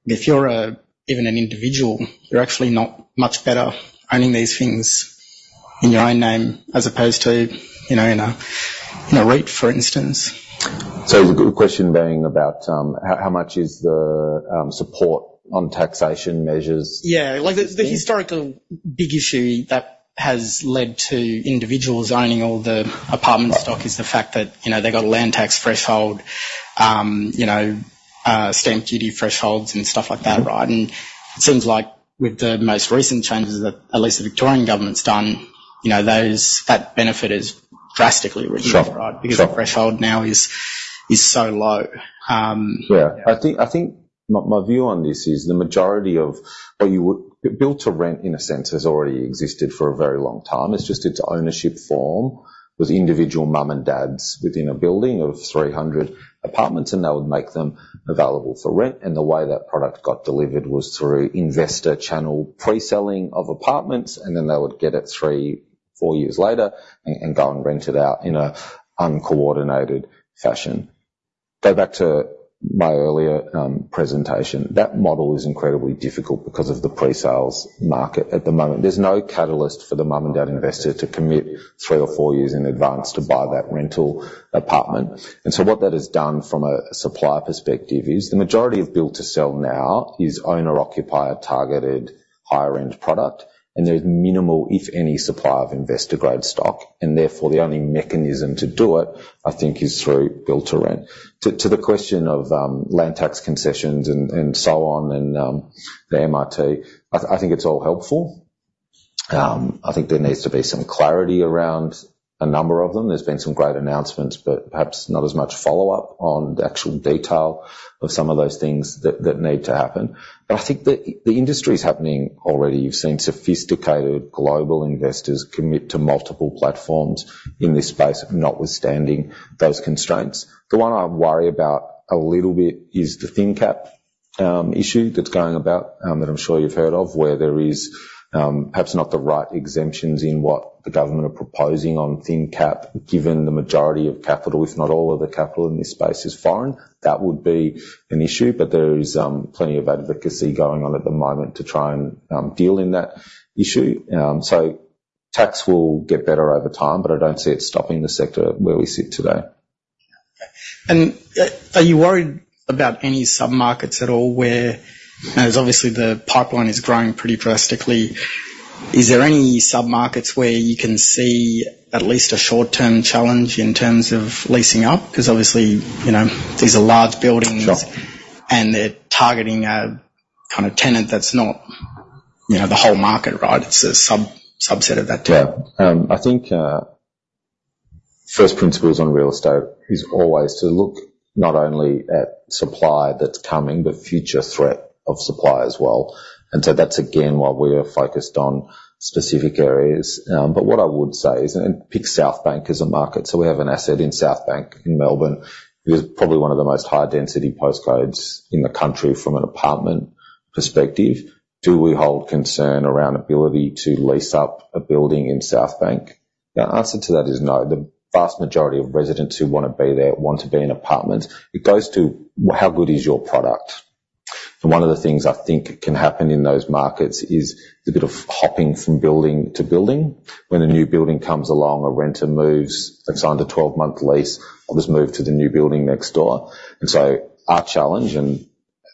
if you're a, even an individual, you're actually not much better owning these things in your own name as opposed to, you know, in a, in a REIT, for instance? The question being about how much is the support on taxation measures? Yeah. Like, the historical big issue that has led to individuals owning all the apartment stock is the fact that, you know, they've got a land tax threshold, you know, stamp duty thresholds and stuff like that, right? Mm-hmm. It seems like with the most recent changes that at least the Victorian government's done, you know, those, that benefit is drastically reduced. Sure. Right? Sure. Because the threshold now is so low. Yeah, I think, I think my view on this is the majority of... Well, build to rent, in a sense, has already existed for a very long time. It's just its ownership form was individual mom and dads within a building of 300 apartments, and they would make them available for rent. And the way that product got delivered was through investor channel, pre-selling of apartments, and then they would get it 3-4 years later and go and rent it out in an uncoordinated fashion. Go back to my earlier presentation. That model is incredibly difficult because of the pre-sales market at the moment. There's no catalyst for the mom and dad investor to commit 3-4 years in advance to buy that rental apartment. And so what that has done from a supply perspective is, the majority of build to sell now is owner-occupier, targeted higher-end product, and there's minimal, if any, supply of investor-grade stock. And therefore, the only mechanism to do it, I think, is through build to rent. To the question of land tax concessions and so on, and the mREIT, I think it's all helpful. I think there needs to be some clarity around a number of them. There's been some great announcements, but perhaps not as much follow-up on the actual detail of some of those things that need to happen. But I think the industry is happening already. You've seen sophisticated global investors commit to multiple platforms in this space, notwithstanding those constraints. The one I worry about a little bit is the Thin Cap issue that's going about that I'm sure you've heard of, where there is perhaps not the right exemptions in what the government are proposing on Thin Cap, given the majority of capital, if not all of the capital in this space, is foreign. That would be an issue, but there is plenty of advocacy going on at the moment to try and deal in that issue. So tax will get better over time, but I don't see it stopping the sector where we sit today. Are you worried about any submarkets at all where... As obviously the pipeline is growing pretty drastically, is there any submarkets where you can see at least a short-term challenge in terms of leasing up? Because obviously, you know, these are large buildings- Sure. And they're targeting a kind of tenant that's not, you know, the whole market, right? It's a sub, subset of that too. Yeah. I think, first principles on real estate is always to look not only at supply that's coming, but future threat of supply as well. And so that's again, why we are focused on specific areas. But what I would say is, and pick Southbank as a market, so we have an asset in Southbank, in Melbourne. It is probably one of the most high-density postcodes in the country from an apartment perspective. Do we hold concern around ability to lease up a building in Southbank? The answer to that is no. The vast majority of residents who want to be there, want to be in apartments. It goes to, how good is your product? And one of the things I think can happen in those markets is the bit of hopping from building to building. When a new building comes along, a renter moves. They've signed a 12-month lease. I'll just move to the new building next door. And so our challenge, and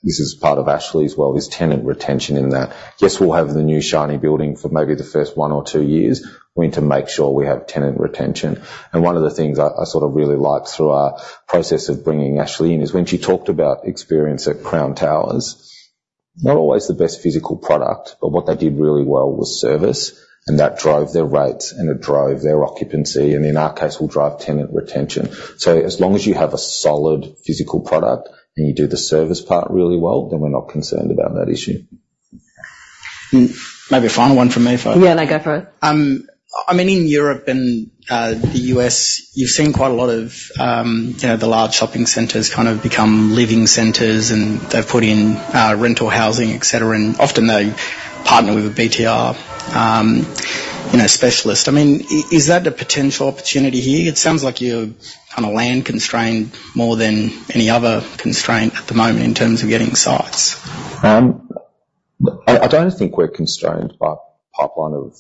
this is part of Ashleigh as well, is tenant retention in that. Yes, we'll have the new shiny building for maybe the first one or two years. We need to make sure we have tenant retention. And one of the things I, I sort of really liked through our process of bringing Ashleigh in, is when she talked about experience at Crown Towers. Not always the best physical product, but what they did really well was service, and that drove their rates, and it drove their occupancy, and in our case, will drive tenant retention. So as long as you have a solid physical product, and you do the service part really well, then we're not concerned about that issue. Hmm. Maybe a final one from me if I- Yeah, no, go for it. I mean, in Europe and the U.S., you've seen quite a lot of, you know, the large shopping centers kind of become living centers, and they've put in rental housing, et cetera, and often they partner with a BTR, you know, specialist. I mean, is that a potential opportunity here? It sounds like you're kind of land constrained more than any other constraint at the moment in terms of getting sites. I don't think we're constrained by pipeline of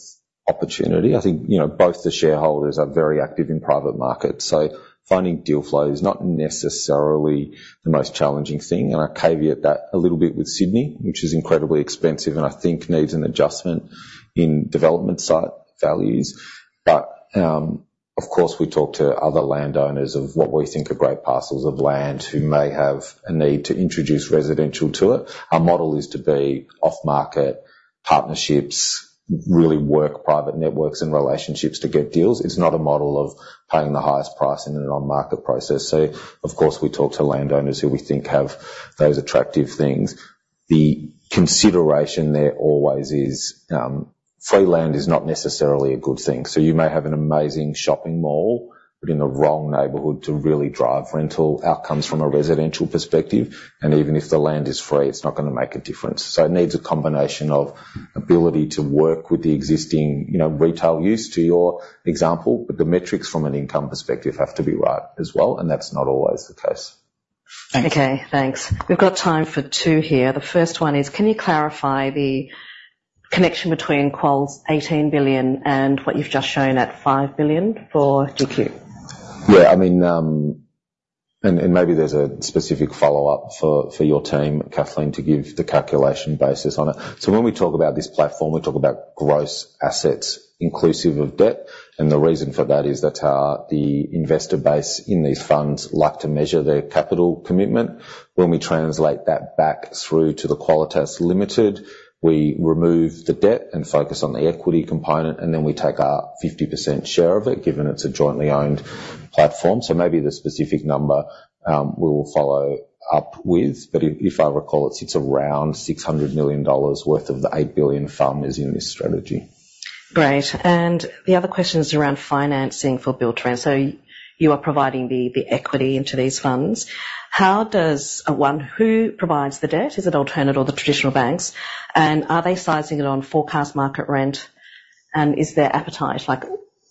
opportunity. I think, you know, both the shareholders are very active in private market, so finding deal flow is not necessarily the most challenging thing. And I caveat that a little bit with Sydney, which is incredibly expensive, and I think needs an adjustment in development site values. But of course, we talk to other landowners of what we think are great parcels of land who may have a need to introduce residential to it. Our model is to be off-market partnerships, really work private networks and relationships to get deals. It's not a model of paying the highest price in an on-market process. So of course, we talk to landowners who we think have those attractive things. The consideration there always is, free land is not necessarily a good thing. So you may have an amazing shopping mall, but in the wrong neighborhood to really drive rental outcomes from a residential perspective, and even if the land is free, it's not gonna make a difference. So it needs a combination of ability to work with the existing, you know, retail use to your example, but the metrics from an income perspective have to be right as well, and that's not always the case. Thank you. Okay, thanks. We've got time for two here. The first one is, can you clarify the connection between Qual's 18 billion and what you've just shown at 5 billion for GQ? Yeah, I mean, and maybe there's a specific follow-up for your team, Kathleen, to give the calculation basis on it. So when we talk about this platform, we talk about gross assets inclusive of debt, and the reason for that is that the investor base in these funds like to measure their capital commitment. When we translate that back through to the Qualitas Limited, we remove the debt and focus on the equity component, and then we take our 50% share of it, given it's a jointly owned platform. So maybe the specific number, we'll follow up with, but if I recall, it sits around 600 million dollars worth of the 8 billion FUM in this strategy. Great! And the other question is around financing for Build-to-Rent. So you are providing the equity into these funds. How does one who provides the debt? Is it alternative or the traditional banks? And are they sizing it on forecast market rent? And is there appetite, like,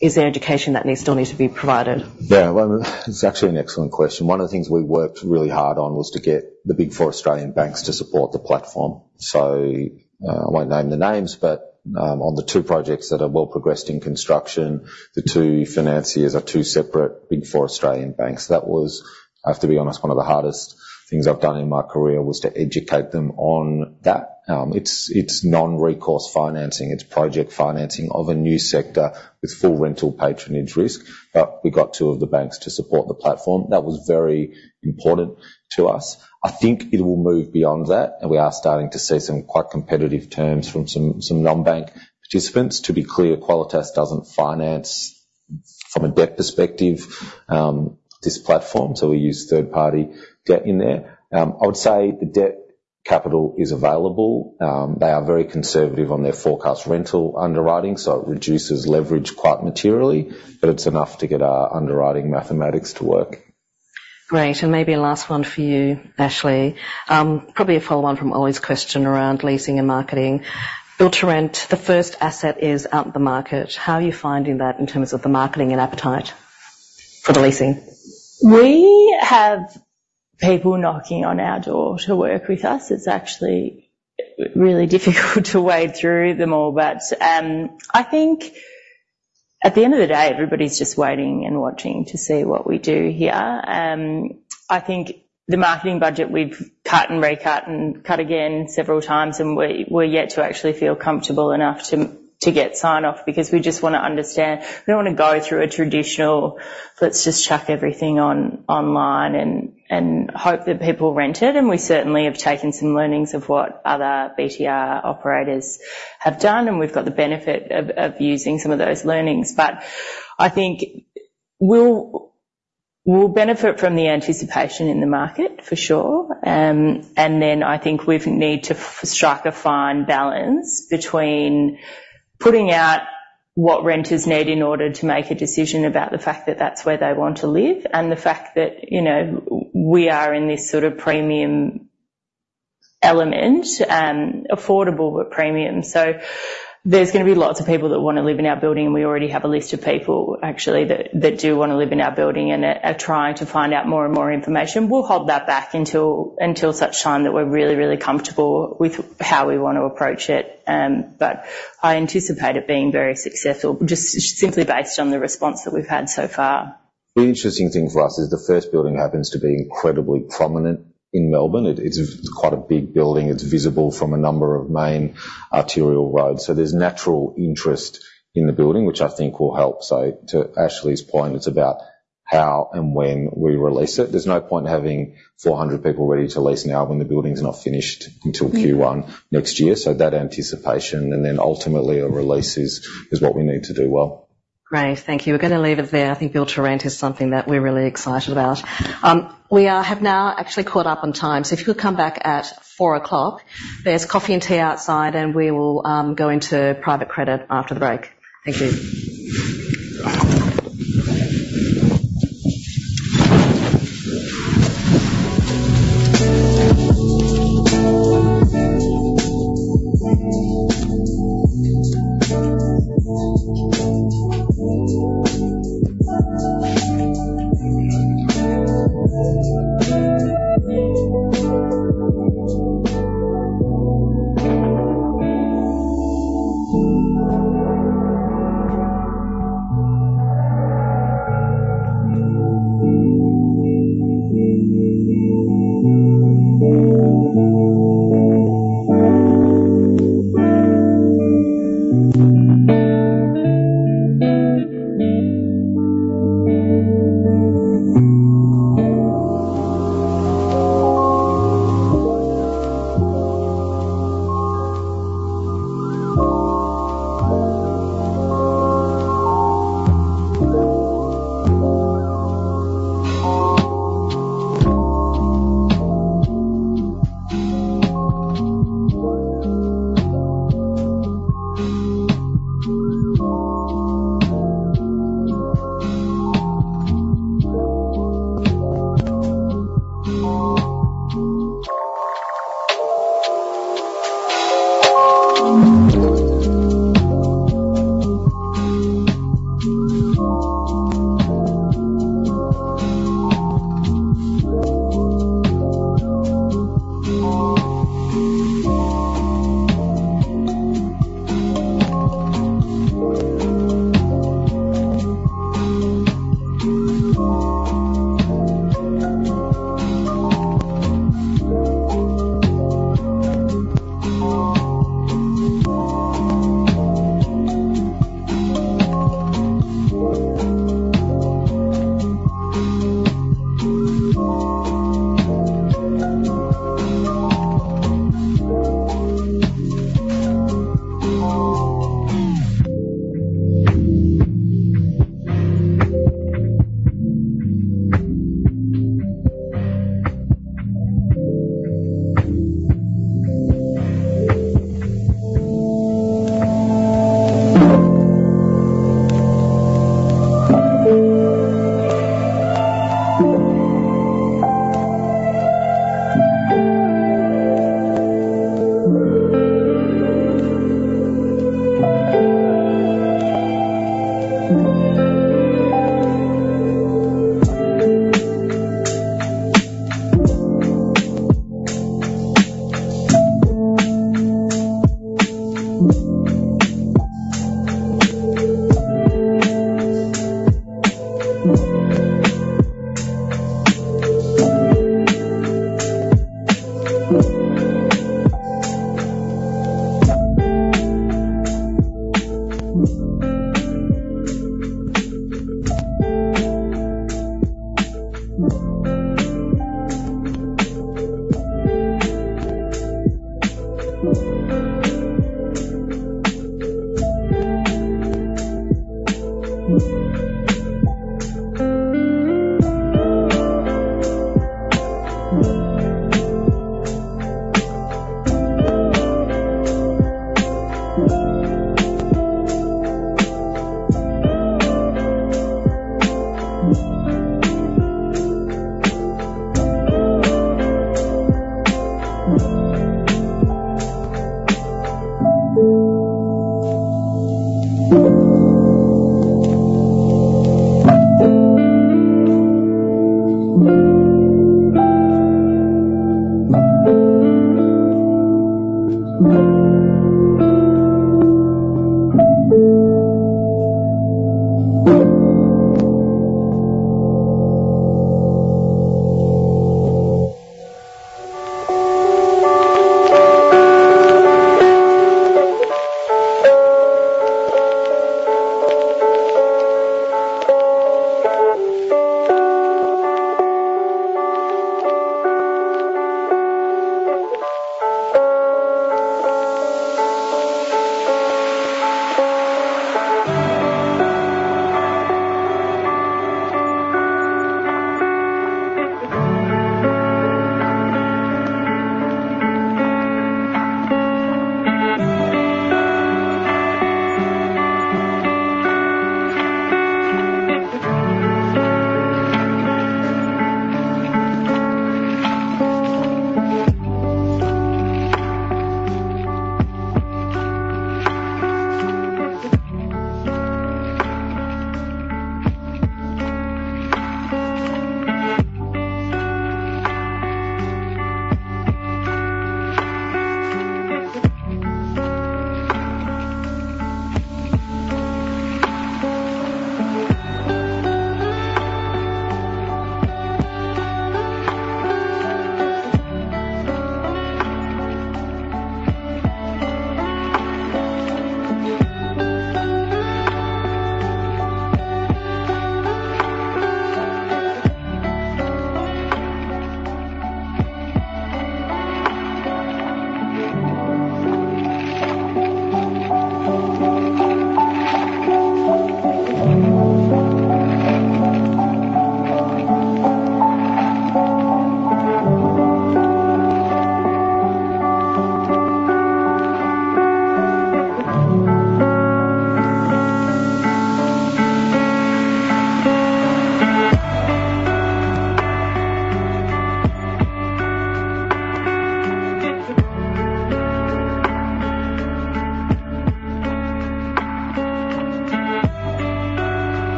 is there education that still needs to be provided? Yeah, well, it's actually an excellent question. One of the things we worked really hard on was to get the Big Four Australian banks to support the platform. So, I won't name the names, but, on the two projects that are well progressed in construction, the two financiers are two separate Big Four Australian banks. That was, I have to be honest, one of the hardest things I've done in my career, was to educate them on that. It's, it's non-recourse financing. It's project financing of a new sector with full rental patronage risk. But we got two of the banks to support the platform. That was very important to us. I think it will move beyond that, and we are starting to see some quite competitive terms from some non-bank participants. To be clear, Qualitas doesn't finance from a debt perspective, this platform, so we use third-party debt in there. I would say the debt capital is available. They are very conservative on their forecast rental underwriting, so it reduces leverage quite materially, but it's enough to get our underwriting mathematics to work. Great, and maybe a last one for you, Ashleigh. Probably a follow-on from Ollie's question around leasing and marketing. Build-to-Rent, the first asset is out in the market. How are you finding that in terms of the marketing and appetite for the leasing? We have people knocking on our door to work with us. It's actually really difficult to wade through them all. But I think at the end of the day, everybody's just waiting and watching to see what we do here. I think the marketing budget we've cut and recut and cut again several times, and we're yet to actually feel comfortable enough to get sign-off because we just wanna understand. We don't want to go through a traditional, "Let's just chuck everything online and hope that people rent it." And we certainly have taken some learnings of what other BTR operators have done, and we've got the benefit of using some of those learnings. But I think we'll benefit from the anticipation in the market for sure. And then I think we need to strike a fine balance between putting out what renters need in order to make a decision about the fact that that's where they want to live, and the fact that, you know, we are in this sort of premium element, affordable but premium. So there's gonna be lots of people that wanna live in our building, and we already have a list of people actually, that do wanna live in our building and are trying to find out more and more information. We'll hold that back until such time that we're really, really comfortable with how we want to approach it. But I anticipate it being very successful, just simply based on the response that we've had so far. The interesting thing for us is the first building happens to be incredibly prominent in Melbourne. It, it's quite a big building. It's visible from a number of main arterial roads, so there's natural interest in the building, which I think will help. So to Ashleigh's point, it's about how and when we release it. There's no point in having 400 people ready to lease now when the building's not finished until Q1 next year. So that anticipation and then ultimately a release is, is what we need to do well. Great. Thank you. We're gonna leave it there. I think Build-to-Rent is something that we're really excited about. We have now actually caught up on time, so if you could come back at four o'clock. There's coffee and tea outside, and we will go into private credit after the break. Thank you.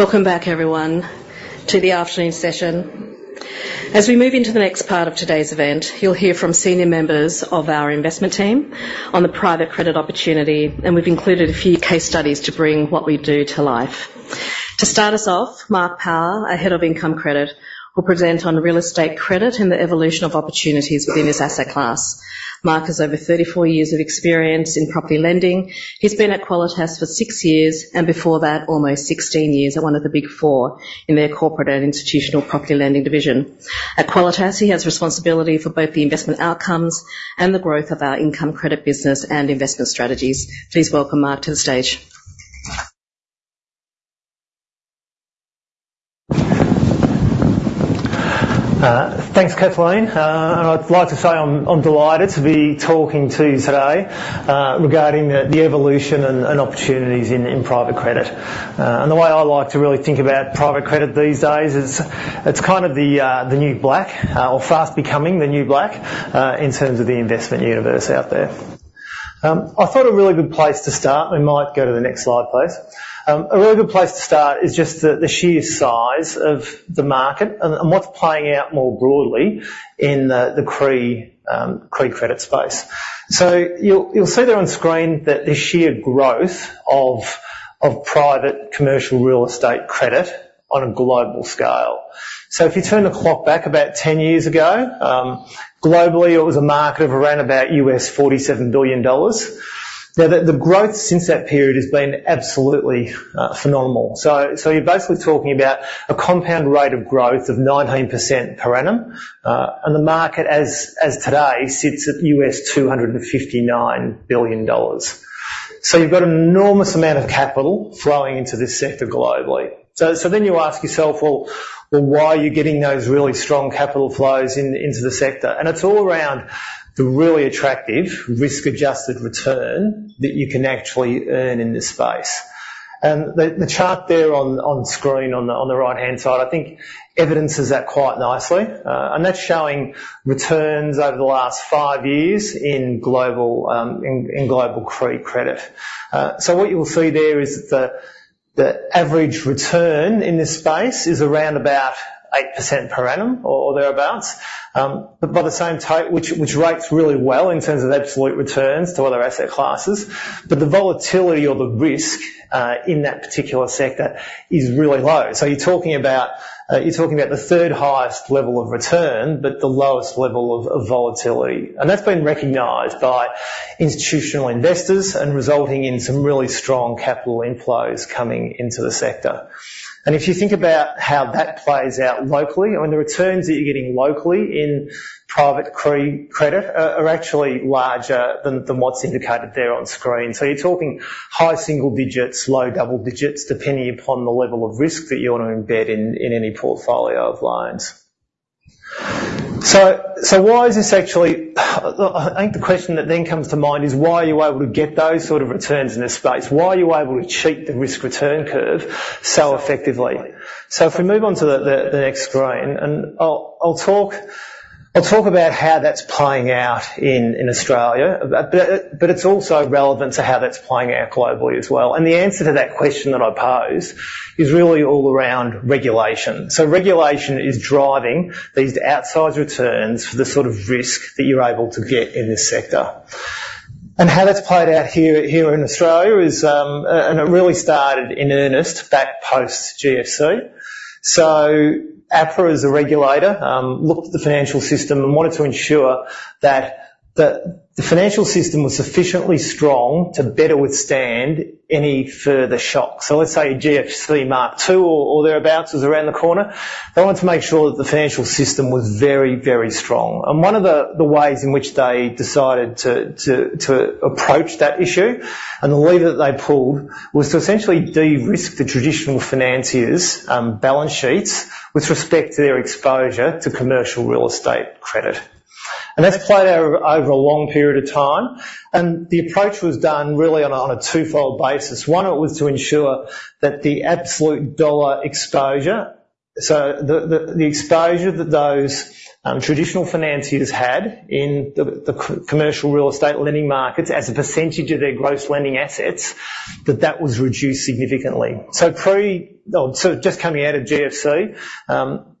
Welcome back, everyone, to the afternoon session. As we move into the next part of today's event, you'll hear from senior members of our investment team on the private credit opportunity, and we've included a few case studies to bring what we do to life... To start us off, Mark Power, our Head of Income Credit, will present on real estate credit and the evolution of opportunities within this asset class. Mark has over 34 years of experience in property lending. He's been at Qualitas for six years, and before that, almost 16 years at one of the Big Four in their corporate and institutional property lending division. At Qualitas, he has responsibility for both the investment outcomes and the growth of our income credit, business, and investment strategies. Please welcome Mark to the stage. Thanks, Kathleen. And I'd like to say I'm delighted to be talking to you today, regarding the evolution and opportunities in private credit. And the way I like to really think about private credit these days is, it's kind of the new black, or fast becoming the new black, in terms of the investment universe out there. I thought a really good place to start. We might go to the next slide, please. A really good place to start is just the sheer size of the market and what's playing out more broadly in the CRE credit space. So you'll see there on screen that the sheer growth of private commercial real estate credit on a global scale. So if you turn the clock back about 10 years ago, globally, it was a market of around about $47 billion. Now, the growth since that period has been absolutely phenomenal. So you're basically talking about a compound rate of growth of 19% per annum, and the market as today sits at $259 billion. So you've got an enormous amount of capital flowing into this sector globally. So then you ask yourself, well, why are you getting those really strong capital flows into the sector? And it's all around the really attractive risk-adjusted return that you can actually earn in this space. And the chart there on screen, on the right-hand side, I think evidences that quite nicely, and that's showing returns over the last five years in global CRE credit. So what you will see there is that the average return in this space is around about 8% per annum or thereabouts. But by the same token, which rates really well in terms of absolute returns to other asset classes, but the volatility or the risk in that particular sector is really low. So you're talking about the third highest level of return, but the lowest level of volatility, and that's been recognized by institutional investors and resulting in some really strong capital inflows coming into the sector. And if you think about how that plays out locally, I mean, the returns that you're getting locally in private credit are actually larger than what's indicated there on screen. So you're talking high single digits, low double digits, depending upon the level of risk that you want to embed in any portfolio of loans. So why is this actually. Look, I think the question that then comes to mind is, why are you able to get those sort of returns in this space? Why are you able to cheat the risk return curve so effectively? So if we move on to the next screen, and I'll talk about how that's playing out in Australia, but it's also relevant to how that's playing out globally as well. The answer to that question that I pose is really all around regulation. Regulation is driving these outsized returns for the sort of risk that you're able to get in this sector. How that's played out here in Australia is, and it really started in earnest back post GFC. APRA, as a regulator, looked at the financial system and wanted to ensure that the financial system was sufficiently strong to better withstand any further shocks. Let's say GFC mark two or thereabouts was around the corner. They wanted to make sure that the financial system was very, very strong, and one of the ways in which they decided to approach that issue, and the lever that they pulled, was to essentially de-risk the traditional financiers' balance sheets with respect to their exposure to commercial real estate credit. And that's played out over a long period of time, and the approach was done really on a twofold basis. One, it was to ensure that the absolute dollar exposure, so the exposure that those traditional financiers had in the commercial real estate lending markets as a percentage of their gross lending assets, that that was reduced significantly. So just coming out of GFC,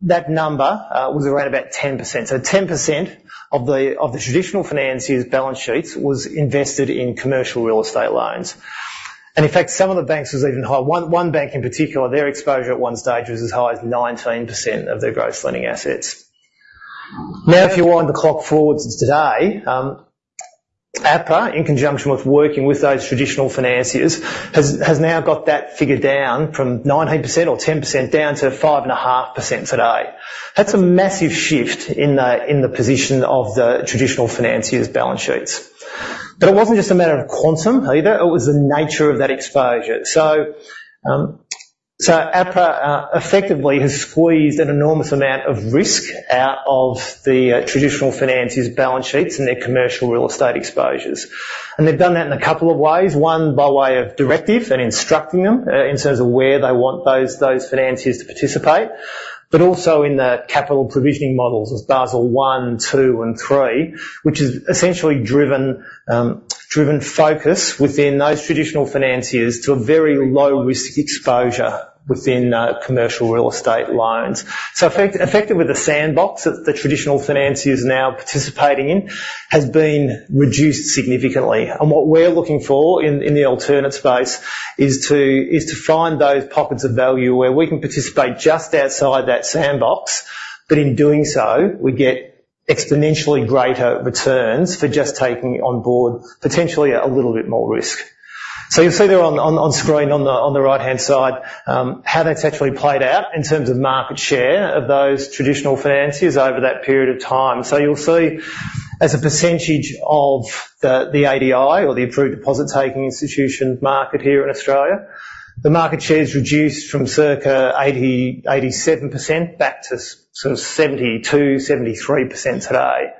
that number was around about 10%. So 10% of the traditional financiers' balance sheets was invested in commercial real estate loans, and in fact, some of the banks was even high. One bank in particular, their exposure at one stage was as high as 19% of their gross lending assets. Now, if you wind the clock forward to today, APRA, in conjunction with working with those traditional financiers, has now got that figure down from 19% or 10% down to 5.5% today. That's a massive shift in the position of the traditional financiers' balance sheets. But it wasn't just a matter of quantum either, it was the nature of that exposure. So APRA effectively has squeezed an enormous amount of risk out of the traditional financiers' balance sheets and their commercial real estate exposures. They've done that in a couple of ways. One, by way of directive and instructing them in terms of where they want those financiers to participate, but also in the capital provisioning models as Basel I, II, and III, which has essentially driven focus within those traditional financiers to a very low-risk exposure within commercial real estate loans. So effectively, the sandbox that the traditional financiers now participating in has been reduced significantly, and what we're looking for in the alternate space is to find those pockets of value where we can participate just outside that sandbox, but in doing so, we get exponentially greater returns for just taking on board, potentially, a little bit more risk. So you'll see there on screen, on the right-hand side, how that's actually played out in terms of market share of those traditional financiers over that period of time. So you'll see, as a percentage of the ADI, or the Approved Deposit-taking Institution market here in Australia, the market share has reduced from circa 87% back to sort of 72%-73% today,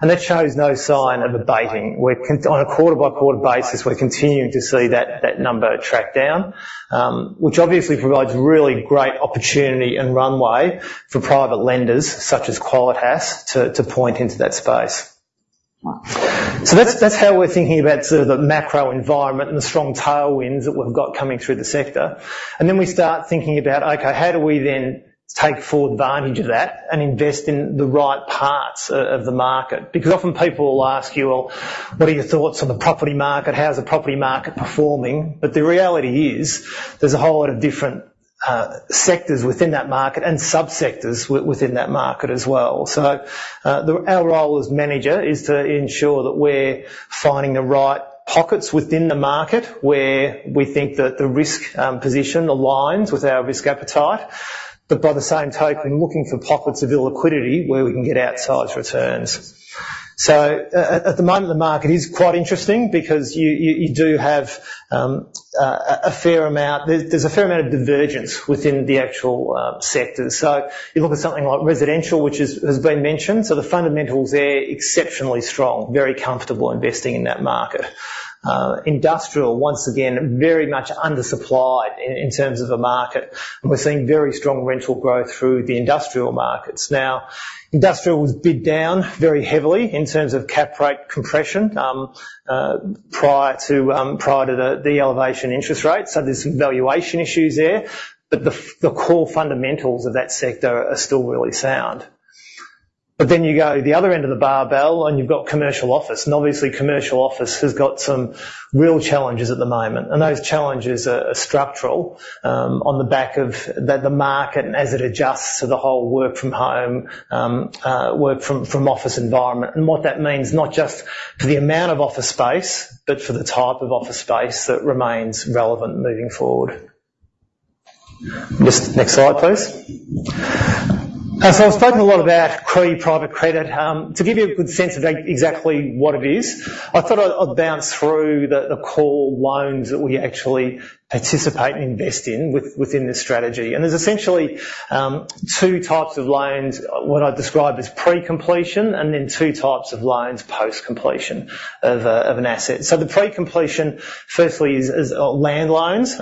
and that shows no sign of abating. On a quarter-by-quarter basis, we're continuing to see that number track down, which obviously provides really great opportunity and runway for private lenders, such as Qualitas, to point into that space. So that's how we're thinking about sort of the macro environment and the strong tailwinds that we've got coming through the sector. Then we start thinking about, okay, how do we then take full advantage of that and invest in the right parts of the market? Because often people will ask you, "Well, what are your thoughts on the property market? How is the property market performing?" But the reality is, there's a whole lot of different sectors within that market, and sub-sectors within that market as well. So, our role as manager is to ensure that we're finding the right pockets within the market, where we think that the risk position aligns with our risk appetite, but by the same token, looking for pockets of illiquidity where we can get outsized returns. So at the moment, the market is quite interesting because you do have a fair amount... There's a fair amount of divergence within the actual sectors. So you look at something like residential, which has been mentioned, so the fundamentals there, exceptionally strong, very comfortable investing in that market. Industrial, once again, very much undersupplied in terms of a market, and we're seeing very strong rental growth through the industrial markets. Now, industrial was bid down very heavily in terms of cap rate compression, prior to the elevation in interest rates, so there's some valuation issues there. But the core fundamentals of that sector are still really sound. But then you go the other end of the barbell, and you've got commercial office, and obviously, commercial office has got some real challenges at the moment, and those challenges are structural, on the back of the market as it adjusts to the whole work from home, work from office environment, and what that means, not just for the amount of office space, but for the type of office space that remains relevant moving forward. Just next slide, please. So I've spoken a lot about CRE private credit. To give you a good sense of exactly what it is, I thought I'd bounce through the core loans that we actually participate and invest in within this strategy. And there's essentially two types of loans, what I'd describe as pre-completion, and then two types of loans post-completion of an asset. So the pre-completion, firstly, is are land loans.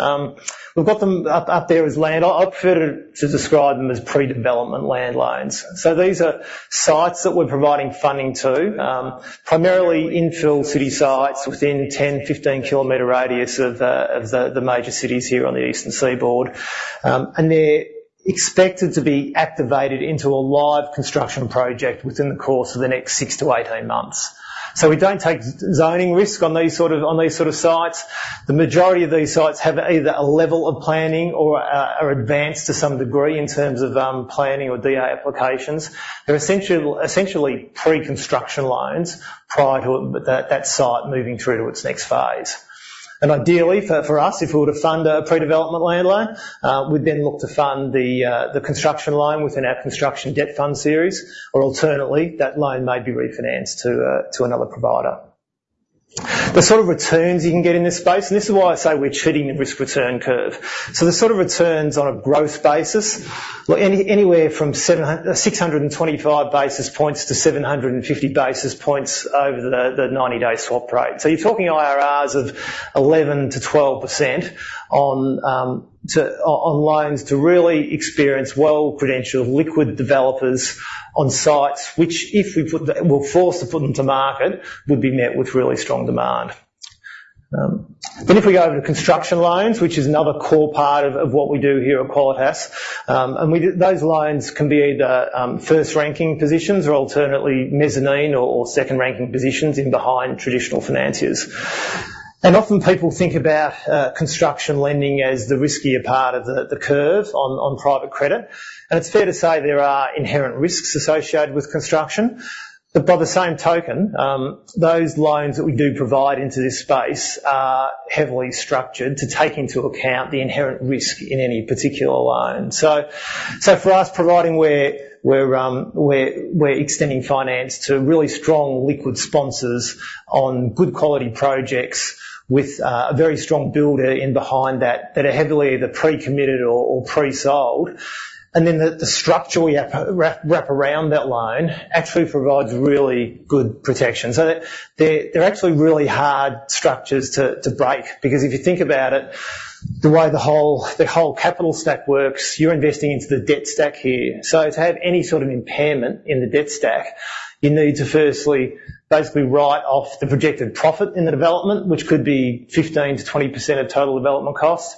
We've got them up there as land. I prefer to describe them as pre-development land loans. So these are sites that we're providing funding to, primarily infill city sites within 10-15 kilometer radius of the major cities here on the eastern seaboard. And they're expected to be activated into a live construction project within the course of the next 6-18 months. So we don't take zoning risk on these sort of sites. The majority of these sites have either a level of planning or are advanced to some degree in terms of planning or DA applications. They're essentially pre-construction loans prior to that site moving through to its next phase. And ideally for us, if we were to fund a pre-development land loan, we'd then look to fund the construction loan within our construction debt fund series, or alternately, that loan may be refinanced to another provider. The sort of returns you can get in this space, and this is why I say we're cheating the risk-return curve. So the sort of returns on a growth basis, anywhere from 625 basis points to 750 basis points over the 90-day swap rate. So you're talking IRRs of 11%-12% on loans to really experienced well-credentialed, liquid developers on sites, which if we were forced to put them to market, would be met with really strong demand. Then if we go over to construction loans, which is another core part of what we do here at Qualitas, and those loans can be either first-ranking positions or alternately mezzanine or second-ranking positions behind traditional financiers. And often people think about construction lending as the riskier part of the curve on private credit, and it's fair to say there are inherent risks associated with construction. But by the same token, those loans that we do provide into this space are heavily structured to take into account the inherent risk in any particular loan. So for us, provided we're extending finance to really strong liquid sponsors on good quality projects with a very strong builder behind that that are heavily either pre-committed or pre-sold, and then the structure we wrap around that loan actually provides really good protection. So they're actually really hard structures to break, because if you think about it, the way the whole capital stack works, you're investing into the debt stack here. So to have any sort of impairment in the debt stack, you need to firstly basically write off the projected profit in the development, which could be 15%-20% of total development costs.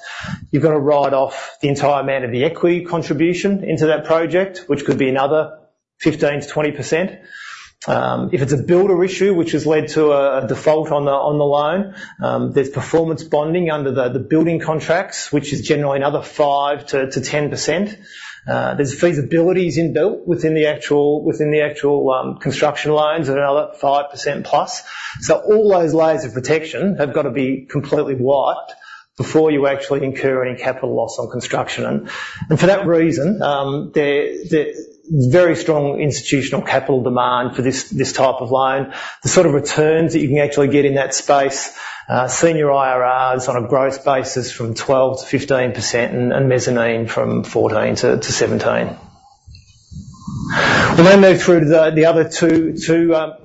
You've got to write off the entire amount of the equity contribution into that project, which could be another 15%-20%. If it's a builder issue which has led to a default on the loan, there's performance bonding under the building contracts, which is generally another 5%-10%. There's feasibilities built within the actual construction loans at another 5%+. So all those layers of protection have got to be completely wiped before you actually incur any capital loss on construction. And for that reason, there's very strong institutional capital demand for this type of loan. The sort of returns that you can actually get in that space, senior IRRs on a growth basis from 12%-15% and mezzanine from 14%-17%. We'll then move through to the other two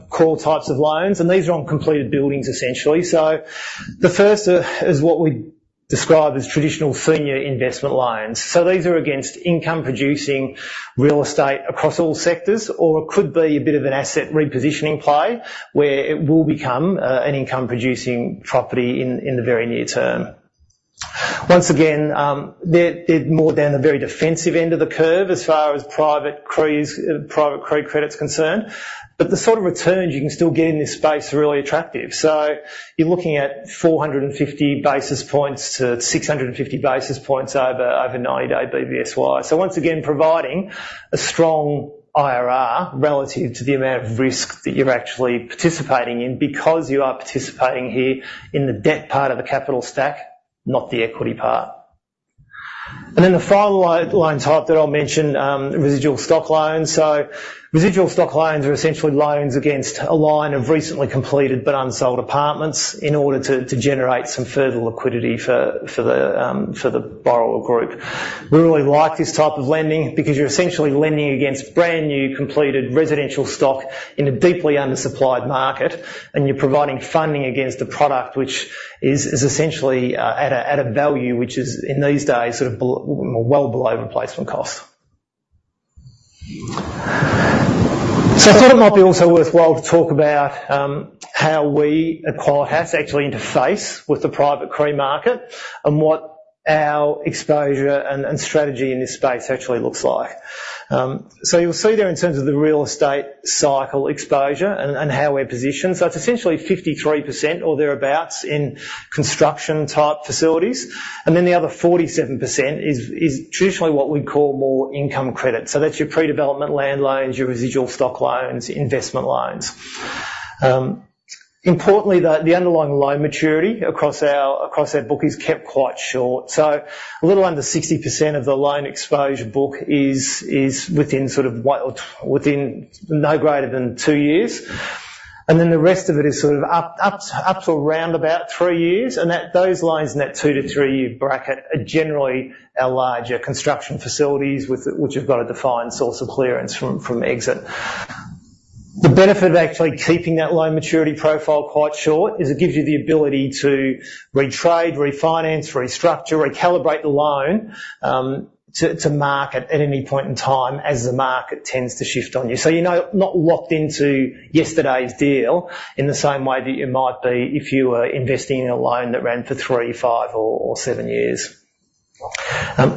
core types of loans, and these are on completed buildings, essentially. So the first is what we describe as traditional senior investment loans. So these are against income-producing real estate across all sectors, or it could be a bit of an asset repositioning play, where it will become an income-producing property in the very near term. Once again, they're more down the very defensive end of the curve as far as private CREs, private CRE credit is concerned, but the sort of returns you can still get in this space are really attractive. So you're looking at 450-650 basis points over 90-day BBSY. So once again, providing a strong IRR relative to the amount of risk that you're actually participating in, because you are participating here in the debt part of the capital stack, not the equity part. And then the final loan type that I'll mention, residual stock loans. So residual stock loans are essentially loans against a line of recently completed but unsold apartments in order to generate some further liquidity for the borrower group. We really like this type of lending because you're essentially lending against brand-new, completed residential stock in a deeply undersupplied market, and you're providing funding against a product which is essentially at a value which is, in these days, sort of well below replacement cost. So I thought it might be also worthwhile to talk about how we at Qualitas actually interface with the private CRE market and what our exposure and strategy in this space actually looks like. So you'll see there in terms of the real estate cycle exposure and how we're positioned. So it's essentially 53% or thereabouts, in construction-type facilities, and then the other 47% is traditionally what we'd call more income credit. So that's your pre-development land loans, your residual stock loans, investment loans. Importantly, the underlying loan maturity across our book is kept quite short. So a little under 60% of the loan exposure book is within no greater than 2 years, and then the rest of it is sort of up to around about 3 years, and those loans in that 2-3-year bracket are generally our larger construction facilities, which have got a defined source of clearance from exit. The benefit of actually keeping that loan maturity profile quite short is it gives you the ability to retrade, refinance, restructure, recalibrate the loan to market at any point in time as the market tends to shift on you. So you're not locked into yesterday's deal in the same way that you might be if you were investing in a loan that ran for three, five, or seven years.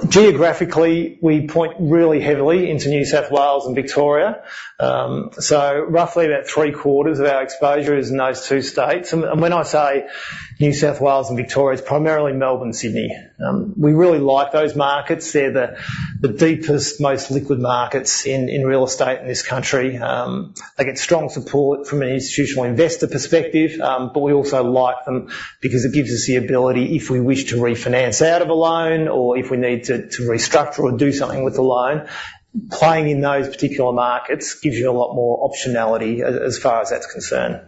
Geographically, we point really heavily into New South Wales and Victoria. So roughly about three-quarters of our exposure is in those two states. And when I say New South Wales and Victoria, it's primarily Melbourne and Sydney. We really like those markets. They're the deepest, most liquid markets in real estate in this country. They get strong support from an institutional investor perspective, but we also like them because it gives us the ability, if we wish to refinance out of a loan or if we need to, to restructure or do something with the loan, playing in those particular markets gives you a lot more optionality as far as that's concerned.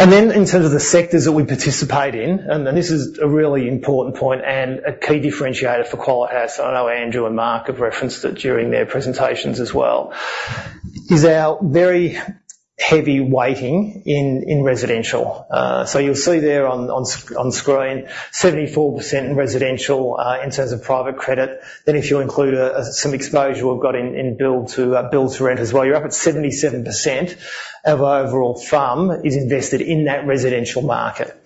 And then in terms of the sectors that we participate in, this is a really important point and a key differentiator for Qualitas. I know Andrew and Mark have referenced it during their presentations as well, is our very heavy weighting in residential. So you'll see there on screen, 74% in residential, in terms of private credit. Then if you include some exposure we've got in build-to-rent as well, you're up at 77% of our overall FUM is invested in that residential market.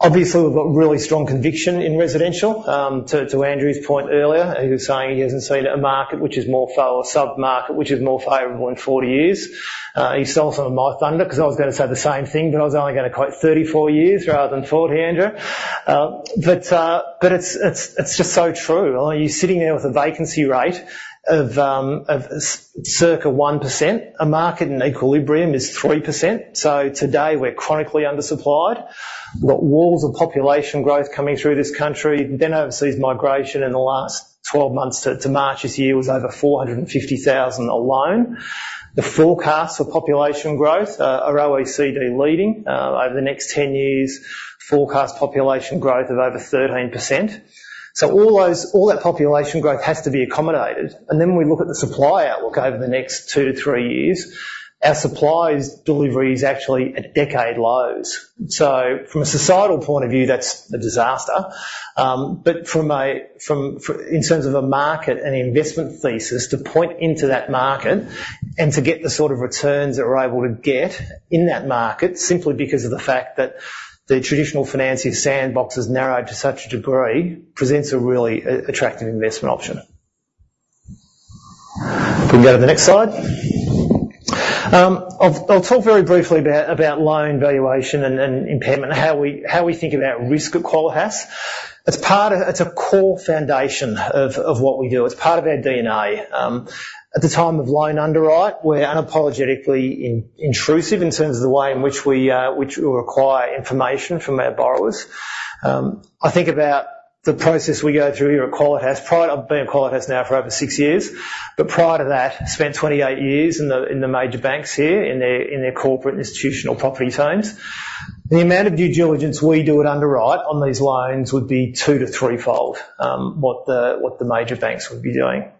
Obviously, we've got really strong conviction in residential. To Andrew's point earlier, he was saying he hasn't seen a market which is more so a sub-market, which is more favorable in 40 years. He stole some of my thunder because I was going to say the same thing, but I was only going to quote 34 years rather than 40, Andrew. But it's just so true. You're sitting there with a vacancy rate of circa 1%. A market in equilibrium is 3%, so today we're chronically undersupplied. We've got walls of population growth coming through this country. Then overseas migration in the last 12 months to March this year was over 450,000 alone. The forecasts for population growth are OECD leading over the next 10 years, forecast population growth of over 13%. So all that population growth has to be accommodated. And then when we look at the supply outlook over the next 2-3 years, our supply's delivery is actually at decade lows. So from a societal point of view, that's a disaster. But from a, in terms of a market and investment thesis, to point into that market and to get the sort of returns that we're able to get in that market, simply because of the fact that the traditional financing sandbox is narrowed to such a degree, presents a really attractive investment option. We can go to the next slide. I'll talk very briefly about loan valuation and impairment, and how we think about risk at Qualitas. It's part of... It's a core foundation of what we do. It's part of our DNA. At the time of loan underwrite, we're unapologetically intrusive in terms of the way in which we require information from our borrowers. I think about the process we go through here at Qualitas. Prior, I've been at Qualitas now for over six years, but prior to that, spent 28 years in the major banks here, in their corporate institutional property teams. The amount of due diligence we do at underwrite on these loans would be two- to three-fold what the major banks would be doing.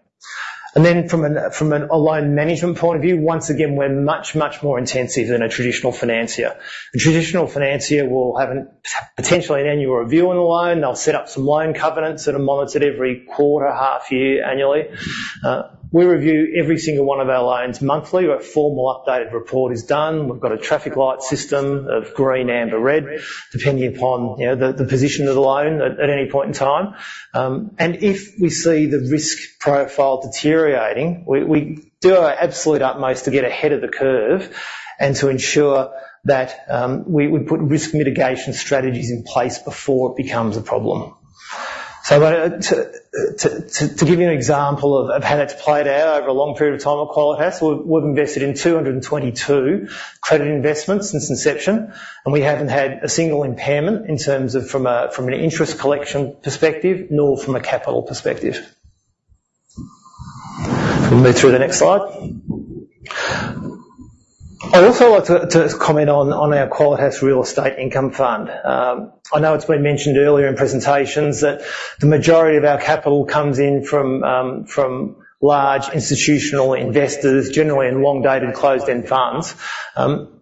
And then from a loan management point of view, once again, we're much, much more intensive than a traditional financier. A traditional financier will have potentially an annual review on the loan. They'll set up some loan covenants that are monitored every quarter, half year, annually. We review every single one of our loans monthly. A formal updated report is done. We've got a traffic light system of green, amber, red, depending upon, you know, the position of the loan at any point in time. And if we see the risk profile deteriorating, we do our absolute utmost to get ahead of the curve and to ensure that we put risk mitigation strategies in place before it becomes a problem. So to give you an example of how that's played out over a long period of time at Qualitas, we've invested in 222 credit investments since inception, and we haven't had a single impairment in terms of from an interest collection perspective, nor from a capital perspective. We'll move through the next slide. I'd also like to comment on our Qualitas Real Estate Income Fund. I know it's been mentioned earlier in presentations that the majority of our capital comes in from, from large institutional investors, generally in long-dated, closed-end funds.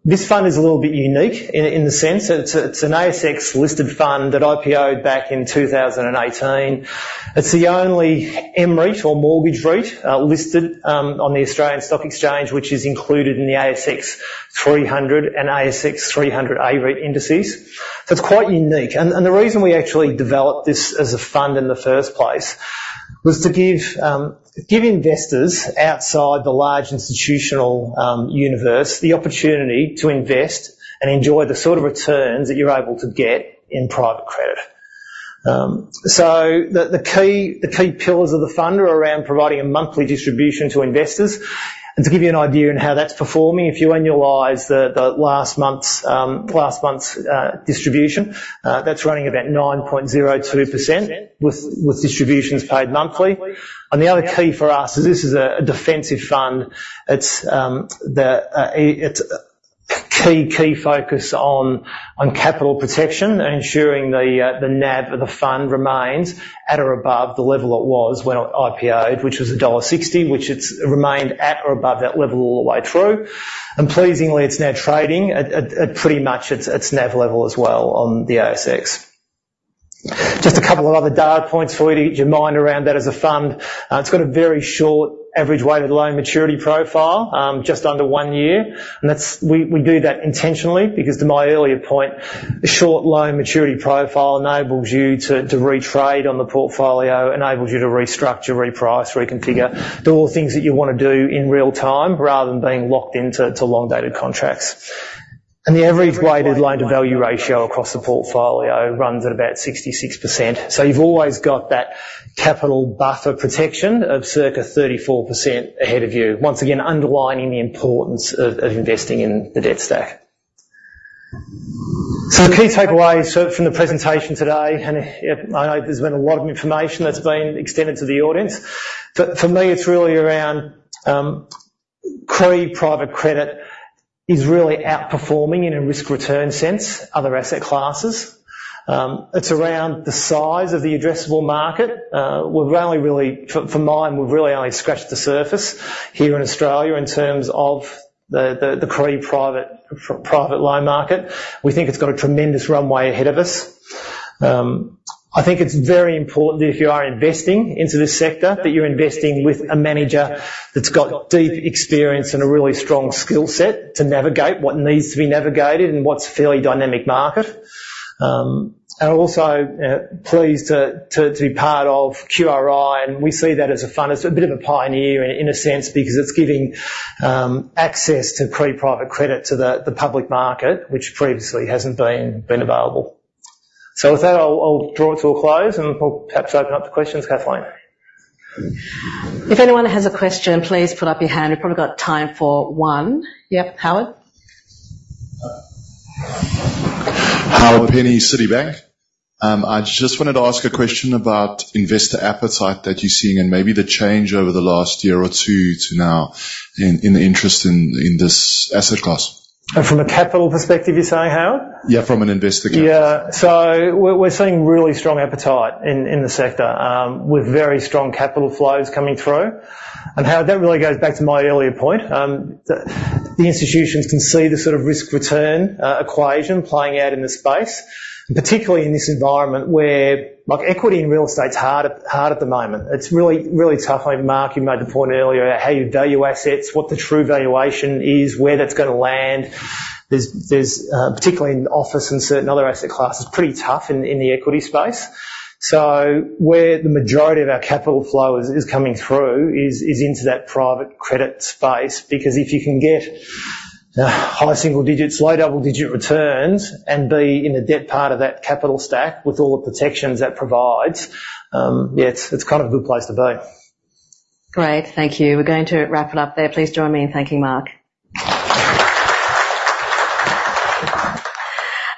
This fund is a little bit unique in, in the sense that it's, it's an ASX-listed fund that IPO'd back in 2018. It's the only mREIT or mortgage REIT, listed, on the Australian Stock Exchange, which is included in the ASX 300 and ASX 300 A-REIT indices. So it's quite unique, and, and the reason we actually developed this as a fund in the first place was to give, give investors outside the large institutional, universe, the opportunity to invest and enjoy the sort of returns that you're able to get in private credit. So the key pillars of the fund are around providing a monthly distribution to investors, and to give you an idea on how that's performing, if you annualize the last month's distribution, that's running about 9.02%, with distributions paid monthly. And the other key for us is this is a defensive fund. It's its key focus on capital protection and ensuring the NAV of the fund remains at or above the level it was when it IPO'd, which was dollar 1.60, which it's remained at or above that level all the way through. And pleasingly, it's now trading at pretty much its NAV level as well on the ASX. Just a couple of other data points for you to get your mind around that as a fund. It's got a very short average weighted loan maturity profile, just under one year, and that's... We do that intentionally because to my earlier point, a short loan maturity profile enables you to re-trade on the portfolio, enables you to restructure, reprice, reconfigure, do all the things that you want to do in real time, rather than being locked into long-dated contracts. The average weighted loan-to-value ratio across the portfolio runs at about 66%. So you've always got that capital buffer protection of circa 34% ahead of you. Once again, underlining the importance of investing in the debt stack. So the key takeaways from the presentation today, and I know there's been a lot of information that's been extended to the audience, but for me, it's really around private credit is really outperforming in a risk-return sense other asset classes. It's around the size of the addressable market. We've only really from my end really only scratched the surface here in Australia in terms of the private loan market. We think it's got a tremendous runway ahead of us. I think it's very important that if you are investing into this sector, that you're investing with a manager that's got deep experience and a really strong skill set to navigate what needs to be navigated in what's a fairly dynamic market. And also, pleased to be part of QRI, and we see that as a fund, as a bit of a pioneer in a sense, because it's giving access to pure private credit to the public market, which previously hasn't been available. So with that, I'll draw it to a close and we'll perhaps open up the questions. Kathleen? If anyone has a question, please put up your hand. We've probably got time for one. Yep, Howard. Howard Penny, Citibank. I just wanted to ask a question about investor appetite that you're seeing and maybe the change over the last year or two to now in the interest in this asset class. And from a capital perspective, you're saying, Howard? Yeah, from an investor perspective. Yeah. So we're seeing really strong appetite in the sector with very strong capital flows coming through. And Howard, that really goes back to my earlier point that the institutions can see the sort of risk-return equation playing out in this space, and particularly in this environment where, like, equity in real estate is hard at the moment. It's really, really tough. I mean, Mark, you made the point earlier about how you value assets, what the true valuation is, where that's going to land. There's particularly in office and certain other asset classes, pretty tough in the equity space. So where the majority of our capital flow is coming through is into that private credit space, because if you can get-... High single digits, low double digit returns, and be in the debt part of that capital stack with all the protections that provides, it's, it's kind of a good place to be. Great. Thank you. We're going to wrap it up there. Please join me in thanking Mark.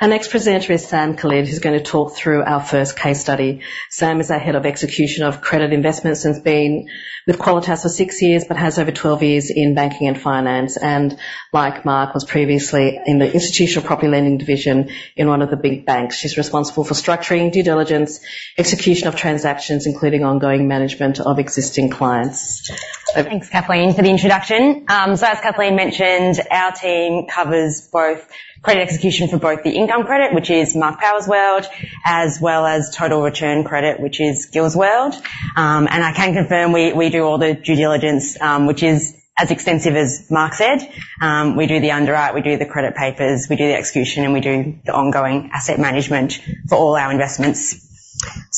Our next presenter is Sam Khalid, who's gonna talk through our first case study. Sam is our Head of Execution of Credit Investments, and has been with Qualitas for 6 years, but has over 12 years in banking and finance, and like Mark, was previously in the institutional property lending division in one of the big banks. She's responsible for structuring, due diligence, execution of transactions, including ongoing management of existing clients. Thanks, Kathleen, for the introduction. So as Kathleen mentioned, our team covers both credit execution for both the income credit, which is Mark Power's world, as well as Total Return Credit, which is GIC's world. And I can confirm we do all the due diligence, which is as extensive as Mark said. We do the underwrite, we do the credit papers, we do the execution, and we do the ongoing asset management for all our investments.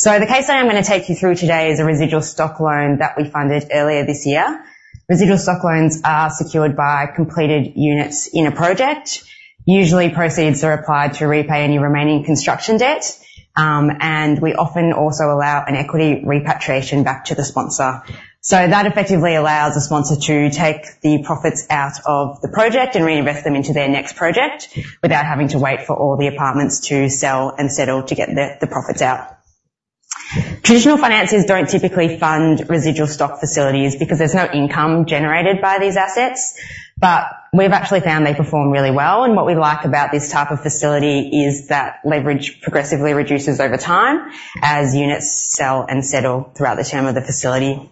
The case study I'm gonna take you through today is a residual stock loan that we funded earlier this year. Residual stock loans are secured by completed units in a project. Usually, proceeds are applied to repay any remaining construction debt, and we often also allow an equity repatriation back to the sponsor. So that effectively allows the sponsor to take the profits out of the project and reinvest them into their next project, without having to wait for all the apartments to sell and settle to get the, the profits out. Traditional financiers don't typically fund residual stock facilities because there's no income generated by these assets, but we've actually found they perform really well, and what we like about this type of facility is that leverage progressively reduces over time as units sell and settle throughout the term of the facility.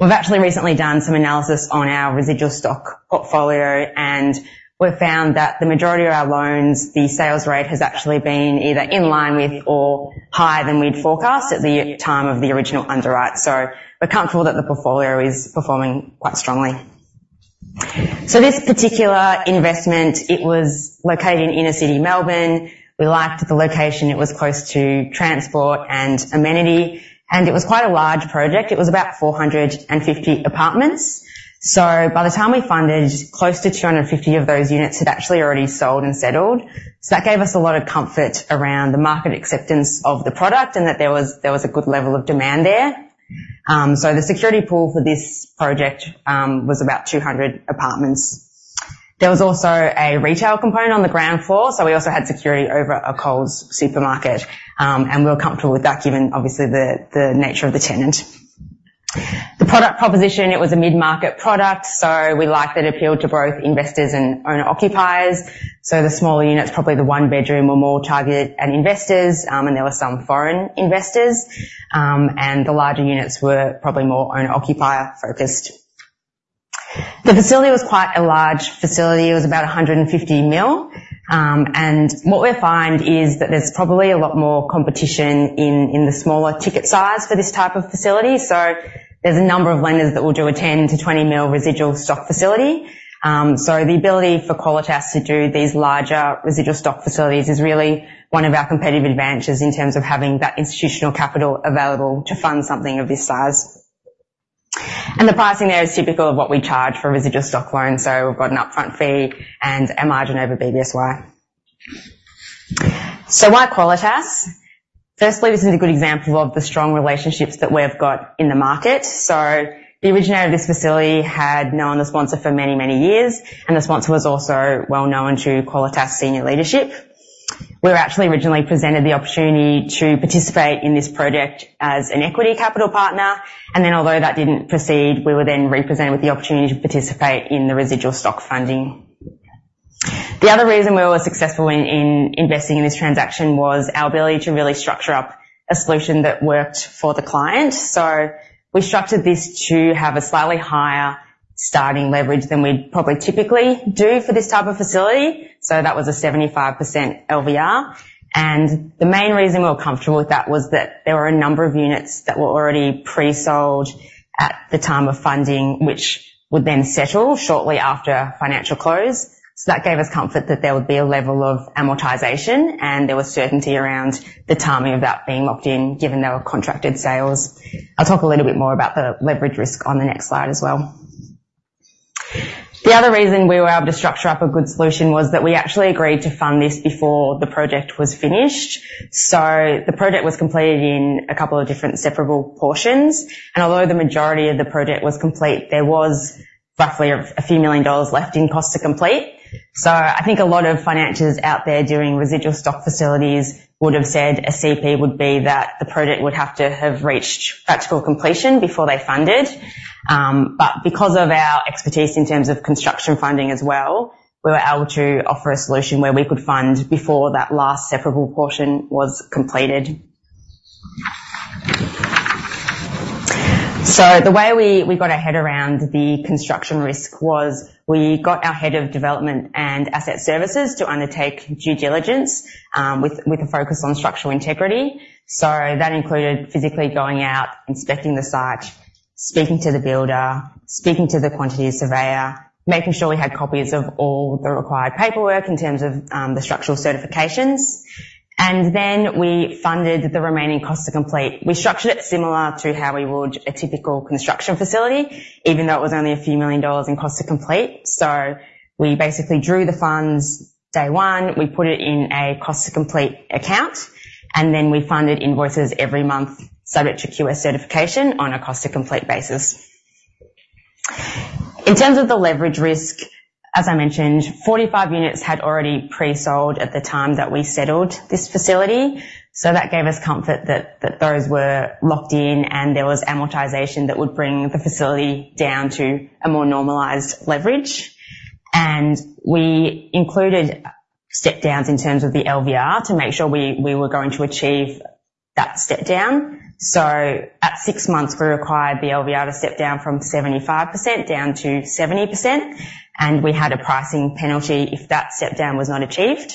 We've actually recently done some analysis on our residual stock portfolio, and we've found that the majority of our loans, the sales rate, has actually been either in line with or higher than we'd forecast at the time of the original underwrite. So we're comfortable that the portfolio is performing quite strongly. So this particular investment, it was located in inner-city Melbourne. We liked the location. It was close to transport and amenity, and it was quite a large project. It was about 450 apartments. So by the time we funded, close to 250 of those units had actually already sold and settled. So that gave us a lot of comfort around the market acceptance of the product and that there was a good level of demand there. So the security pool for this project was about 200 apartments. There was also a retail component on the ground floor, so we also had security over a Coles supermarket. And we were comfortable with that, given obviously the nature of the tenant. The product proposition, it was a mid-market product, so we liked that it appealed to both investors and owner-occupiers. So the smaller units, probably the one-bedroom, were more targeted at investors, and there were some foreign investors. And the larger units were probably more owner-occupier focused. The facility was quite a large facility. It was about 150 million. And what we find is that there's probably a lot more competition in the smaller ticket size for this type of facility. So there's a number of lenders that will do a 10 million-20 million residual stock facility. So the ability for Qualitas to do these larger residual stock facilities is really one of our competitive advantages in terms of having that institutional capital available to fund something of this size. The pricing there is typical of what we charge for a residual stock loan, so we've got an upfront fee and a margin over BBSY. So why Qualitas? Firstly, this is a good example of the strong relationships that we've got in the market. So the originator of this facility had known the sponsor for many, many years, and the sponsor was also well known to Qualitas senior leadership. We were actually originally presented the opportunity to participate in this project as an equity capital partner, and then although that didn't proceed, we were then presented with the opportunity to participate in the residual stock funding. The other reason we were successful in investing in this transaction was our ability to really structure up a solution that worked for the client. So we structured this to have a slightly higher starting leverage than we'd probably typically do for this type of facility. So that was a 75% LVR, and the main reason we were comfortable with that was that there were a number of units that were already pre-sold at the time of funding, which would then settle shortly after financial close. So that gave us comfort that there would be a level of amortization, and there was certainty around the timing of that being locked in, given there were contracted sales. I'll talk a little bit more about the leverage risk on the next slide as well. The other reason we were able to structure up a good solution was that we actually agreed to fund this before the project was finished. So the project was completed in a couple of different separable portions, and although the majority of the project was complete, there was roughly a few million AUD left in cost to complete. So I think a lot of financiers out there doing residual stock facilities would have said a CP would be that the project would have to have reached practical completion before they funded. But because of our expertise in terms of construction funding as well, we were able to offer a solution where we could fund before that last separable portion was completed. So the way we got our head around the construction risk was we got our Head of Development and Asset Services to undertake due diligence with a focus on structural integrity. So that included physically going out, inspecting the site, speaking to the builder, speaking to the quantity surveyor, making sure we had copies of all the required paperwork in terms of the structural certifications. And then we funded the remaining cost to complete. We structured it similar to how we would a typical construction facility, even though it was only a few million AUD in cost to complete. So we basically drew the funds day one, we put it in a cost to complete account, and then we funded invoices every month, subject to QS certification on a cost to complete basis. In terms of the leverage risk, as I mentioned, 45 units had already pre-sold at the time that we settled this facility, so that gave us comfort that, that those were locked in and there was amortization that would bring the facility down to a more normalized leverage. We included step downs in terms of the LVR to make sure we, we were going to achieve that step down. At six months, we required the LVR to step down from 75% down to 70%, and we had a pricing penalty if that step down was not achieved.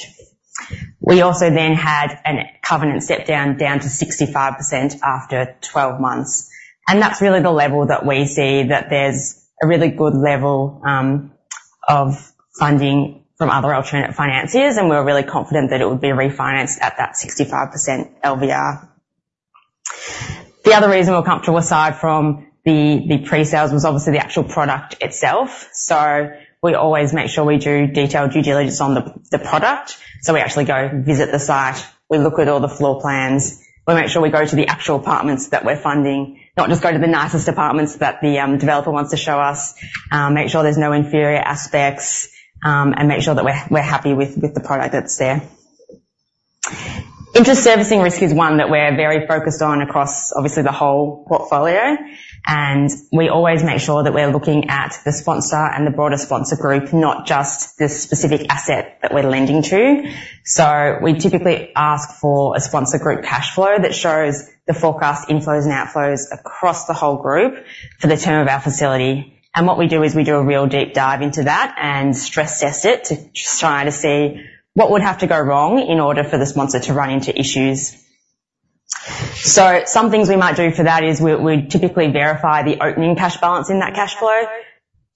We also then had a covenant step down, down to 65% after 12 months, and that's really the level that we see that there's a really good level of funding from other alternate financiers, and we were really confident that it would be refinanced at that 65% LVR. The other reason we were comfortable, aside from the pre-sales, was obviously the actual product itself. So we always make sure we do detailed due diligence on the product. So we actually go visit the site. We look at all the floor plans. We make sure we go to the actual apartments that we're funding, not just go to the nicest apartments that the developer wants to show us. Make sure there's no inferior aspects, and make sure that we're happy with the product that's there. Interest servicing risk is one that we're very focused on across, obviously, the whole portfolio, and we always make sure that we're looking at the sponsor and the broader sponsor group, not just the specific asset that we're lending to. So we typically ask for a sponsor group cash flow that shows the forecast inflows and outflows across the whole group for the term of our facility. What we do is we do a real deep dive into that and stress test it to try to see what would have to go wrong in order for the sponsor to run into issues. So some things we might do for that is we typically verify the opening cash balance in that cash flow,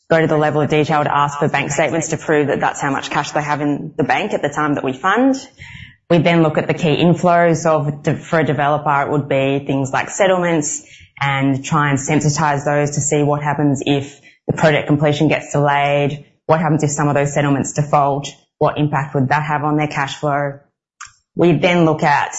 go to the level of detail to ask for bank statements to prove that that's how much cash they have in the bank at the time that we fund. We then look at the key inflows. For a developer, it would be things like settlements, and try and sensitize those to see what happens if the project completion gets delayed. What happens if some of those settlements default? What impact would that have on their cash flow? We then look at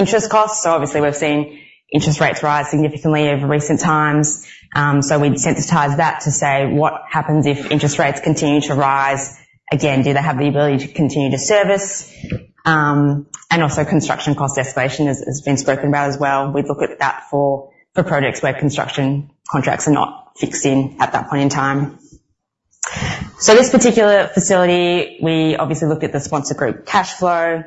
interest costs. So obviously, we've seen interest rates rise significantly over recent times. So we'd sensitize that to say: What happens if interest rates continue to rise again? Do they have the ability to continue to service? And also construction cost escalation has been spoken about as well. We'd look at that for projects where construction contracts are not fixed in at that point in time. So this particular facility, we obviously looked at the sponsor group cash flow.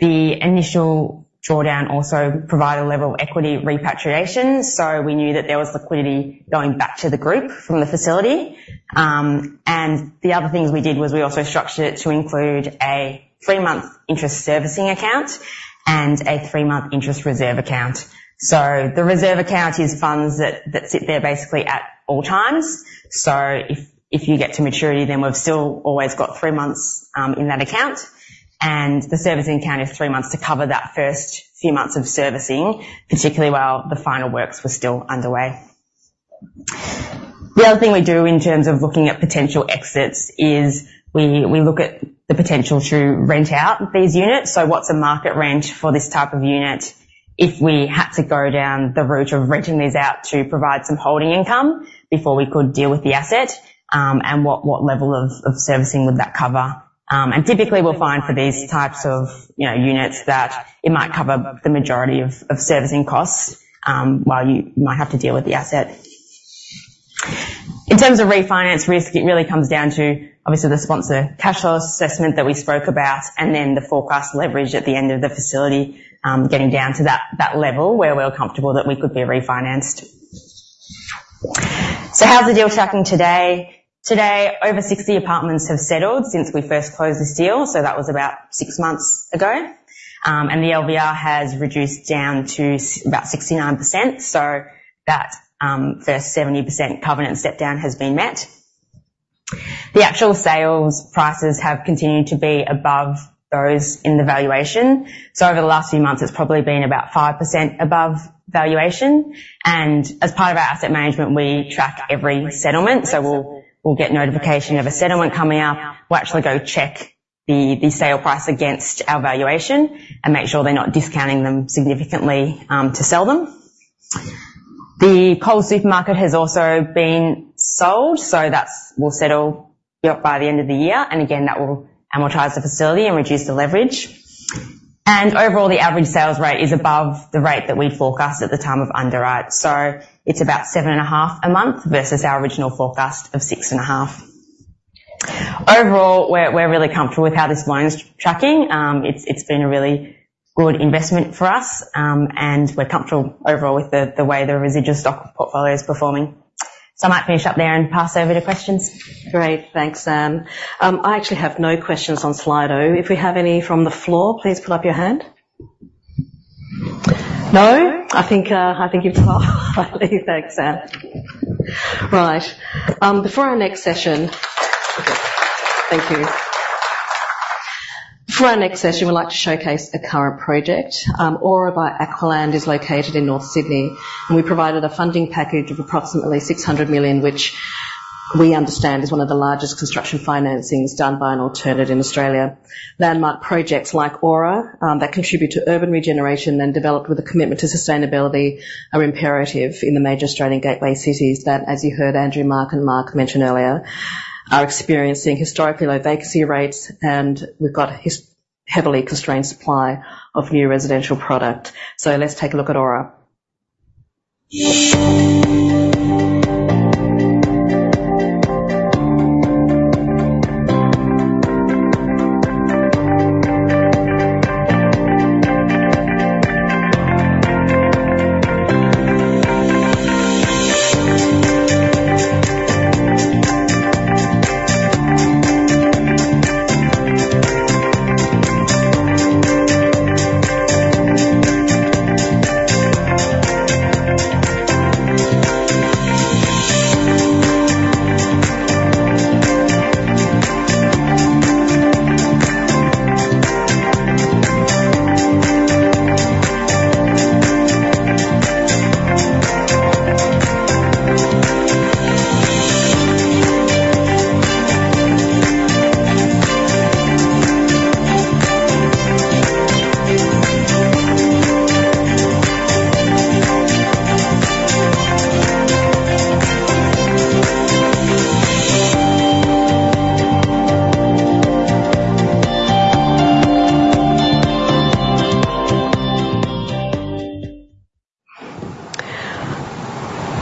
The initial drawdown also provided a level of equity repatriation, so we knew that there was liquidity going back to the group from the facility. And the other things we did was we also structured it to include a three-month interest servicing account and a three-month interest reserve account. So the reserve account is funds that sit there basically at all times. So if you get to maturity, then we've still always got three months in that account, and the servicing account is three months to cover that first few months of servicing, particularly while the final works were still underway. The other thing we do in terms of looking at potential exits is we look at the potential to rent out these units. So what's the market rent for this type of unit? If we had to go down the route of renting these out to provide some holding income before we could deal with the asset, and what level of servicing would that cover? And typically, we'll find for these types of, you know, units, that it might cover the majority of servicing costs, while you might have to deal with the asset. In terms of refinance risk, it really comes down to obviously the sponsor cash flow assessment that we spoke about and then the forecast leverage at the end of the facility, getting down to that level where we're comfortable that we could be refinanced. So how's the deal tracking today? Today, over 60 apartments have settled since we first closed this deal, so that was about 6 months ago. And the LVR has reduced down to about 69%, so that first 70% covenant step down has been met. The actual sales prices have continued to be above those in the valuation. So over the last few months, it's probably been about 5% above valuation, and as part of our asset management, we track every settlement. So we'll get notification of a settlement coming up. We'll actually go check the sale price against our valuation and make sure they're not discounting them significantly to sell them. The Coles supermarket has also been sold, so that'll settle by the end of the year, and again, that will amortize the facility and reduce the leverage. Overall, the average sales rate is above the rate that we forecast at the time of underwrite. So it's about 7.5 a month versus our original forecast of 6.5. Overall, we're really comfortable with how this loan is tracking. It's been a really good investment for us, and we're comfortable overall with the way the residual stock portfolio is performing. So I might finish up there and pass over to questions. Great. Thanks, Sam. I actually have no questions on Slido. If we have any from the floor, please put up your hand. No? I think you've... Thanks, Sam. Right. Before our next session- Thank you. For our next session, we'd like to showcase a current project. Aura by Aqualand is located in North Sydney, and we provided a funding package of approximately 600 million, which we understand is one of the largest construction financings done by an alternate in Australia. Landmark projects like Aura that contribute to urban regeneration and developed with a commitment to sustainability are imperative in the major Australian gateway cities that, as you heard Andrew, Mark, and Mark mention earlier, are experiencing historically low vacancy rates, and we've got heavily constrained supply of new residential product. So let's take a look at Aura.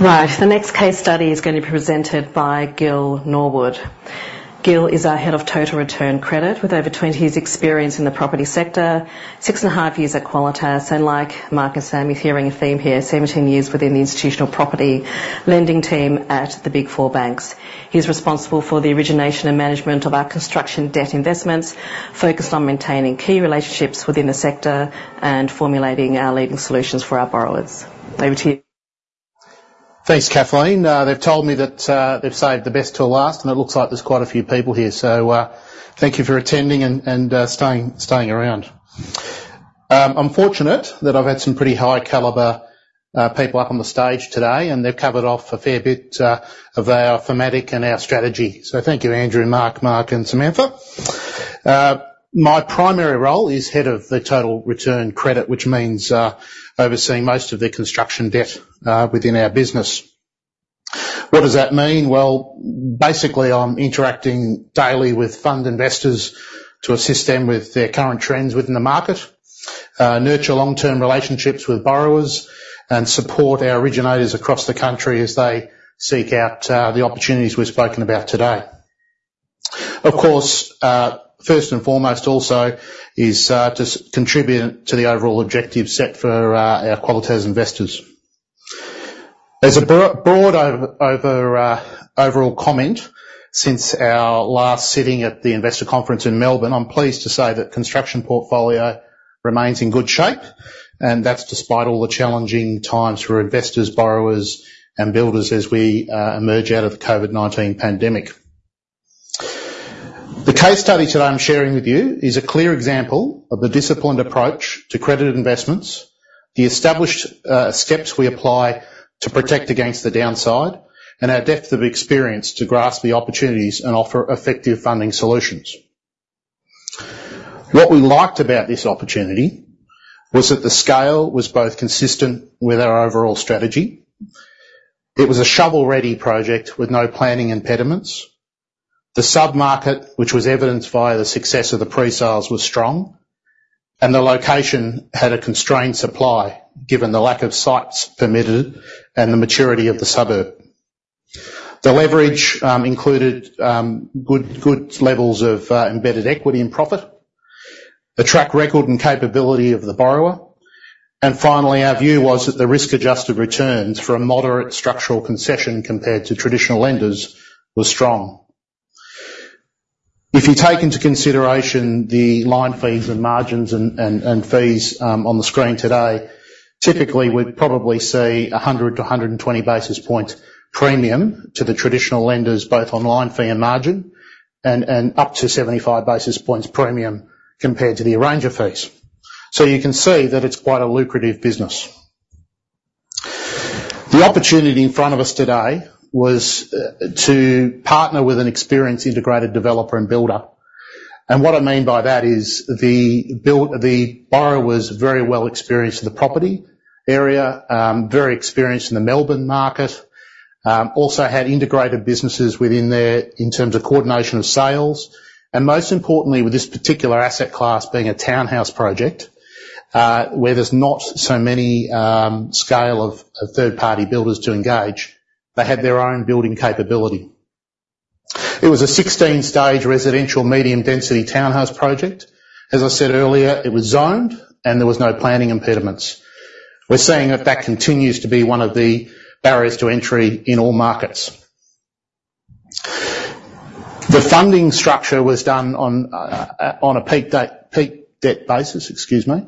Right. The next case study is going to be presented by Gil Norwood. Gil is our Head of Total Return Credit, with over 20 years experience in the property sector, six and a half years at Qualitas, and like Mark and Sammy, hearing a theme here, 17 years within the institutional property lending team at the Big Four banks. He's responsible for the origination and management of our construction debt investments, focused on maintaining key relationships within the sector and formulating our leading solutions for our borrowers. Over to you. Thanks, Kathleen. They've told me that they've saved the best till last, and it looks like there's quite a few people here. So, thank you for attending and staying around. I'm fortunate that I've had some pretty high caliber people up on the stage today, and they've covered off a fair bit of our thematic and our strategy. So thank you, Andrew, Mark, Mark, and Samantha. My primary role is Head of the Total Return Credit, which means overseeing most of the construction debt within our business. What does that mean? Well, basically, I'm interacting daily with fund investors to assist them with their current trends within the market, nurture long-term relationships with borrowers, and support our originators across the country as they seek out the opportunities we've spoken about today. Of course, first and foremost also is to contribute to the overall objectives set for our Qualitas investors. As a broad overall comment, since our last sitting at the investor conference in Melbourne, I'm pleased to say that construction portfolio remains in good shape, and that's despite all the challenging times for investors, borrowers, and builders as we emerge out of the COVID-19 pandemic. The case study today I'm sharing with you is a clear example of the disciplined approach to credit investments, the established steps we apply to protect against the downside, and our depth of experience to grasp the opportunities and offer effective funding solutions. What we liked about this opportunity was that the scale was both consistent with our overall strategy. It was a shovel-ready project with no planning impediments. The sub-market, which was evidenced by the success of the pre-sales, was strong, and the location had a constrained supply, given the lack of sites permitted and the maturity of the suburb. The leverage included good levels of embedded equity and profit, the track record and capability of the borrower, and finally, our view was that the risk-adjusted returns for a moderate structural concession compared to traditional lenders was strong. If you take into consideration the line fees and margins and fees, on the screen today, typically, we'd probably see 100-120 basis points premium to the traditional lenders, both on line fee and margin, and up to 75 basis points premium compared to the arranger fees. So you can see that it's quite a lucrative business. The opportunity in front of us today was to partner with an experienced integrated developer and builder. What I mean by that is the borrower was very well experienced in the property area, very experienced in the Melbourne market, also had integrated businesses within their in terms of coordination of sales, and most importantly, with this particular asset class being a townhouse project, where there's not so many scale of third-party builders to engage, they had their own building capability. It was a 16-stage residential, medium-density townhouse project. As I said earlier, it was zoned, and there was no planning impediments. We're seeing that that continues to be one of the barriers to entry in all markets. The funding structure was done on a peak date, peak debt basis, excuse me,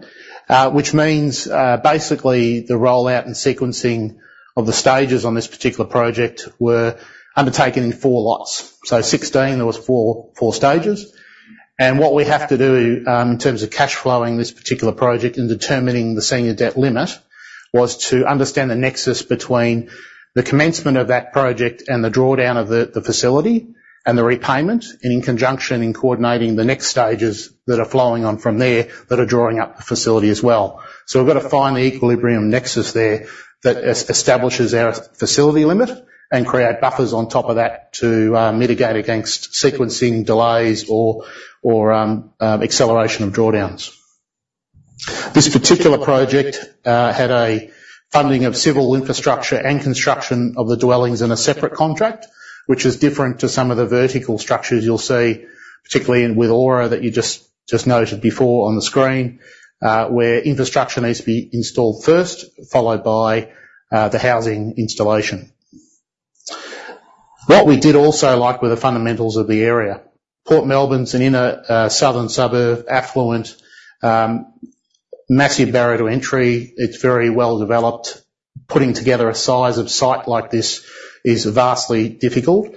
which means, basically, the rollout and sequencing of the stages on this particular project were undertaken in four lots. So there was four, four stages. And what we have to do, in terms of cash flowing this particular project, in determining the senior debt limit, was to understand the nexus between the commencement of that project and the drawdown of the facility and the repayment, and in conjunction, in coordinating the next stages that are flowing on from there, that are drawing up the facility as well. So we've got to find the equilibrium nexus there, that establishes our facility limit, and create buffers on top of that to mitigate against sequencing delays or acceleration of drawdowns. This particular project had a funding of civil infrastructure and construction of the dwellings in a separate contract, which is different to some of the vertical structures you'll see, particularly in, with Aura, that you just, just noted before on the screen, where infrastructure needs to be installed first, followed by, the housing installation. What we did also like were the fundamentals of the area. Port Melbourne's an inner, southern suburb, affluent, massive barrier to entry. It's very well developed. Putting together a size of site like this is vastly difficult,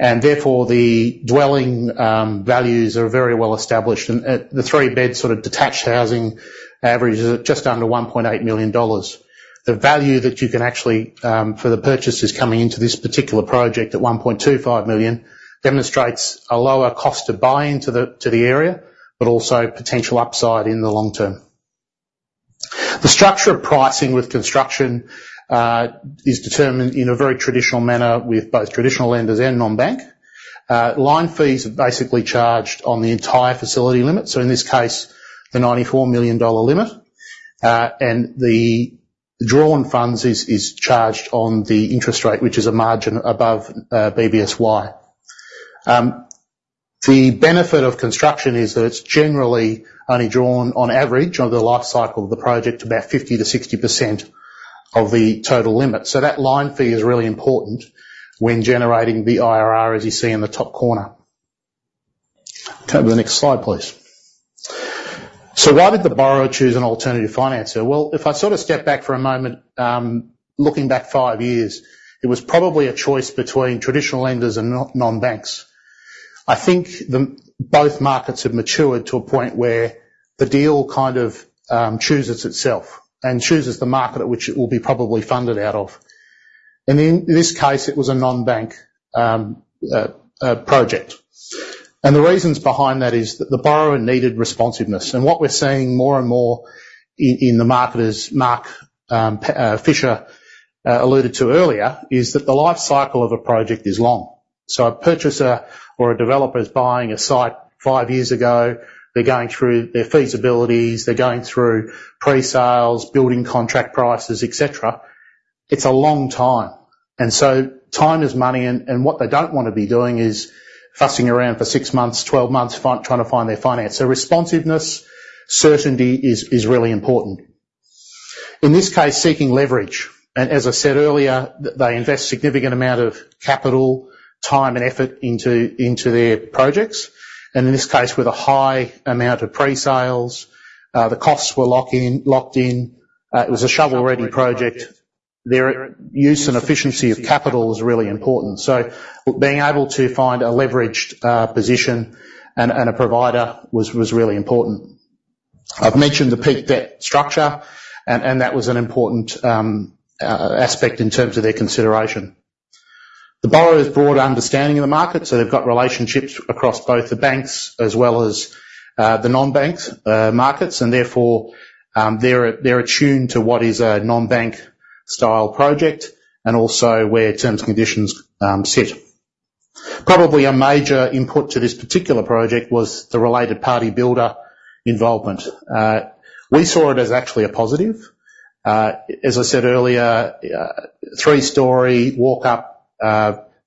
and therefore, the dwelling, values are very well established. The three-bed sort of detached housing averages at just under 1.8 million dollars. The value that you can actually for the purchasers coming into this particular project at 1.25 million, demonstrates a lower cost of buying to the, to the area, but also potential upside in the long term. The structure of pricing with construction is determined in a very traditional manner, with both traditional lenders and non-bank. Line fees are basically charged on the entire facility limit, so in this case, the 94 million dollar limit, and the drawn funds is, is charged on the interest rate, which is a margin above BBSY. The benefit of construction is that it's generally only drawn on average, over the life cycle of the project, about 50%-60% of the total limit. So that line fee is really important when generating the IRR, as you see in the top corner. Can I have the next slide, please? So why did the borrower choose an alternative financier? Well, if I sort of step back for a moment, looking back five years, it was probably a choice between traditional lenders and non-banks. I think both markets have matured to a point where the deal kind of chooses itself, and chooses the market at which it will be probably funded out of. And in this case, it was a non-bank, a project. And the reasons behind that is that the borrower needed responsiveness. And what we're seeing more and more in the market, as Mark Fischer alluded to earlier, is that the life cycle of a project is long. So a purchaser or a developer is buying a site five years ago, they're going through their feasibilities, they're going through pre-sales, building contract prices, et cetera. It's a long time, and so time is money, and what they don't want to be doing is fussing around for 6 months, 12 months, trying to find their finance. So responsiveness, certainty is really important. In this case, seeking leverage, and as I said earlier, they invest significant amount of capital, time, and effort into their projects, and in this case, with a high amount of pre-sales, the costs were lock in, locked in, it was a shovel-ready project. Their use and efficiency of capital is really important. So being able to find a leveraged position and a provider was really important. I've mentioned the peak debt structure, and that was an important aspect in terms of their consideration. The borrower's broad understanding of the market, so they've got relationships across both the banks as well as the non-banks markets, and therefore, they're attuned to what is a non-bank style project, and also where terms and conditions sit. Probably a major input to this particular project was the related party builder involvement. We saw it as actually a positive. As I said earlier, three-story, walk-up,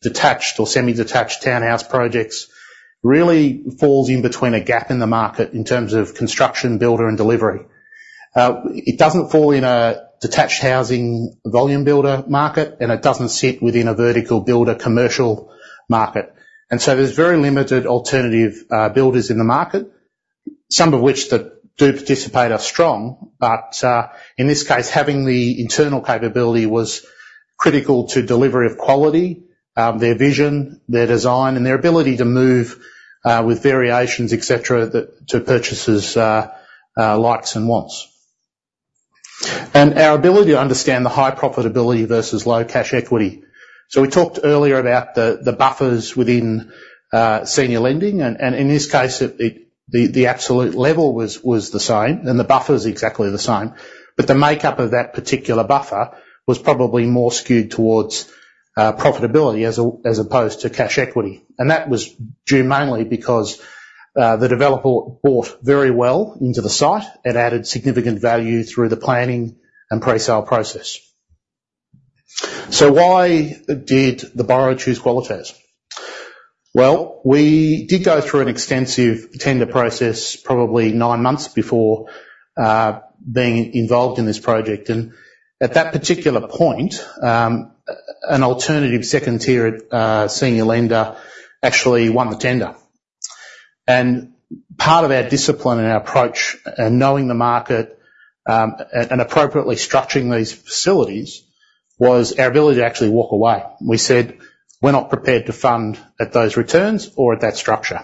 detached or semi-detached townhouse projects really falls in between a gap in the market in terms of construction, builder, and delivery. It doesn't fall in a detached housing volume builder market, and it doesn't sit within a vertical builder commercial market, and so there's very limited alternative builders in the market, some of which that do participate are strong, but in this case, having the internal capability was critical to delivery of quality, their vision, their design, and their ability to move with variations, et cetera, to purchasers' likes and wants. And our ability to understand the high profitability versus low cash equity. So we talked earlier about the buffers within senior lending, and in this case, the absolute level was the same, and the buffer is exactly the same, but the makeup of that particular buffer was probably more skewed towards profitability as opposed to cash equity. That was due mainly because, the developer bought very well into the site and added significant value through the planning and pre-sale process. Why did the borrower choose Qualitas? Well, we did go through an extensive tender process probably 9 months before being involved in this project, and at that particular point, an alternative second tier senior lender actually won the tender. Part of our discipline and our approach, and knowing the market, and appropriately structuring these facilities was our ability to actually walk away. We said, "We're not prepared to fund at those returns or at that structure."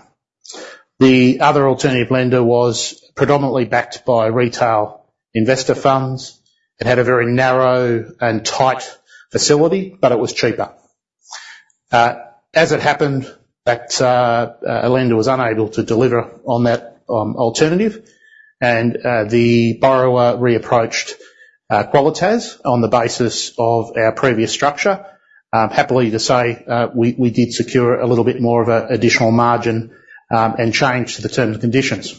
The other alternative lender was predominantly backed by retail investor funds. It had a very narrow and tight facility, but it was cheaper. As it happened, that lender was unable to deliver on that alternative, and the borrower reapproached Qualitas on the basis of our previous structure. Happily to say, we did secure a little bit more of a additional margin, and change to the terms and conditions.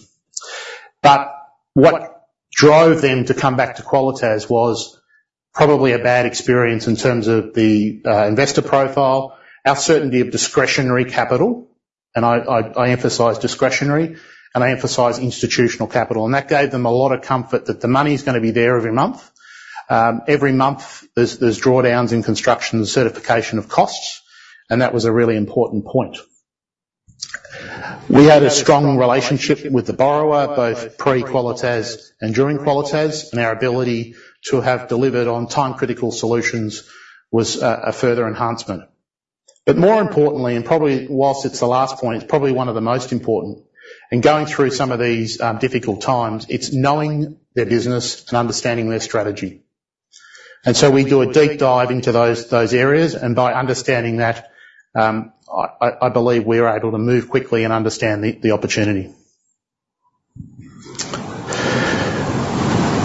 But what drove them to come back to Qualitas was probably a bad experience in terms of the investor profile, our certainty of discretionary capital, and I emphasize discretionary, and I emphasize institutional capital, and that gave them a lot of comfort that the money's gonna be there every month. Every month, there's drawdowns in construction and certification of costs, and that was a really important point. We had a strong relationship with the borrower, both pre-Qualitas and during Qualitas, and our ability to have delivered on time-critical solutions was a further enhancement. But more importantly, and probably whilst it's the last point, it's probably one of the most important, in going through some of these difficult times, it's knowing their business and understanding their strategy. And so we do a deep dive into those, those areas, and by understanding that, I believe we're able to move quickly and understand the opportunity.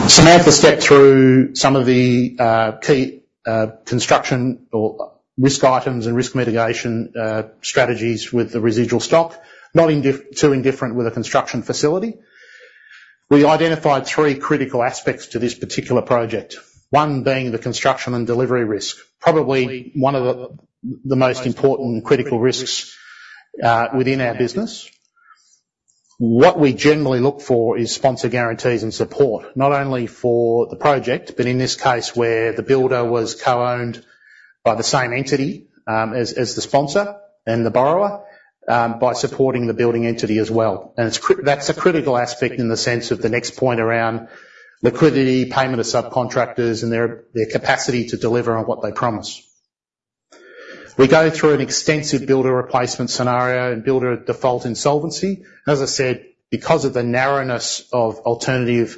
Samantha stepped through some of the key construction or risk items and risk mitigation strategies with the residual stock. Not too indifferent with a construction facility. We identified three critical aspects to this particular project, one being the construction and delivery risk, probably one of the most important critical risks within our business. What we generally look for is sponsor guarantees and support, not only for the project, but in this case, where the builder was co-owned by the same entity as the sponsor and the borrower, by supporting the building entity as well, and that's a critical aspect in the sense of the next point around liquidity, payment of subcontractors, and their capacity to deliver on what they promise. We go through an extensive builder replacement scenario and builder default insolvency. As I said, because of the narrowness of alternative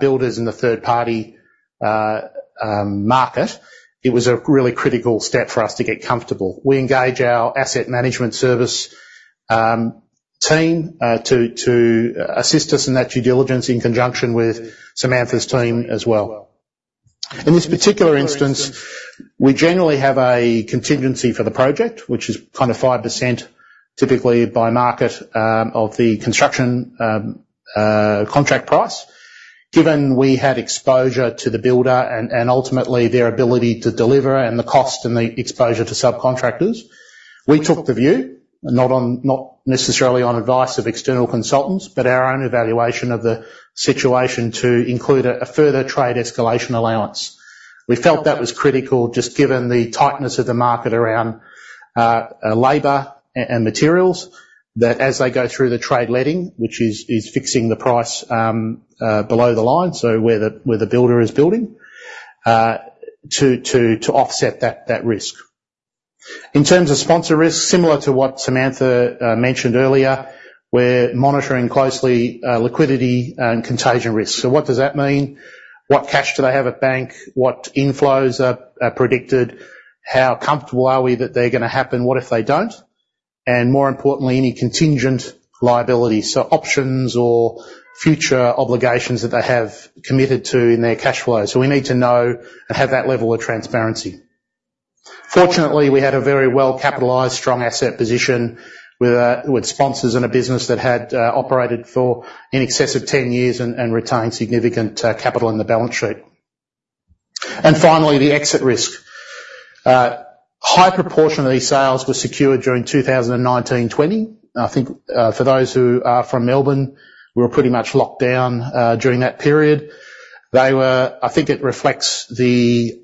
builders in the third-party market, it was a really critical step for us to get comfortable. We engage our asset management service team to assist us in that due diligence in conjunction with Samantha's team as well. In this particular instance, we generally have a contingency for the project, which is kind of 5%, typically by market, of the construction contract price. Given we had exposure to the builder and ultimately their ability to deliver and the cost and the exposure to subcontractors, we took the view, not necessarily on advice of external consultants, but our own evaluation of the situation, to include a further trade escalation allowance. We felt that was critical, just given the tightness of the market around labor and materials, that as they go through the trade letting, which is fixing the price below the line, so where the builder is building, to offset that risk. In terms of sponsor risk, similar to what Samantha mentioned earlier, we're monitoring closely liquidity and contagion risk. So what does that mean? What cash do they have at bank? What inflows are predicted? How comfortable are we that they're gonna happen? What if they don't? And more importantly, any contingent liability, so options or future obligations that they have committed to in their cash flow. So we need to know and have that level of transparency. Fortunately, we had a very well-capitalized, strong asset position with with sponsors in a business that had operated for in excess of 10 years and retained significant capital in the balance sheet. And finally, the exit risk. High proportion of these sales were secured during 2019/20. I think, for those who are from Melbourne, we were pretty much locked down during that period. They were. I think it reflects the,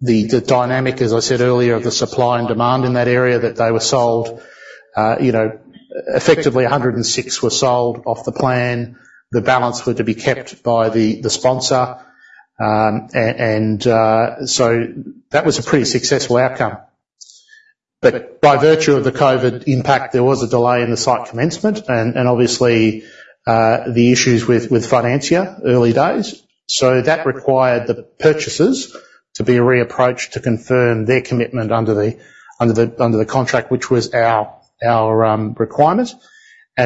the dynamic, as I said earlier, of the supply and demand in that area, that they were sold, you know, effectively, 106 were sold off the plan. The balance were to be kept by the, the sponsor, and, so that was a pretty successful outcome. But by virtue of the COVID impact, there was a delay in the site commencement and, and obviously, the issues with, with financier, early days. So that required the purchasers to be reapproached to confirm their commitment under the, under the, under the contract, which was our, our, requirement.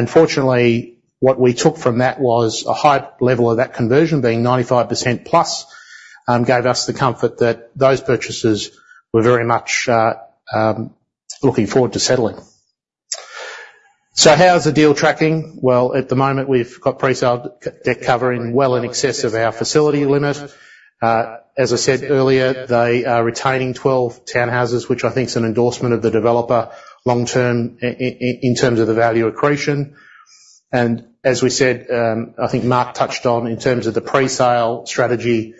Fortunately, what we took from that was a high level of that conversion, being 95%+, gave us the comfort that those purchasers were very much looking forward to settling. So how's the deal tracking? Well, at the moment, we've got pre-sale debt covering well in excess of our facility limit. As I said earlier, they are retaining 12 townhouses, which I think is an endorsement of the developer long term in terms of the value accretion. And as we said, I think Mark touched on, in terms of the pre-sale strategy,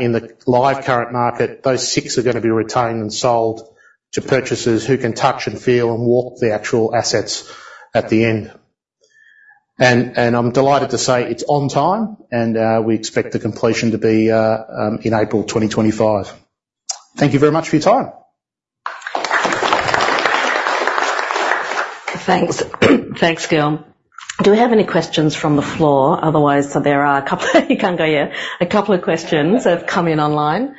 in the live current market, those 6 are gonna be retained and sold to purchasers who can touch and feel and walk the actual assets at the end. I'm delighted to say it's on time, and we expect the completion to be in April 2025. Thank you very much for your time. Thanks. Thanks, Gil. Do we have any questions from the floor? Otherwise, there are a couple of you can't go yet. A couple of questions that have come in online.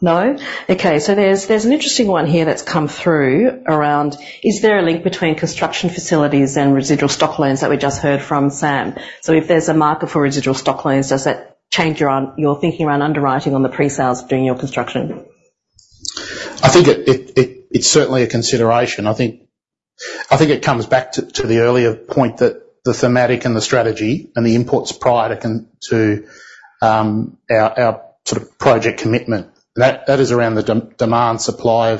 No? Okay, so there's, there's an interesting one here that's come through around: Is there a link between construction facilities and residual stock loans that we just heard from Sam? So if there's a market for residual stock loans, does that change your on, your thinking around underwriting on the pre-sales during your construction? I think it's certainly a consideration. I think it comes back to the earlier point that the thematic and the strategy and the inputs prior to our sort of project commitment, that is around the demand, supply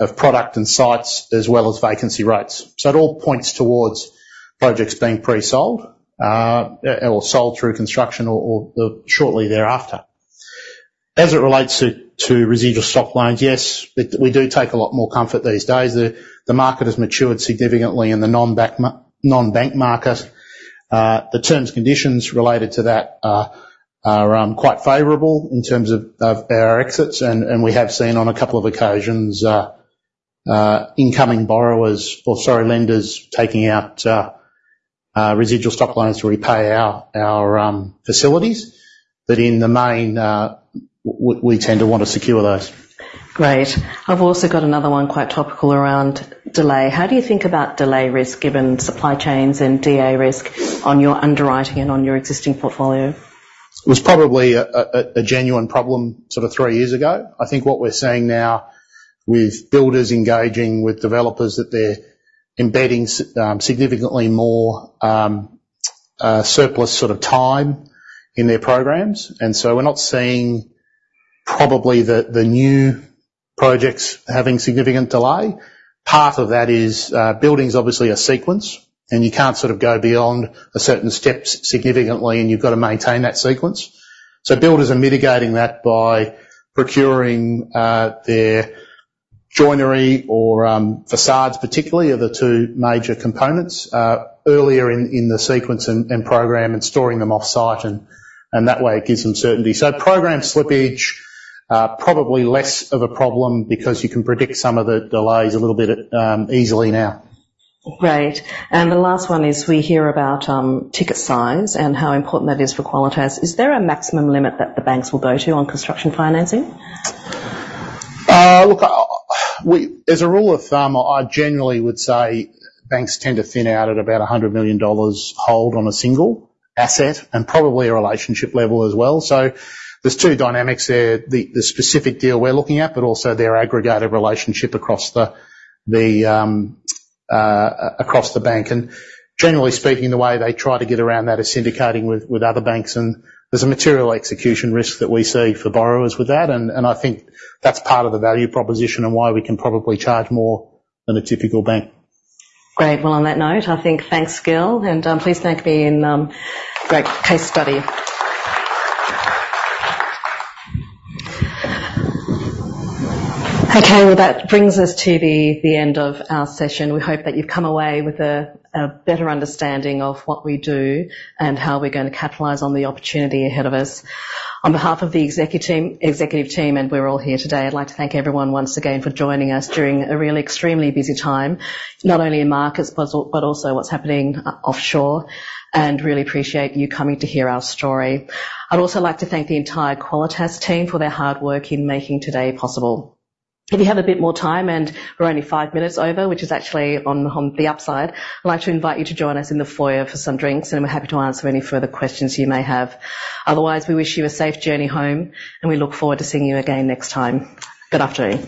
of product and sites, as well as vacancy rates. So it all points towards projects being pre-sold or sold through construction or shortly thereafter. As it relates to residual stock loans, yes, we do take a lot more comfort these days. The market has matured significantly in the non-bank market. The terms, conditions related to that are quite favorable in terms of our exits, and we have seen on a couple of occasions incoming borrowers, or, sorry, lenders, taking out residual stock loans to repay our facilities. But in the main, we tend to want to secure those. Great. I've also got another one quite topical around delay. How do you think about delay risk, given supply chains and DA risk on your underwriting and on your existing portfolio? It was probably a genuine problem sort of three years ago. I think what we're seeing now with builders engaging with developers, that they're embedding significantly more surplus sort of time in their programs, and so we're not seeing probably the new projects having significant delay. Part of that is, building's obviously a sequence, and you can't sort of go beyond the certain steps significantly, and you've got to maintain that sequence. So builders are mitigating that by procuring their joinery or facades particularly, are the two major components earlier in the sequence and program, and storing them off site and that way it gives them certainty. So program slippage probably less of a problem because you can predict some of the delays a little bit easily now. Great. And the last one is, we hear about, ticket size and how important that is for Qualitas. Is there a maximum limit that the banks will go to on construction financing? Look, we as a rule of thumb, I generally would say banks tend to thin out at about 100 million dollars hold on a single asset and probably a relationship level as well. So there's two dynamics there, the specific deal we're looking at, but also their aggregated relationship across the bank. And generally speaking, the way they try to get around that is syndicating with other banks, and there's a material execution risk that we see for borrowers with that, and I think that's part of the value proposition and why we can probably charge more than a typical bank. Great. Well, on that note, I think thanks, Gil, and please join me in thanking him for a great case study. Okay, well, that brings us to the end of our session. We hope that you've come away with a better understanding of what we do and how we're going to capitalize on the opportunity ahead of us. On behalf of the executive team and we're all here today, I'd like to thank everyone once again for joining us during a really extremely busy time, not only in markets, but also what's happening offshore, and really appreciate you coming to hear our story. I'd also like to thank the entire Qualitas team for their hard work in making today possible. If you have a bit more time, and we're only five minutes over, which is actually on the upside, I'd like to invite you to join us in the foyer for some drinks, and we're happy to answer any further questions you may have. Otherwise, we wish you a safe journey home, and we look forward to seeing you again next time. Good afternoon.